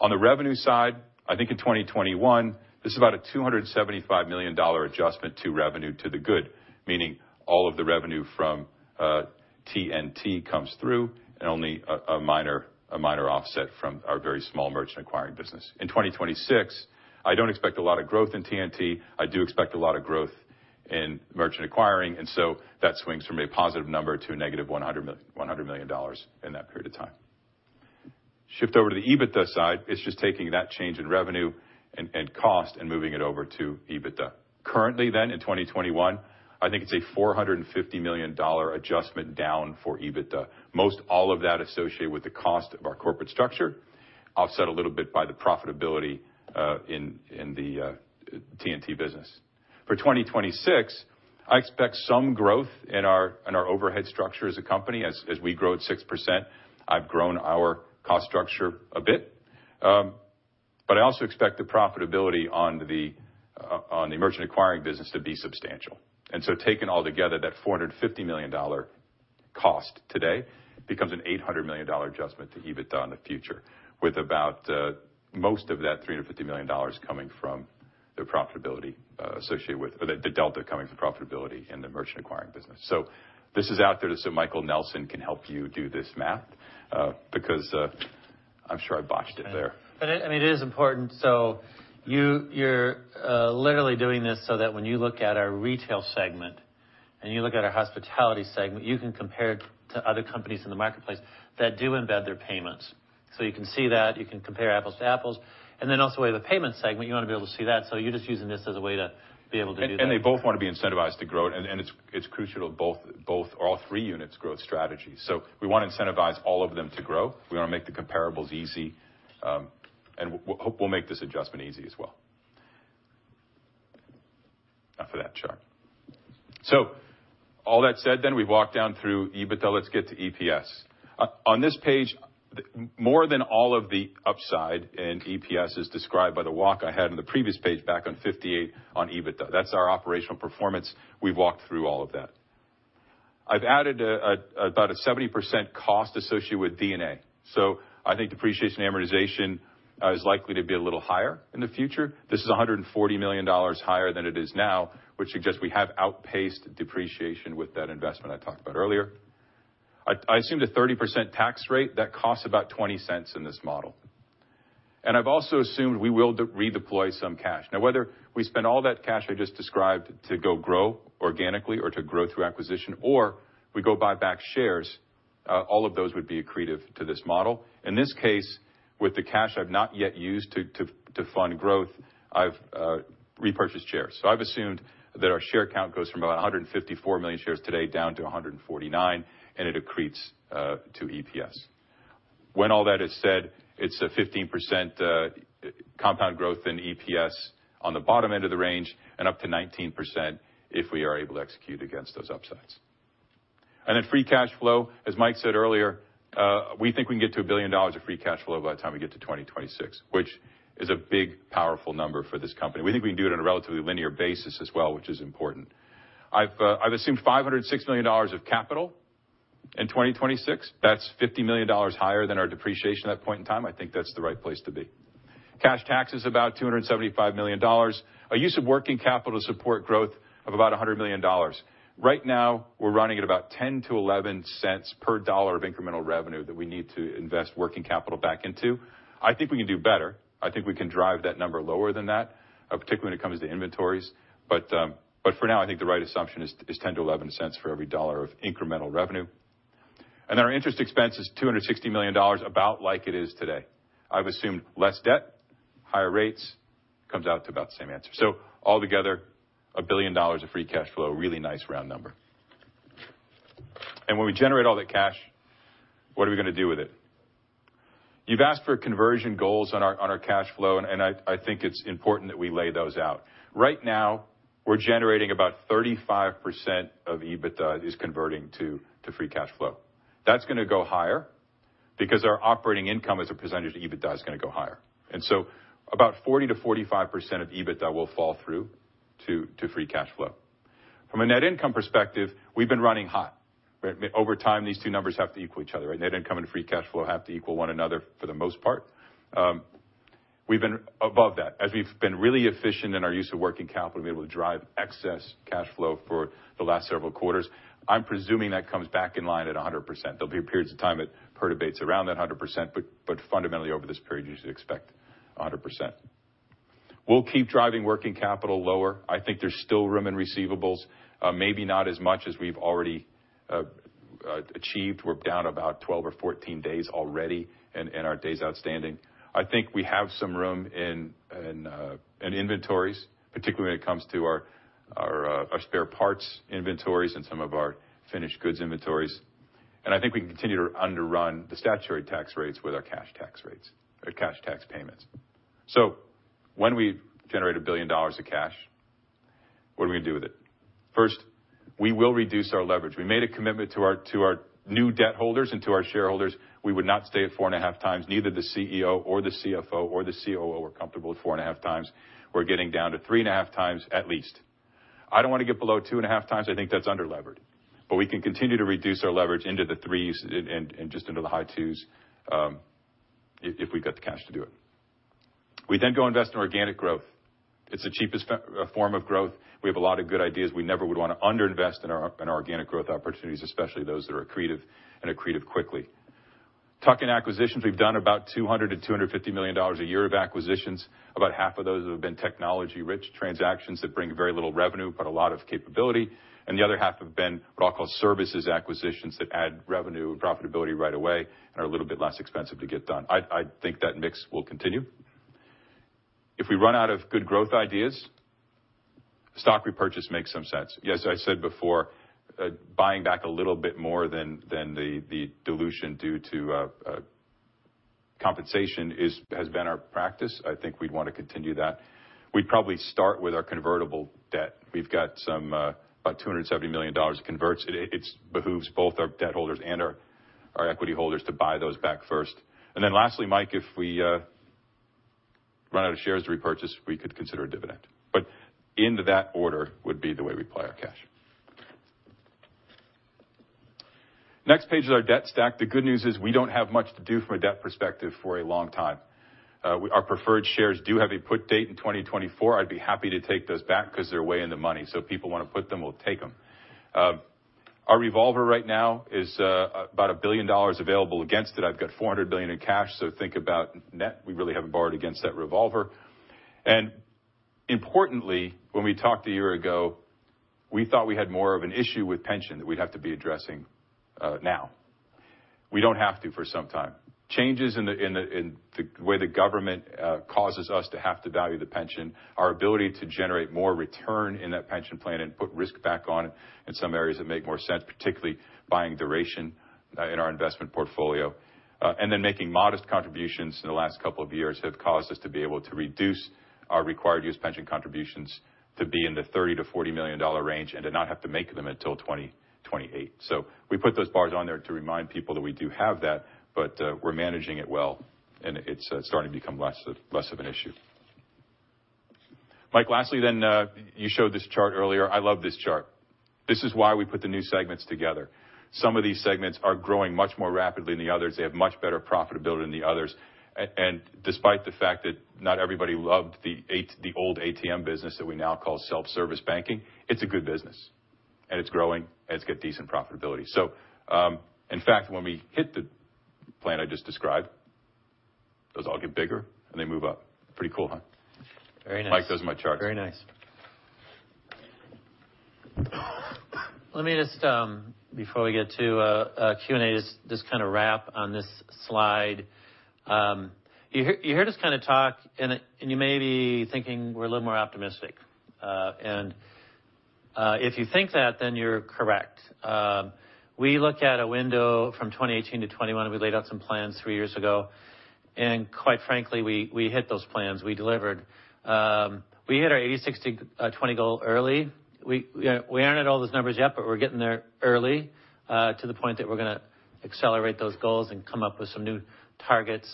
On the revenue side, I think in 2021, this is about a $275 million adjustment to revenue to the good, meaning all of the revenue from T&T comes through, and only a minor offset from our very small merchant acquiring business. In 2026, I don't expect a lot of growth in T&T. I do expect a lot of growth in merchant acquiring, and so that swings from a positive number to a negative $100 million in that period of time. Shift over to the EBITDA side, it's just taking that change in revenue and cost and moving it over to EBITDA. Currently then, in 2021, I think it's a $450 million adjustment down for EBITDA. Most all of that associated with the cost of our corporate structure, offset a little bit by the profitability in the T&T business. For 2026, I expect some growth in our overhead structure as a company. As we grow at 6%, I've grown our cost structure a bit. But I also expect the profitability on the merchant acquiring business to be substantial. Taken all together, that $450 million cost today becomes an $800 million adjustment to EBITDA in the future, with about most of that $350 million coming from the profitability associated with or the delta coming from profitability in the merchant acquiring business. This is out there so Michael Nelson can help you do this math, because I'm sure I botched it there. I mean, it is important. You're literally doing this so that when you look at our retail segment and you look at our hospitality segment, you can compare it to other companies in the marketplace that do embed their payments. You can see that, you can compare apples to apples. We have a payment segment, you want to be able to see that, so you're just using this as a way to be able to do that. They both want to be incentivized to grow, and it's crucial to both, all three units' growth strategies. We wanna incentivize all of them to grow. We wanna make the comparables easy, and we hope we'll make this adjustment easy as well. After that chart. All that said, we walk down through EBITDA. Let's get to EPS. On this page, more than all of the upside in EPS is described by the walk I had on the previous page back on 58 on EBITDA. That's our operational performance. We've walked through all of that. I've added about a 70% cost associated with D&A. I think depreciation and amortization is likely to be a little higher in the future. This is $140 million higher than it is now, which suggests we have outpaced depreciation with that investment I talked about earlier. I assume the 30% tax rate, that costs about $0.20 in this model. I've also assumed we will redeploy some cash. Now, whether we spend all that cash I just described to go grow organically or to grow through acquisition, or we go buy back shares, all of those would be accretive to this model. In this case, with the cash I've not yet used to fund growth, I've repurchased shares. I've assumed that our share count goes from about 154 million shares today down to 149, and it accretes to EPS. When all that is said, it's a 15% compound growth in EPS on the bottom end of the range and up to 19% if we are able to execute against those upsides. Free cash flow, as Michael said earlier, we think we can get to $1 billion of free cash flow by the time we get to 2026, which is a big, powerful number for this company. We think we can do it on a relatively linear basis as well, which is important. I've assumed $506 million of capital in 2026. That's $50 million higher than our depreciation at that point in time. I think that's the right place to be. Cash tax is about $275 million. A use of working capital to support growth of about $100 million. Right now, we're running at about $0.10-$0.11 per dollar of incremental revenue that we need to invest working capital back into. I think we can do better. I think we can drive that number lower than that, particularly when it comes to inventories. For now, I think the right assumption is 10-11 cents for every dollar of incremental revenue. Our interest expense is $260 million, about like it is today. I've assumed less debt, higher rates, comes out to about the same answer. All together, $1 billion of free cash flow, really nice round number. When we generate all that cash, what are we gonna do with it? You've asked for conversion goals on our cash flow, and I think it's important that we lay those out. Right now we're generating about 35% of EBITDA is converting to free cash flow. That's gonna go higher because our operating income as a percentage of EBITDA is gonna go higher. About 40%-45% of EBITDA will fall through to free cash flow. From a net income perspective, we've been running hot. Over time, these two numbers have to equal each other. Net income and free cash flow have to equal one another for the most part. We've been above that. As we've been really efficient in our use of working capital to be able to drive excess cash flow for the last several quarters, I'm presuming that comes back in line at 100%. There'll be periods of time it perturbs around that 100%, but fundamentally over this period, you should expect 100%. We'll keep driving working capital lower. I think there's still room in receivables, maybe not as much as we've already achieved. We're down about 12 or 14 days already in our days outstanding. I think we have some room in inventories, particularly when it comes to our spare parts inventories and some of our finished goods inventories. I think we can continue to underrun the statutory tax rates with our cash tax rates or cash tax payments. When we generate $1 billion of cash, what are we gonna do with it? First, we will reduce our leverage. We made a commitment to our new debt holders and to our shareholders. We would not stay at 4.5x. Neither the CEO or the CFO or the COO are comfortable with 4.5x. We're getting down to 3.5x at least. I don't want to get below 2.5x. I think that's underlevered. We can continue to reduce our leverage into the 3s and just into the high 2s, if we got the cash to do it. We then go invest in organic growth. It's the cheapest form of growth. We have a lot of good ideas. We never would wanna under-invest in our organic growth opportunities, especially those that are accretive and accretive quickly. Talking acquisitions, we've done about $200 million-$250 million a year of acquisitions. About half of those have been technology-rich transactions that bring very little revenue, but a lot of capability. The other half have been what I'll call services acquisitions that add revenue and profitability right away and are a little bit less expensive to get done. I think that mix will continue. If we run out of good growth ideas, stock repurchase makes some sense. Yes, I said before, buying back a little bit more than the dilution due to compensation has been our practice. I think we'd want to continue that. We'd probably start with our convertible debt. We've got some, about $270 million converts. It behooves both our debt holders and our equity holders to buy those back first. Lastly, Michael, if we run out of shares to repurchase, we could consider a dividend. Into that order would be the way we play our cash. Next page is our debt stack. The good news is we don't have much to do from a debt perspective for a long time. Our preferred shares do have a put date in 2024. I'd be happy to take those back 'cause they're way in the money. If people wanna put them, we'll take them. Our revolver right now is about $1 billion available against it. I've got $400 million in cash, so think about net. We really haven't borrowed against that revolver. Importantly, when we talked a year ago, we thought we had more of an issue with pension that we'd have to be addressing now. We don't have to for some time. Changes in the way the government causes us to have to value the pension, our ability to generate more return in that pension plan and put risk back on it in some areas that make more sense, particularly buying duration in our investment portfolio. And then making modest contributions in the last couple of years have caused us to be able to reduce our required U.S. pension contributions to be in the $30-$40 million range and to not have to make them until 2028. We put those bars on there to remind people that we do have that, but we're managing it well, and it's starting to become less of an issue. Michael, lastly, you showed this chart earlier. I love this chart. This is why we put the new segments together. Some of these segments are growing much more rapidly than the others. They have much better profitability than the others. Despite the fact that not everybody loved the old ATM business that we now call self-service banking, it's a good business, and it's growing, and it's got decent profitability. In fact, when we hit the plan I just described, those all get bigger, and they move up. Pretty cool, huh? Very nice. Michael, those are my charts. Very nice. Let me just before we get to Q&A kinda wrap on this slide. You hear this kinda talk and you may be thinking we're a little more optimistic. If you think that, then you're correct. We look at a window from 2018 to 2021. We laid out some plans three years ago, and quite frankly, we hit those plans. We delivered. We hit our 80, 60, 20 goal early. We aren't at all those numbers yet, but we're getting there early to the point that we're gonna accelerate those goals and come up with some new targets.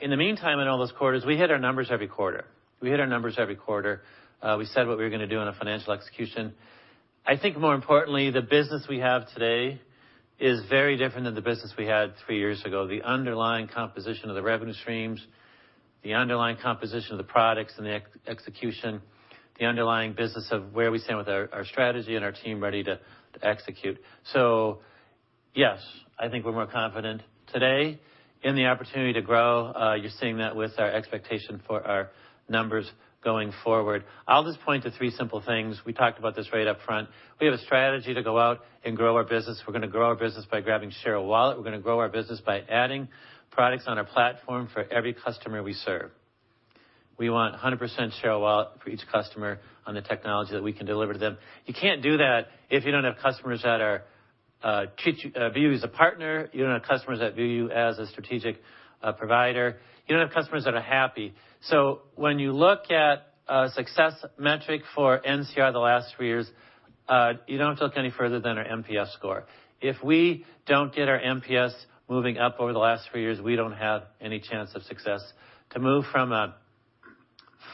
In the meantime, in all those quarters, we hit our numbers every quarter. We hit our numbers every quarter. We said what we were gonna do on a financial execution. I think more importantly, the business we have today is very different than the business we had three years ago. The underlying composition of the revenue streams, the underlying composition of the products and the execution, the underlying business of where we stand with our strategy and our team ready to execute. Yes, I think we're more confident today in the opportunity to grow. You're seeing that with our expectation for our numbers going forward. I'll just point to three simple things. We talked about this right up front. We have a strategy to go out and grow our business. We're gonna grow our business by grabbing share of wallet. We're gonna grow our business by adding products on our platform for every customer we serve. We want 100% share of wallet for each customer on the technology that we can deliver to them. You can't do that if you don't have customers that view you as a partner. You don't have customers that view you as a strategic provider. You don't have customers that are happy. When you look at a success metric for NCR the last three years, you don't have to look any further than our NPS score. If we don't get our NPS moving up over the last three years, we don't have any chance of success. To move from a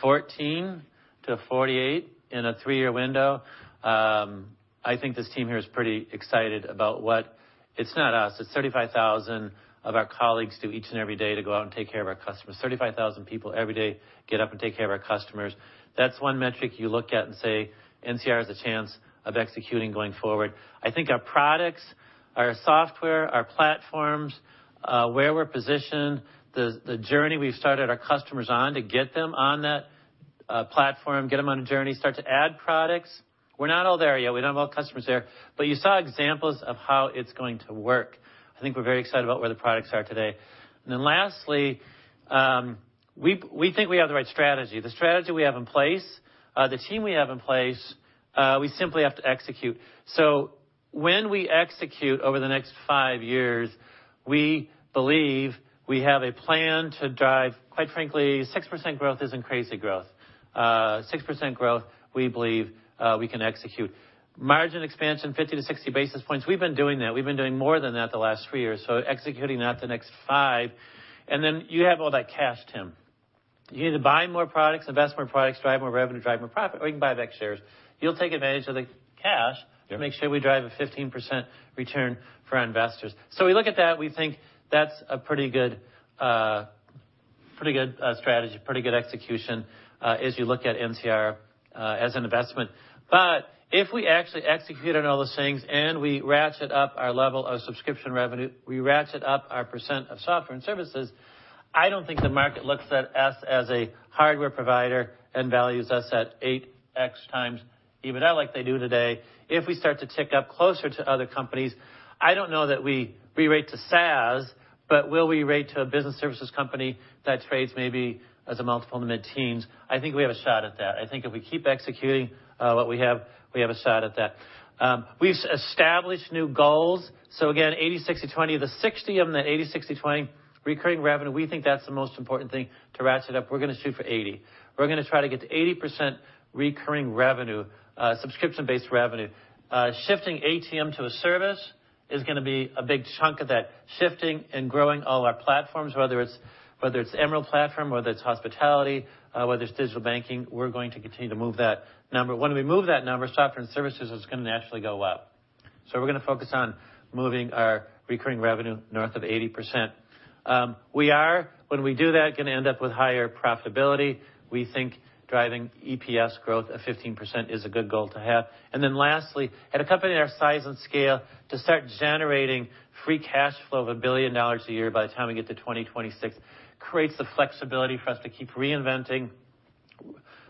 14 to a 48 in a three-year window, I think this team here is pretty excited about what. It's not us. It's 35,000 of our colleagues do each and every day to go out and take care of our customers. 35,000 people every day get up and take care of our customers. That's one metric you look at and say NCR has a chance of executing going forward. I think our products, our software, our platforms, where we're positioned, the journey we've started our customers on to get them on that platform, get them on a journey, start to add products. We're not all there yet. We don't have all customers there. But you saw examples of how it's going to work. I think we're very excited about where the products are today. Then lastly, we think we have the right strategy. The strategy we have in place, the team we have in place, we simply have to execute. When we execute over the next five years, we believe we have a plan to drive, quite frankly, 6% growth isn't crazy growth. Six percent growth, we believe, we can execute. Margin expansion, 50-60 basis points. We've been doing that. We've been doing more than that the last three years, so executing that the next five. Then you have all that cash, Tim. You either buy more products, invest more products, drive more revenue, drive more profit, or you can buy back shares. You'll take advantage of the cash- Yeah. To make sure we drive a 15% return for our investors. We look at that, we think that's a pretty good strategy, pretty good execution, as you look at NCR as an investment. If we actually execute on all those things and we ratchet up our level of subscription revenue, we ratchet up our percent of software and services, I don't think the market looks at us as a hardware provider and values us at 8x EBITDA like they do today. If we start to tick up closer to other companies, I don't know that we re-rate to SaaS, but will we rate to a business services company that trades maybe as a multiple in the mid-teens? I think we have a shot at that. I think if we keep executing what we have, we have a shot at that. We've established new goals. Again, 80/60/20. The 60 of the 80/60/20, recurring revenue, we think that's the most important thing to ratchet up. We're gonna shoot for 80. We're gonna try to get to 80% recurring revenue, subscription-based revenue. Shifting ATM to a service is gonna be a big chunk of that. Shifting and growing all our platforms, whether it's the Emerald platform, whether it's Hospitality, whether it's digital banking, we're going to continue to move that number. When we move that number, software and services is gonna naturally go up. We're gonna focus on moving our recurring revenue north of 80%. We are, when we do that, gonna end up with higher profitability. We think driving EPS growth of 15% is a good goal to have. Then lastly, at a company our size and scale, to start generating free cash flow of $1 billion a year by the time we get to 2026 creates the flexibility for us to keep reinventing,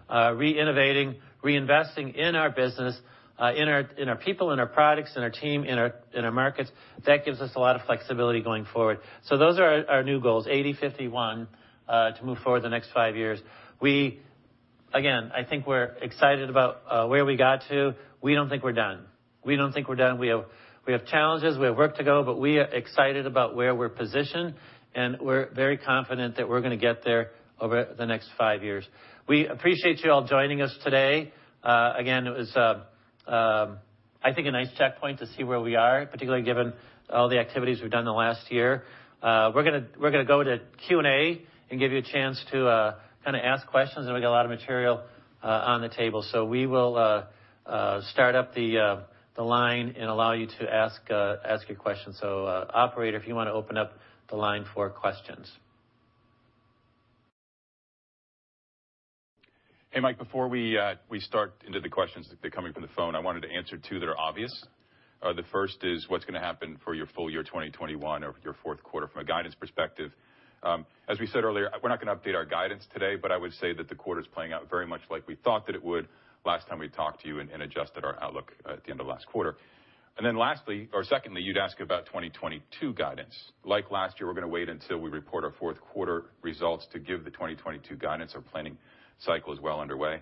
re-innovating, reinvesting in our business, in our people, in our products, in our team, in our markets. That gives us a lot of flexibility going forward. Those are our new goals, 80/50/1, to move forward the next five years. Again, I think we're excited about where we got to. We don't think we're done. We have challenges. We have work to do, but we are excited about where we're positioned, and we're very confident that we're gonna get there over the next five years. We appreciate you all joining us today. Again, I think it was a nice checkpoint to see where we are, particularly given all the activities we've done in the last year. We're gonna go to Q&A and give you a chance to kinda ask questions, and we've got a lot of material on the table. We will start up the line and allow you to ask your questions. Operator, if you wanna open up the line for questions. Hey, Michael, before we start into the questions coming from the phone, I wanted to answer two that are obvious. The first is what's gonna happen for your full year 2021 or your fourth quarter from a guidance perspective. As we said earlier, we're not gonna update our guidance today, but I would say that the quarter's playing out very much like we thought that it would last time we talked to you and adjusted our outlook at the end of last quarter. Lastly or secondly, you'd ask about 2022 guidance. Like last year, we're gonna wait until we report our fourth quarter results to give the 2022 guidance. Our planning cycle is well underway.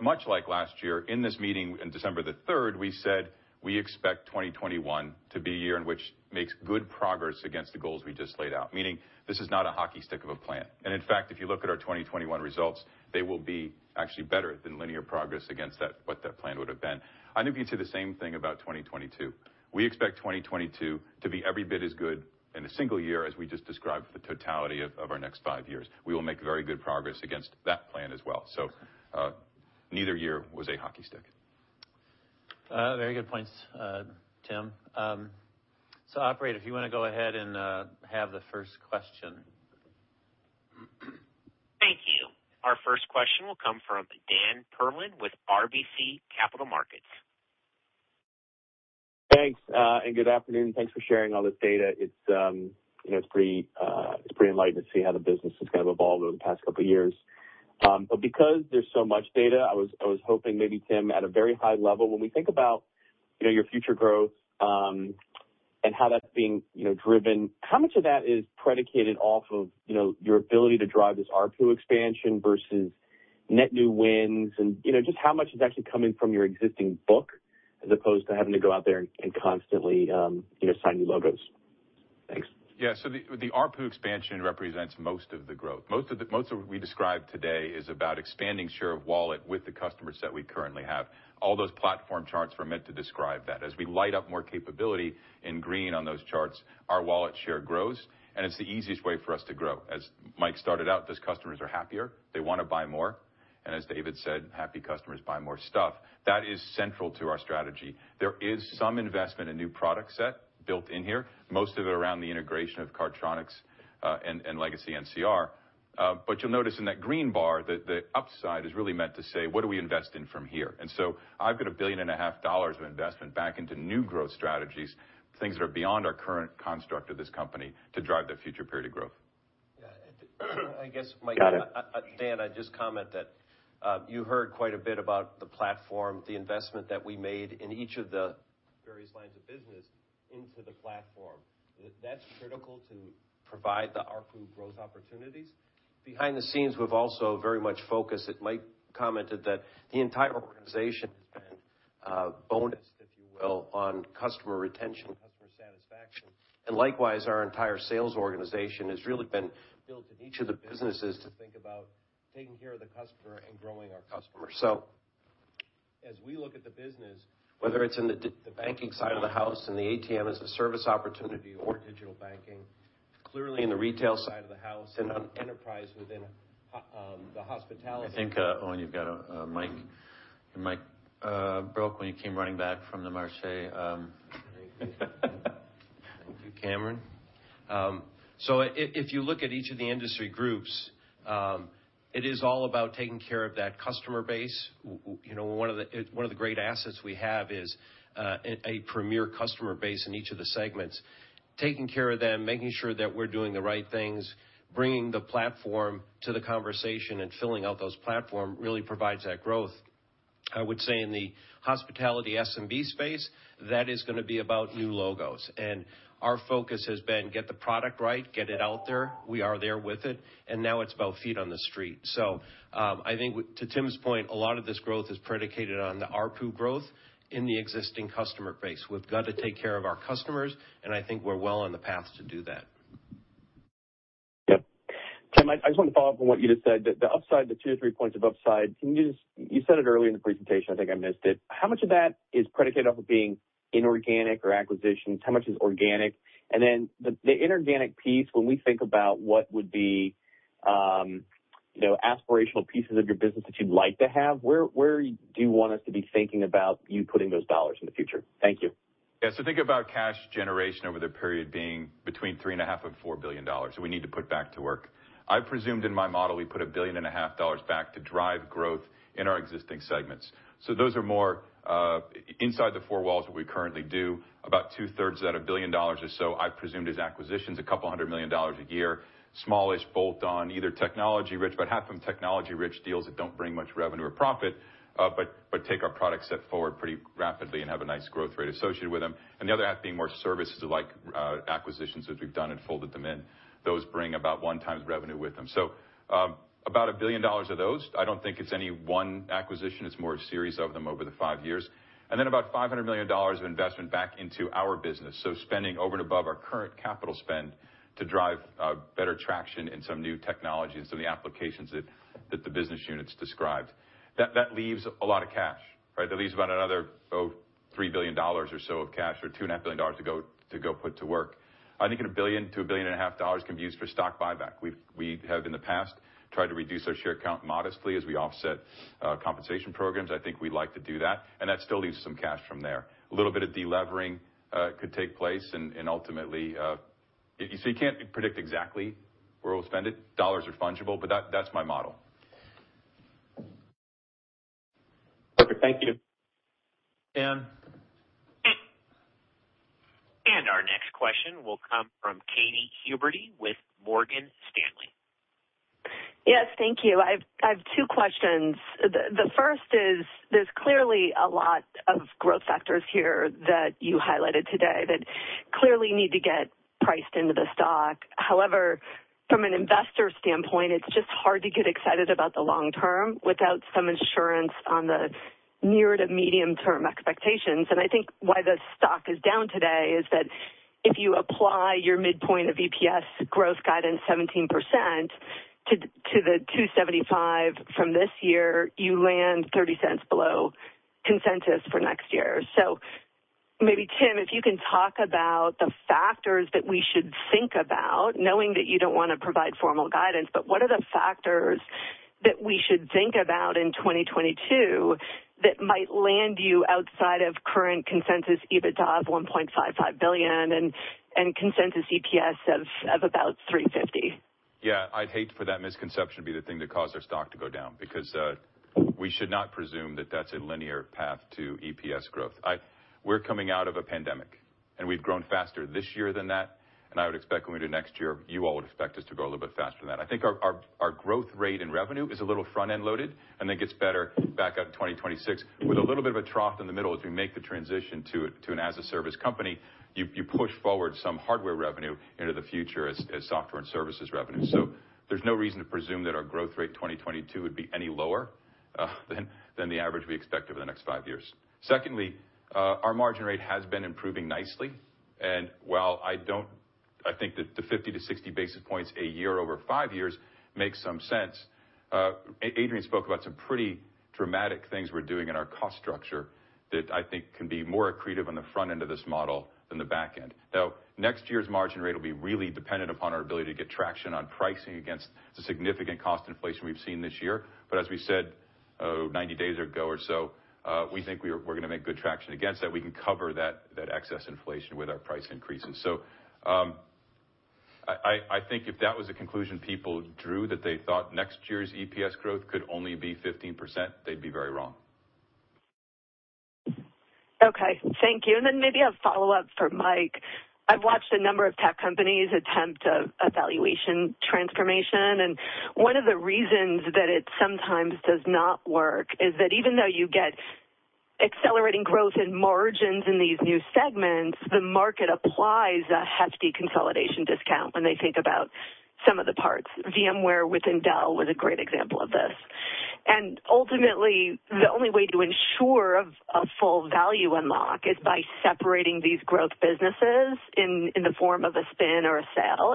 Much like last year, in this meeting in December 3rd, we said we expect 2021 to be a year in which makes good progress against the goals we just laid out, meaning this is not a hockey stick of a plan. In fact, if you look at our 2021 results, they will be actually better than linear progress against that, what that plan would have been. I think you'd see the same thing about 2022. We expect 2022 to be every bit as good in a single year as we just described the totality of our next five years. We will make very good progress against that plan as well. Neither year was a hockey stick. Very good points, Tim. Operator, if you wanna go ahead and have the first question. Thank you. Our first question will come from Dan Perlin with RBC Capital Markets. Thanks, and good afternoon. Thanks for sharing all this data. It's, you know, it's pretty enlightening to see how the business has kind of evolved over the past couple of years. Because there's so much data, I was hoping maybe, Tim, at a very high level, when we think about, you know, your future growth, and how that's being, you know, driven, how much of that is predicated off of, you know, your ability to drive this ARPU expansion versus net new wins and, you know, just how much is actually coming from your existing book as opposed to having to go out there and constantly, you know, sign new logos? Thanks. Yeah. The ARPU expansion represents most of the growth. Most of what we described today is about expanding share of wallet with the customers that we currently have. All those platform charts were meant to describe that. As we light up more capability in green on those charts, our wallet share grows, and it's the easiest way for us to grow. As Michael started out, those customers are happier, they wanna buy more. And as David said, happy customers buy more stuff. That is central to our strategy. There is some investment in new product set built in here, most of it around the integration of Cardtronics, and Legacy NCR. You'll notice in that green bar that the upside is really meant to say, what do we invest in from here? I've got $1.5 billion of investment back into new growth strategies, things that are beyond our current construct of this company to drive that future period of growth. Yeah. I guess, Michael. Got it. Dan, I'd just comment that you heard quite a bit about the platform, the investment that we made in each of the various lines of business into the platform. That's critical to provide the ARPU growth opportunities. Behind the scenes, we've also very much focused, as Michael commented that the entire organization has been bonused, if you will, on customer retention, customer satisfaction. Likewise, our entire sales organization has really been built in each of the businesses to think about taking care of the customer and growing our customers. As we look at the business, whether it's in the banking side of the house and the ATM as a Service opportunity or digital banking, clearly in the retail side of the house and on enterprise within the hospitality- I think, Owen, your mic broke when you came running back from the march. Thank you, Oliver. So if you look at each of the industry groups, it is all about taking care of that customer base. You know, one of the great assets we have is a premier customer base in each of the segments. Taking care of them, making sure that we're doing the right things, bringing the platform to the conversation and filling out those platforms really provides that growth. I would say in the hospitality SMB space, that is gonna be about new logos. Our focus has been get the product right, get it out there, we are there with it, and now it's about feet on the street. I think to Tim's point, a lot of this growth is predicated on the ARPU growth in the existing customer base. We've got to take care of our customers, and I think we're well on the path to do that. Yep. Tim, I just want to follow up on what you just said. The upside, the two-three points of upside, can you just. You said it earlier in the presentation. I think I missed it. How much of that is predicated off of being inorganic or acquisitions? How much is organic? The inorganic piece, when we think about what would be aspirational pieces of your business that you'd like to have, where do you want us to be thinking about you putting those dollars in the future? Thank you. Yeah. Think about cash generation over the period being between $3.5 billion and $4 billion that we need to put back to work. I presumed in my model we put $1.5 billion back to drive growth in our existing segments. Those are more inside the four walls what we currently do. About two-thirds of that, $1 billion or so I presumed is acquisitions, $200 million a year. Small-ish bolt-on, either technology-rich, but half of them technology-rich deals that don't bring much revenue or profit, but take our product set forward pretty rapidly and have a nice growth rate associated with them. The other half being more services like acquisitions as we've done and folded them in. Those bring about one times revenue with them. About $1 billion of those. I don't think it's any one acquisition. It's more a series of them over the five years. About $500 million of investment back into our business, so spending over and above our current capital spend to drive better traction in some new technologies, some of the applications that the business units described. That leaves a lot of cash, right? That leaves about another $3 billion or so of cash, or $2.5 billion to go put to work. I think $1 billion-$1.5 billion can be used for stock buyback. We have in the past tried to reduce our share count modestly as we offset compensation programs. I think we'd like to do that, and that still leaves some cash from there. A little bit of delevering could take place and ultimately you can't predict exactly where we'll spend it. Dollars are fungible, but that's my model. Okay. Thank you. Dan. Our next question will come from Kathryn Huberty with Morgan Stanley. Yes. Thank you. I've two questions. The first is, there's clearly a lot of growth factors here that you highlighted today that clearly need to get priced into the stock. However, from an investor standpoint, it's just hard to get excited about the long term without some assurance on the near to medium term expectations. I think why the stock is down today is that if you apply your midpoint of EPS growth guidance 17% to the $2.75 from this year, you land $0.30 below consensus for next year. Maybe Tim, if you can talk about the factors that we should think about, knowing that you don't wanna provide formal guidance, but what are the factors that we should think about in 2022 that might land you outside of current consensus EBITDA of $1.55 billion and consensus EPS of about $3.50? Yeah. I'd hate for that misconception to be the thing to cause our stock to go down because we should not presume that that's a linear path to EPS growth. We're coming out of a pandemic, and we've grown faster this year than that, and I would expect when we do next year, you all would expect us to grow a little bit faster than that. I think our growth rate in revenue is a little front-end loaded and then gets better back out in 2026 with a little bit of a trough in the middle as we make the transition to an as-a-service company. You push forward some hardware revenue into the future as software and services revenue. There's no reason to presume that our growth rate in 2022 would be any lower than the average we expect over the next five years. Secondly, our margin rate has been improving nicely. While I think that the 50-60 basis points a year over five years makes some sense, Adrian spoke about some pretty dramatic things we're doing in our cost structure that I think can be more accretive on the front end of this model than the back end. Now, next year's margin rate will be really dependent upon our ability to get traction on pricing against the significant cost inflation we've seen this year. As we said, about 90 days ago or so, we think we're gonna make good traction against that. We can cover that excess inflation with our price increases. I think if that was the conclusion people drew that they thought next year's EPS growth could only be 15%, they'd be very wrong. Okay. Thank you. Then maybe a follow-up for Michael. I've watched a number of tech companies attempt a valuation transformation, and one of the reasons that it sometimes does not work is that even though you get accelerating growth in margins in these new segments, the market applies a hefty consolidation discount when they think about some of the parts. VMware within Dell was a great example of this. Ultimately, the only way to ensure a full value unlock is by separating these growth businesses in the form of a spin or a sale.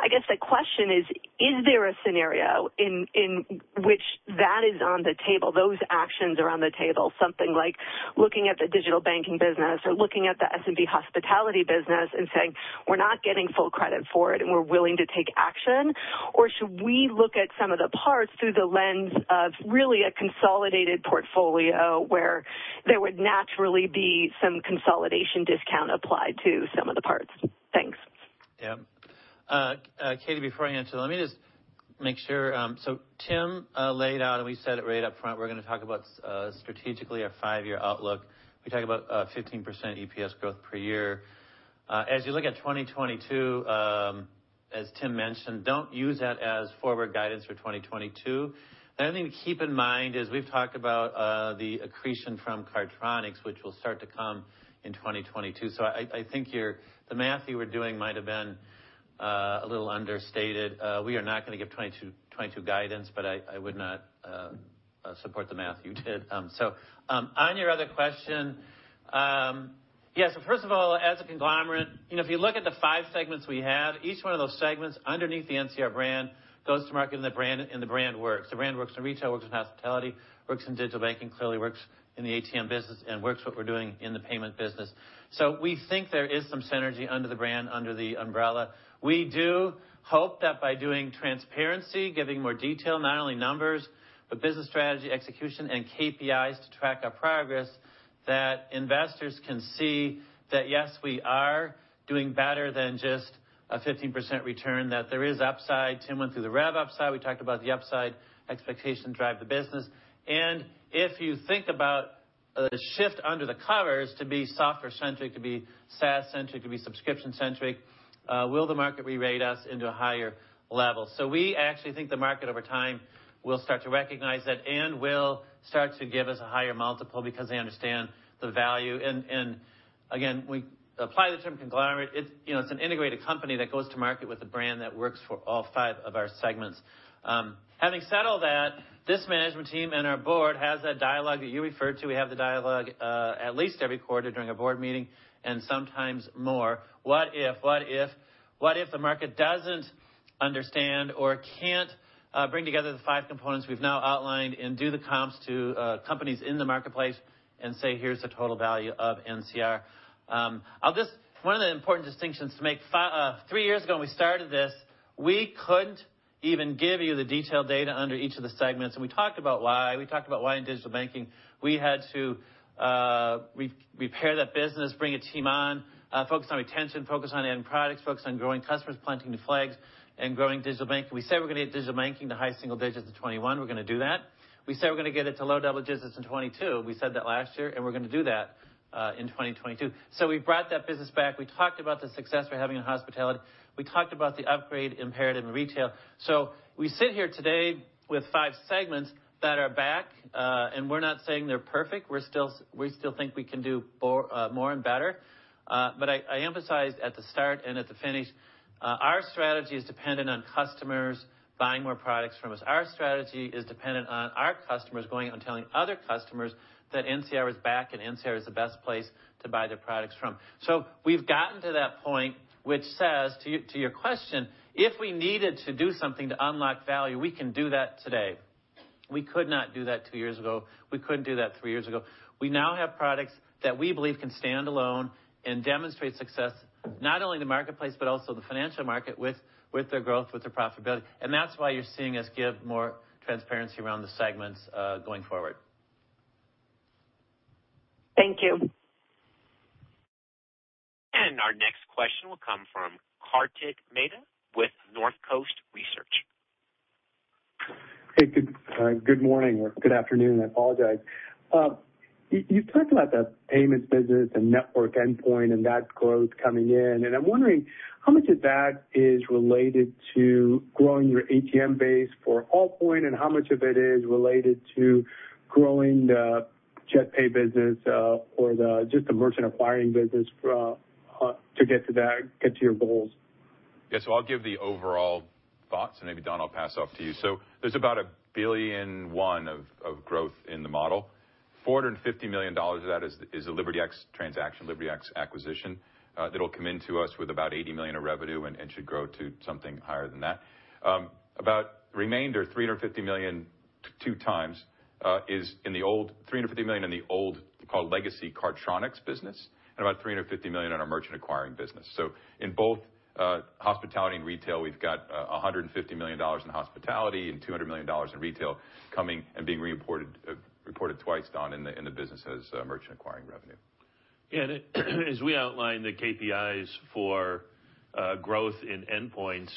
I guess the question is: Is there a scenario in which that is on the table, those actions are on the table, something like looking at the digital banking business or looking at the NCR Hospitality business and saying, "We're not getting full credit for it, and we're willing to take action"? Or should we look at some of the parts through the lens of really a consolidated portfolio where there would naturally be some consolidation discount applied to some of the parts? Thanks. Yeah. Kathryn, before I answer, let me just make sure. Tim laid out, and we said it right up front, we're gonna talk about strategically our five-year outlook. We talk about 15% EPS growth per year. As you look at 2022, as Tim mentioned, don't use that as forward guidance for 2022. The other thing to keep in mind is we've talked about the accretion from Cardtronics, which will start to come in 2022. I think the math you were doing might have been a little understated. We are not gonna give 2022 guidance, but I would not support the math you did. On your other question, yeah. First of all, as a conglomerate, you know, if you look at the five segments we have, each one of those segments underneath the NCR brand goes to market, and the brand, and the brand works. The brand works in retail, works in hospitality, works in digital banking, clearly works in the ATM business and works what we're doing in the payment business. We think there is some synergy under the brand, under the umbrella. We do hope that by doing transparency, giving more detail, not only numbers, but business strategy, execution and KPIs to track our progress, that investors can see that, yes, we are doing better than just a 15% return, that there is upside. Tim went through the rev upside. We talked about the upside expectations drive the business. If you think about the shift under the covers to be software centric, to be SaaS centric, to be subscription centric, will the market re-rate us into a higher level? We actually think the market over time will start to recognize that and will start to give us a higher multiple because they understand the value. Again, we apply the term conglomerate. It's, you know, it's an integrated company that goes to market with a brand that works for all five of our segments. Having said all that, this management team and our board has that dialogue that you referred to. We have the dialogue, at least every quarter during a board meeting and sometimes more. What if the market doesn't understand or can't bring together the five components we've now outlined and do the comps to companies in the marketplace and say, "Here's the total value of NCR." One of the important distinctions to make, three years ago when we started this, we couldn't even give you the detailed data under each of the segments, and we talked about why. We talked about why in digital banking we had to repair that business, bring a team on, focus on retention, focus on adding products, focus on growing customers, planting new flags and growing digital banking. We said we're gonna get digital banking to high single digits in 2021. We're gonna do that. We said we're gonna get it to low double digits in 2022. We said that last year, and we're gonna do that in 2022. We've brought that business back. We talked about the success we're having in hospitality. We talked about the upgrade imperative in retail. We sit here today with five segments that are back, and we're not saying they're perfect. We still think we can do more and better. But I emphasized at the start and at the finish, our strategy is dependent on customers buying more products from us. Our strategy is dependent on our customers going out and telling other customers that NCR is back and NCR is the best place to buy their products from. We've gotten to that point which says to your question, if we needed to do something to unlock value, we can do that today. We could not do that two years ago. We couldn't do that three years ago. We now have products that we believe can stand alone and demonstrate success, not only in the marketplace but also the financial market with their growth, with their profitability. That's why you're seeing us give more transparency around the segments, going forward. Thank you. Our next question will come from Kartik Mehta with Northcoast Research. Hey, good morning or good afternoon. I apologize. You talked about the payments business and network endpoint and that growth coming in, and I'm wondering how much of that is related to growing your ATM base for Allpoint and how much of it is related to growing the JetPay business or just the merchant acquiring business to get to your goals. I'll give the overall thoughts, and maybe Don, I'll pass off to you. There's about $1.01 billion of growth in the model. $450 million of that is the LibertyX transaction, LibertyX acquisition, that'll come into us with about $80 million of revenue and should grow to something higher than that. About the remainder, $350 million two times, is in the so-called Legacy Cardtronics business and about $350 million in our merchant acquiring business. In both hospitality and retail, we've got $150 million in hospitality and $200 million in retail coming and being reported twice, Don, in the business as merchant acquiring revenue. As we outlined the KPIs for growth in endpoints,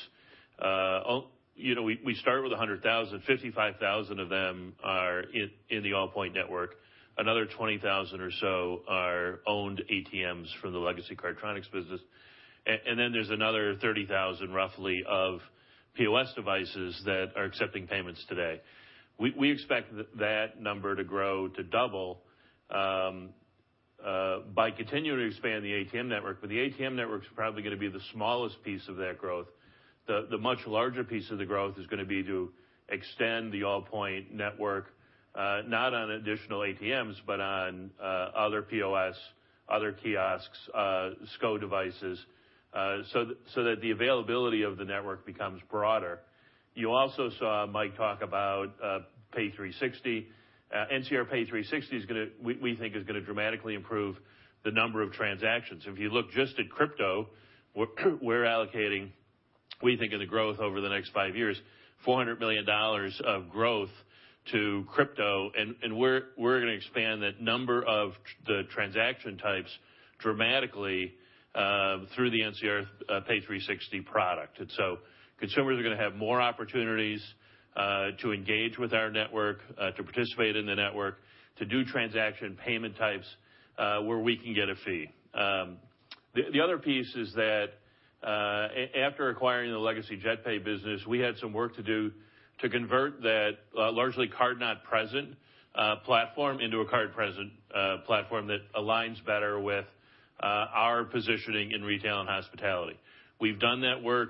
we start with 100,000. 55,000 of them are in the Allpoint network. Another 20,000 or so are owned ATMs from the legacy Cardtronics business. And then there's another 30,000 roughly of POS devices that are accepting payments today. We expect that number to grow to double by continuing to expand the ATM network, but the ATM network is probably going to be the smallest piece of that growth. The much larger piece of the growth is going to be to extend the Allpoint network, not on additional ATMs, but on other POS, other kiosks, SCO devices, so that the availability of the network becomes broader. You also saw Michael talk about Pay360. NCR Pay360, we think, is gonna dramatically improve the number of transactions. If you look just at crypto, we're allocating, we think, in the growth over the next five years, $400 million of growth to crypto, and we're gonna expand that number of the transaction types dramatically through the NCR Pay360 product. Consumers are gonna have more opportunities to engage with our network to participate in the network to do transaction payment types where we can get a fee. The other piece is that, after acquiring the legacy JetPay business, we had some work to do to convert that largely card-not-present platform into a card-present platform that aligns better with our positioning in retail and hospitality. We've done that work.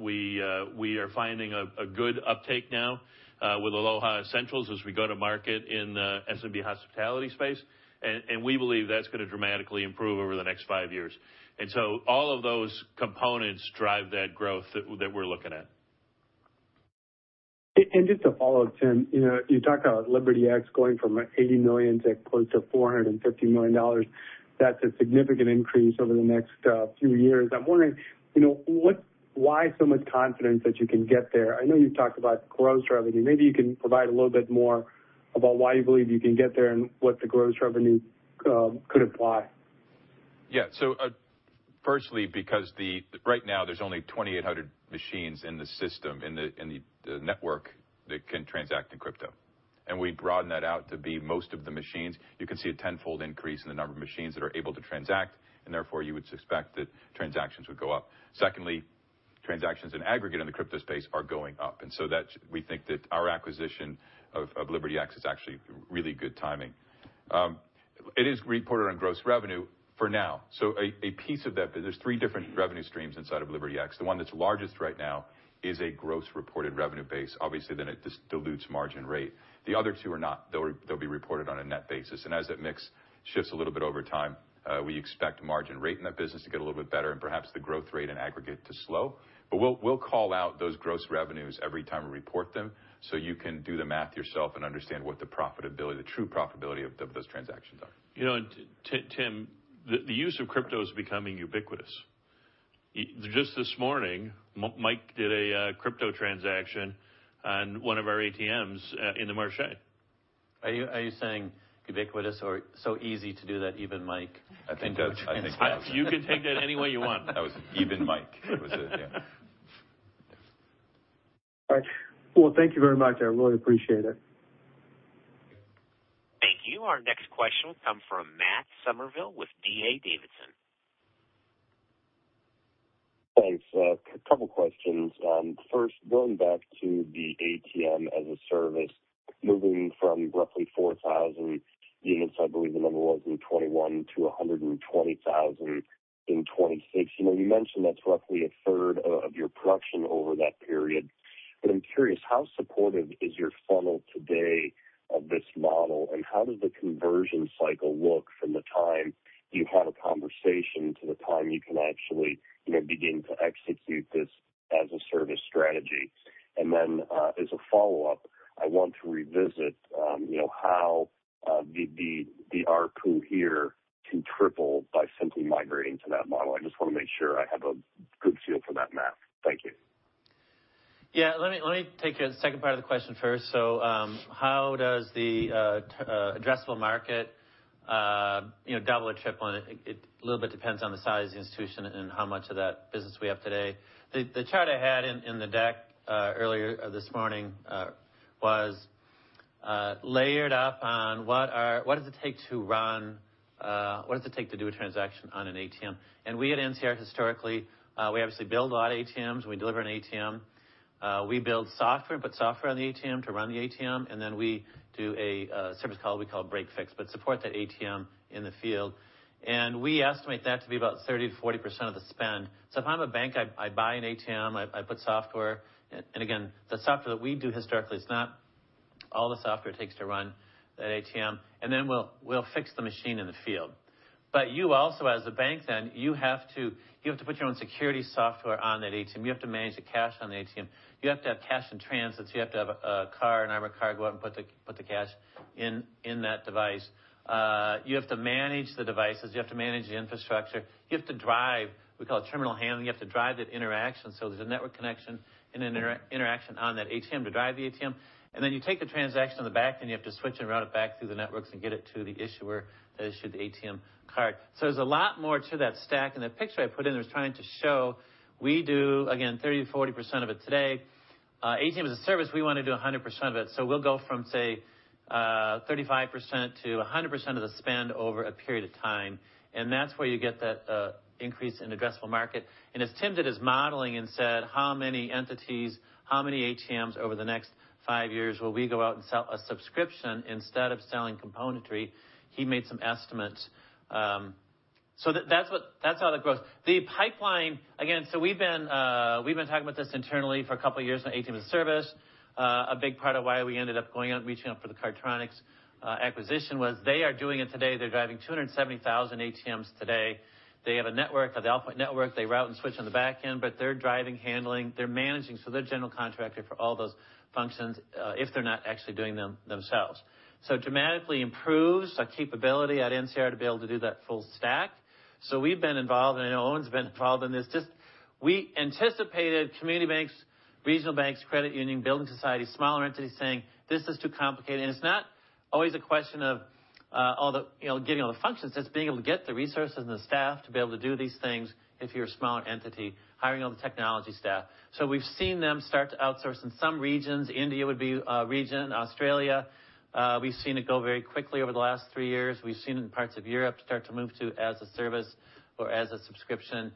We are finding a good uptake now with Aloha Essentials as we go to market in the SMB hospitality space. We believe that's gonna dramatically improve over the next five years. All of those components drive that growth that we're looking at. Just to follow up, Tim, you know, you talked about LibertyX going from $80 million to close to $450 million. That's a significant increase over the next few years. I'm wondering, you know, why so much confidence that you can get there? I know you've talked about gross revenue. Maybe you can provide a little bit more about why you believe you can get there and what the gross revenue could apply. Yeah. Firstly, because right now there's only 2,800 machines in the system, in the network that can transact in crypto. We broaden that out to be most of the machines. You can see a tenfold increase in the number of machines that are able to transact, and therefore you would expect that transactions would go up. Secondly, transactions in aggregate in the crypto space are going up. We think that our acquisition of LibertyX is actually really good timing. It is reported on gross revenue for now. A piece of that, there's three different revenue streams inside of LibertyX. The one that's largest right now is a gross reported revenue base. Obviously, then it just dilutes margin rate. The other two are not. They'll be reported on a net basis. As that mix shifts a little bit over time, we expect margin rate in that business to get a little bit better and perhaps the growth rate in aggregate to slow. We'll call out those gross revenues every time we report them, so you can do the math yourself and understand what the profitability, the true profitability of those transactions are. You know, Tim, the use of crypto is becoming ubiquitous. Just this morning, Michael did a crypto transaction on one of our ATMs in the Marche. Are you saying ubiquitous or so easy to do that even Michael can do it? I think that's. You can take that any way you want. That was even Michael. That was it. Yeah. All right. Well, thank you very much. I really appreciate it. Thank you. Our next question will come from Matt Summerville with D.A. Davidson. Thanks. A couple of questions. First, going back to the ATM as a Service, moving from roughly 4,000 units, I believe the number was in 2021 to 120,000 in 2026. You know, you mentioned that's roughly a third of your production over that period. I'm curious, how supportive is your funnel today of this model? And how does the conversion cycle look from the time you have a conversation to the time you can actually, you know, begin to execute this as a Service strategy? And then, as a follow-up, I want to revisit, you know, how the ARPU here can triple by simply migrating to that model. I just want to make sure I have a good feel for that math. Thank you. Yeah, let me take the second part of the question first. How does the total addressable market double or triple? It a little bit depends on the size of the institution and how much of that business we have today. The chart I had in the deck earlier this morning was layered up on what does it take to do a transaction on an ATM? We at NCR, historically, we obviously build a lot of ATMs. We deliver an ATM. We build software, put software on the ATM to run the ATM, and then we do a service call, we call break-fix, but support that ATM in the field. We estimate that to be about 30%-40% of the spend. If I'm a bank, I buy an ATM, I put software. And again, the software that we do historically is not all the software it takes to run that ATM. Then we'll fix the machine in the field. But you also, as a bank, then you have to put your own security software on that ATM. You have to manage the cash on the ATM. You have to have cash in transit, so you have to have a car, an armored car go out and put the cash in that device. You have to manage the devices, you have to manage the infrastructure. You have to drive, we call it terminal handling. You have to drive that interaction. There's a network connection and interaction on that ATM to drive the ATM. Then you take the transaction on the back, and you have to switch and route it back through the networks and get it to the issuer that issued the ATM card. There's a lot more to that stack. The picture I put in there is trying to show we do, again, 30%-40% of it today. ATM as a Service, we want to do 100% of it. We'll go from, say, 35% to 100% of the spend over a period of time. That's where you get that increase in addressable market. As Tim did his modeling and said, "How many entities, how many ATMs over the next five years will we go out and sell a subscription instead of selling componentry?" He made some estimates. That's what that's how the growth. The pipeline, again, we've been talking about this internally for a couple years now, ATM as a Service. A big part of why we ended up going out and reaching out for the Cardtronics acquisition was they are doing it today. They're driving 270,000 ATMs today. They have a network, the Allpoint Network. They route and switch on the back end, but they're driving, handling, they're managing. They're general contractor for all those functions, if they're not actually doing them themselves. Dramatically improves our capability at NCR to be able to do that full stack. We've been involved, and I know Owen's been involved in this. Just we anticipated community banks, regional banks, credit union, building societies, smaller entities saying, "This is too complicated." It's not always a question of, all the, you know, getting all the functions. It's being able to get the resources and the staff to be able to do these things if you're a smaller entity, hiring all the technology staff. We've seen them start to outsource in some regions. India would be a region. Australia, we've seen it go very quickly over the last three years. We've seen it in parts of Europe start to move to as a service or as a subscription.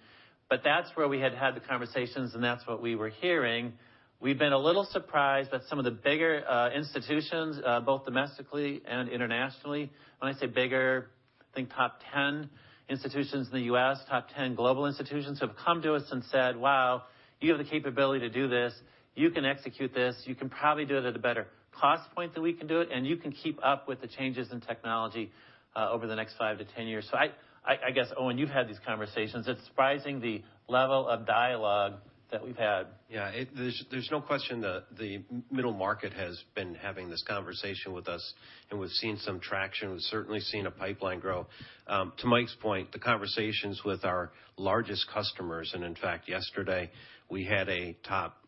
But that's where we had had the conversations, and that's what we were hearing. We've been a little surprised that some of the bigger, institutions, both domestically and internationally. When I say bigger, think top ten institutions in the U.S., top ten global institutions have come to us and said, "Wow, you have the capability to do this. You can execute this. You can probably do it at a better cost point than we can do it, and you can keep up with the changes in technology over the next five-10 years." I guess, Owen, you've had these conversations. It's surprising the level of dialogue that we've had. Yeah. There's no question that the middle market has been having this conversation with us, and we've seen some traction. We've certainly seen a pipeline grow. To Michael's point, the conversations with our largest customers, and in fact, yesterday we had a top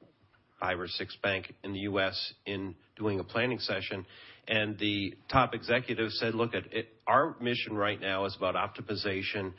five or six bank in the U.S. doing a planning session, and the top executive said, "Look at it. Our mission right now is about optimization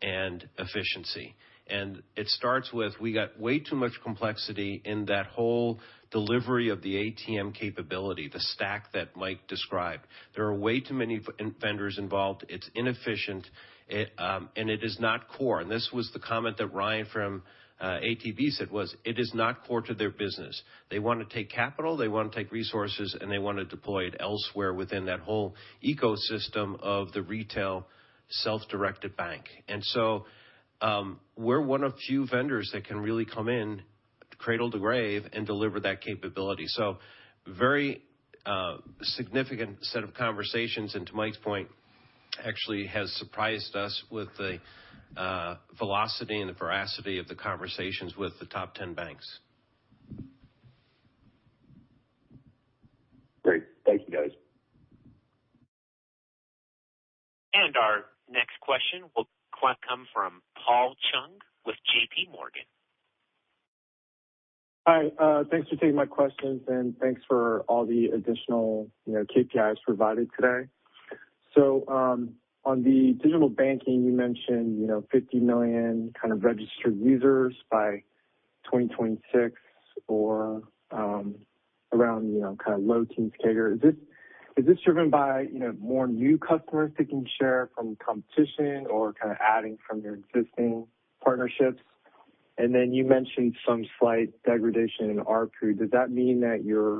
and efficiency." It starts with, we got way too much complexity in that whole delivery of the ATM capability, the stack that Michael described. There are way too many vendors involved. It's inefficient. It is not core. This was the comment that Ryan from ATB said was it is not core to their business. They wanna take capital, they wanna take resources, and they wanna deploy it elsewhere within that whole ecosystem of the retail self-directed bank. We're one of few vendors that can really come in cradle to grave and deliver that capability. Very significant set of conversations, and to Michael's point, actually has surprised us with the velocity and the veracity of the conversations with the top 10 banks. Great. Thank you, guys. Our next question will come from Paul Chung with JPMorgan. Hi. Thanks for taking my questions, and thanks for all the additional, you know, KPIs provided today. On the digital banking, you mentioned, you know, 50 million kind of registered users by 2026 or, around, you know, kind of low teens CAGR. Is this driven by, you know, more new customers taking share from competition or kind of adding from your existing partnerships? And then you mentioned some slight degradation in ARPU. Does that mean that you're,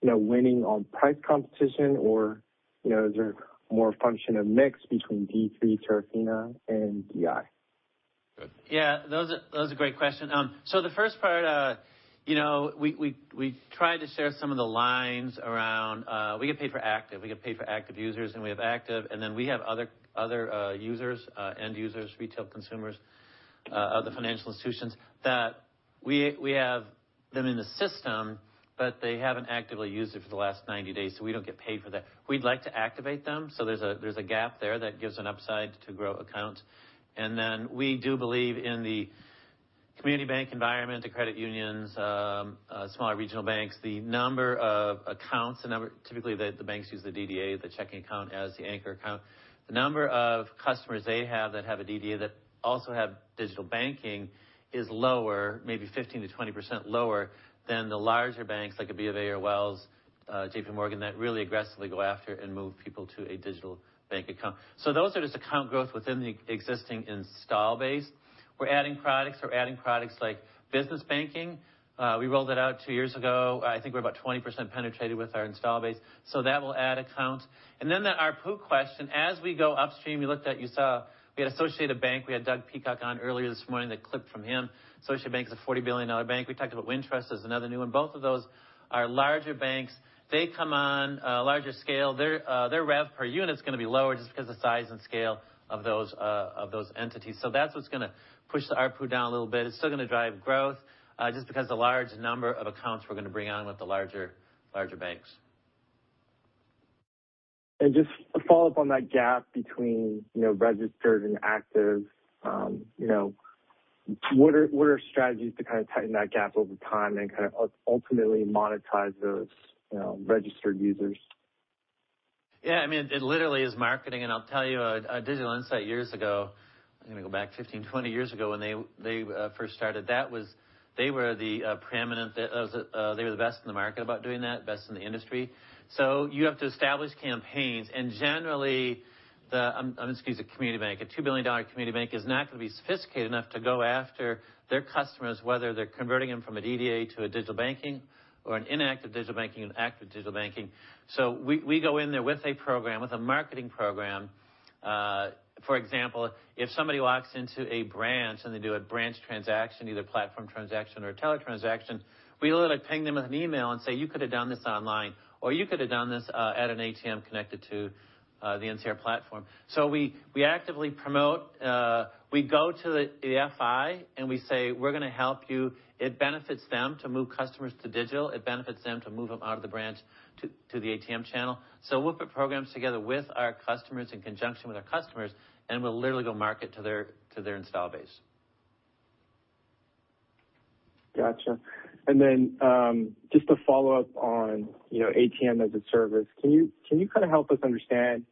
you know, winning on price competition or, you know, is there more a function of mix between D3, Terafina and DI? Yeah, those are great questions. So the first part, we tried to share some of the lines around, we get paid for active. We get paid for active users, and we have active, and then we have other users, end users, retail consumers, of the financial institutions that we have them in the system, but they haven't actively used it for the last 90 days, so we don't get paid for that. We'd like to activate them, so there's a gap there that gives an upside to grow accounts. Then we do believe in the community bank environment, the credit unions, smaller regional banks. The number of accounts, typically the banks use the DDA, the checking account as the anchor account. The number of customers they have that have a DDA that also have digital banking is lower, maybe 15%-20% lower than the larger banks like a B of A or Wells, JPMorgan, that really aggressively go after and move people to a digital bank account. Those are just account growth within the existing install base. We're adding products like business banking. We rolled it out two years ago. I think we're about 20% penetrated with our install base, so that will add account. The ARPU question, as we go upstream, you looked at, you saw we had Associated Bank. We had Doug Peacock on earlier this morning, that clip from him. Associated Bank is a $40 billion bank. We talked about Wintrust as another new one. Both of those are larger banks. They come on a larger scale. Their rev per unit's gonna be lower just because the size and scale of those entities. That's what's gonna push the ARPU down a little bit. It's still gonna drive growth just because the large number of accounts we're gonna bring on with the larger banks. Just to follow up on that gap between, you know, registered and active, you know, what are strategies to kind of tighten that gap over time and kind of ultimately monetize those, you know, registered users? Yeah, I mean, it literally is marketing, and I'll tell you, Digital Insight years ago, I'm gonna go back 15, 20 years ago when they first started, they were the preeminent, they were the best in the market about doing that, best in the industry. You have to establish campaigns, and generally, I'm just gonna use a community bank. A $2 billion community bank is not gonna be sophisticated enough to go after their customers, whether they're converting them from a DDA to a digital banking or an inactive digital banking, an active digital banking. We go in there with a program, with a marketing program. For example, if somebody walks into a branch and they do a branch transaction, either platform transaction or a teller transaction, we literally ping them with an email and say, "You could have done this online," or, "You could have done this at an ATM connected to the NCR platform." We actively promote. We go to the FI and we say, "We're gonna help you." It benefits them to move customers to digital. It benefits them to move them out of the branch to the ATM channel. We'll put programs together with our customers in conjunction with our customers, and we'll literally go market to their install base. Gotcha. Just to follow up on, you know, ATM as a Service, can you kinda help us understand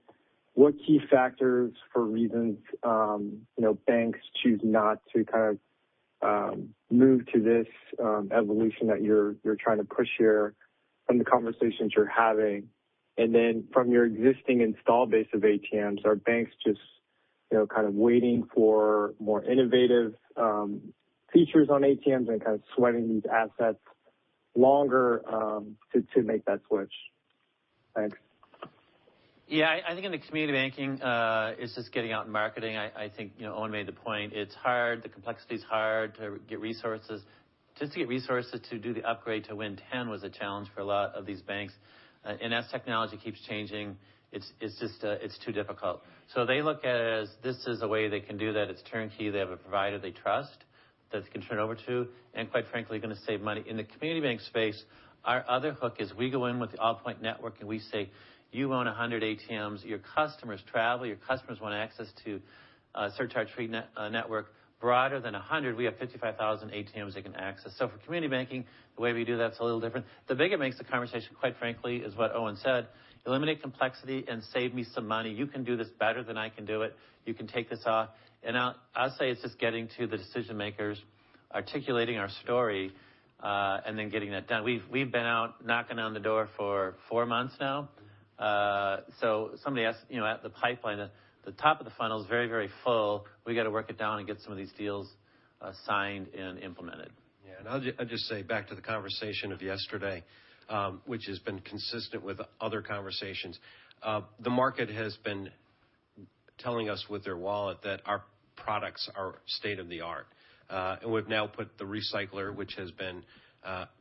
what key factors for reasons, you know, banks choose not to kind of move to this evolution that you're trying to push here from the conversations you're having? From your existing install base of ATMs, are banks just, you know, kind of waiting for more innovative features on ATMs and kind of sweating these assets longer to make that switch? Thanks. Yeah. I think in the community banking, it's just getting out and marketing. I think, you know, Owen made the point. It's hard. The complexity is hard to get resources. Just to get resources to do the upgrade to Windows 10 was a challenge for a lot of these banks. As technology keeps changing, it's just too difficult. They look at it as this is a way they can do that. It's turnkey. They have a provider they trust that they can turn over to, and quite frankly, gonna save money. In the community bank space, our other hook is we go in with the Allpoint Network, and we say, "You own 100 ATMs. Your customers travel. Your customers want access to a surcharge-free network broader than 100. We have 55,000 ATMs they can access." For community banking, the way we do that's a little different. The bigger makes the conversation, quite frankly, is what Owen said, "Eliminate complexity and save me some money. You can do this better than I can do it. You can take this off." I'll say it's just getting to the decision-makers, articulating our story, and then getting that done. We've been out knocking on doors for four months now. Somebody asked, you know, about the pipeline, the top of the funnel is very, very full. We gotta work it down and get some of these deals signed and implemented. Yeah. I'll just say back to the conversation of yesterday, which has been consistent with other conversations. The market has been telling us with their wallet that our products are state-of-the-art. We've now put the recycler, which has been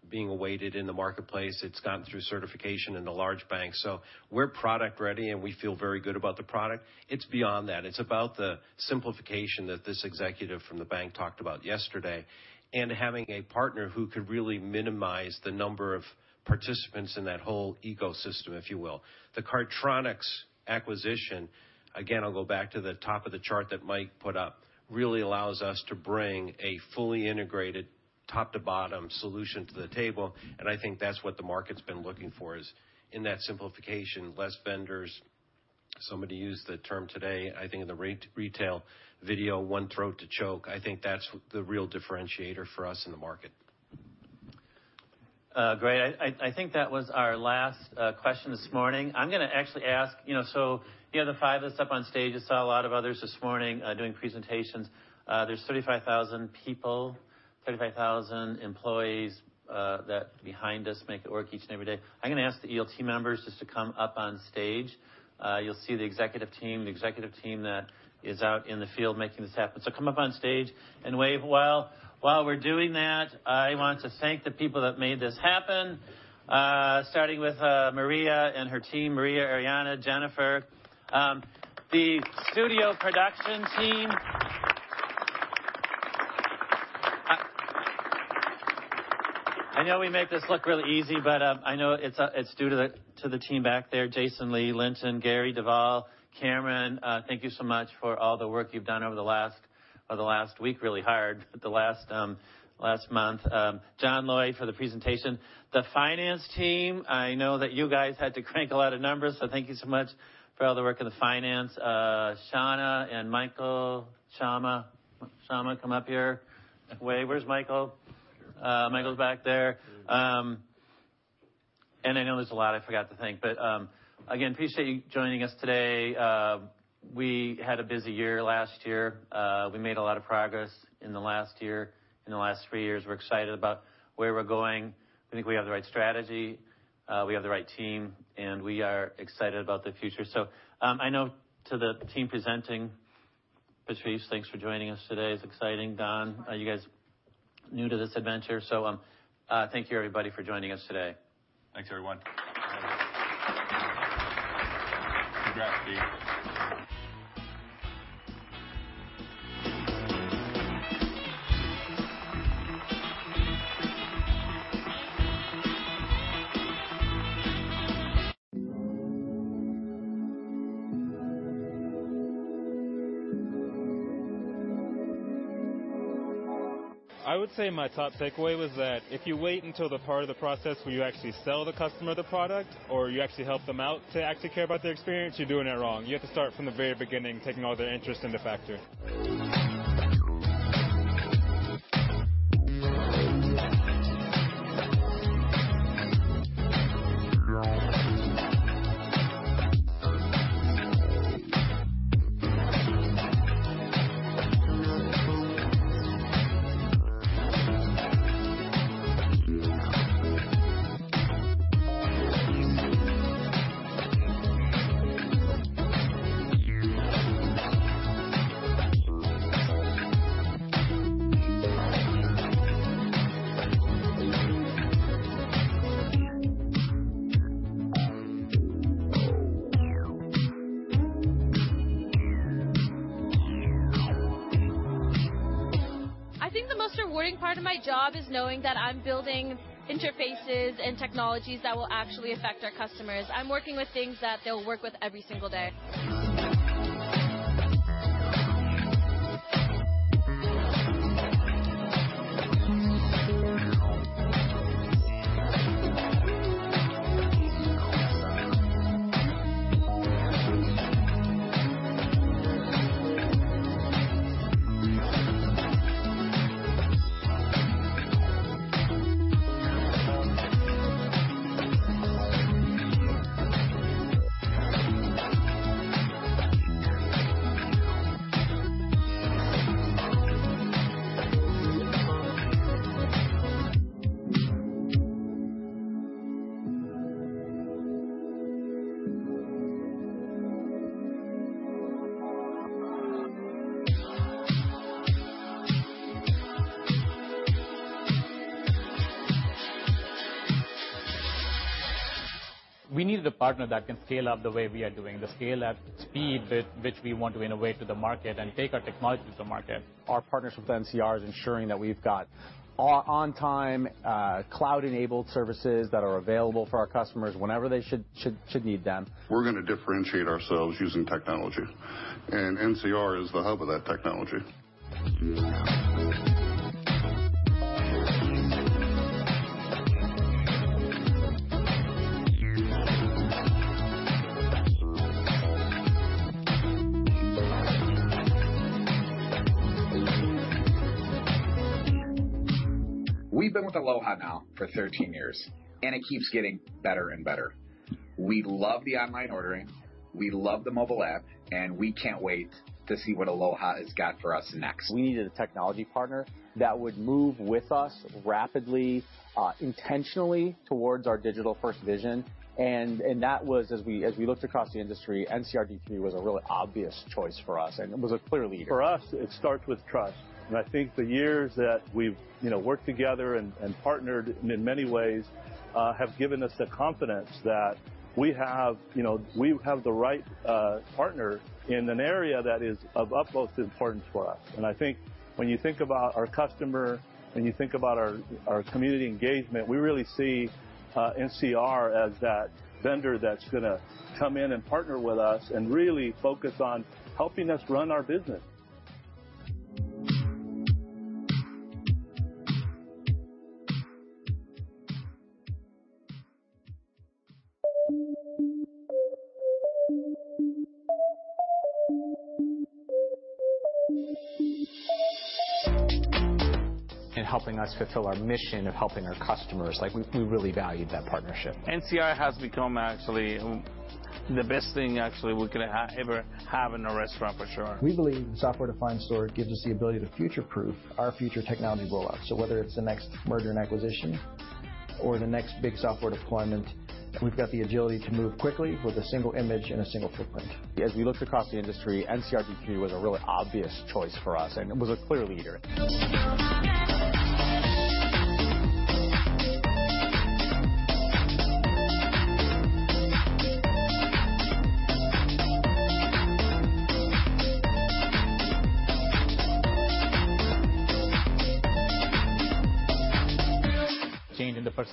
being awaited in the marketplace. It's gotten through certification in the large banks. So we're product ready, and we feel very good about the product. It's beyond that. It's about the simplification that this executive from the bank talked about yesterday and having a partner who could really minimize the number of participants in that whole ecosystem, if you will. The Cardtronics acquisition, again, I'll go back to the top of the chart that Michael put up, really allows us to bring a fully integrated top-to-bottom solution to the table, and I think that's what the market's been looking for, is in that simplification, less vendors. Somebody used the term today, I think in the re-retail video, one throat to choke. I think that's the real differentiator for us in the market. Great. I think that was our last question this morning. I'm gonna actually ask, you know, so you have the five of us up on stage. I saw a lot of others this morning doing presentations. There's 35,000 people, 35,000 employees that behind us make it work each and every day. I'm gonna ask the ELT members just to come up on stage. You'll see the executive team that is out in the field making this happen. Come up on stage and wave. While we're doing that, I want to thank the people that made this happen, starting with Maria and her team, Maria, Ariana, Jennifer. The studio production team. I know we make this look really easy, but I know it's due to the team back there. Jason, Lee, Linton, Gary, Duval, Cameron, thank you so much for all the work you've done over the last week or really the last month. John Lloyd for the presentation. The finance team, I know that you guys had to crank a lot of numbers, so thank you so much for all the work in the finance. Shawna and Michael, Shawn. Shawn, come up here. Wait, where's Michael? Michael's back there. I know there's a lot I forgot to thank, but again, appreciate you joining us today. We had a busy year last year. We made a lot of progress in the last year, in the last three years. We're excited about where we're going. I think we have the right strategy, we have the right team, and we are excited about the future. Now to the team presenting, Patrice, thanks for joining us today. It's exciting. Don, are you guys new to this adventure? Thank you everybody for joining us today. Thanks, everyone. Congrats,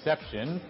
Steve.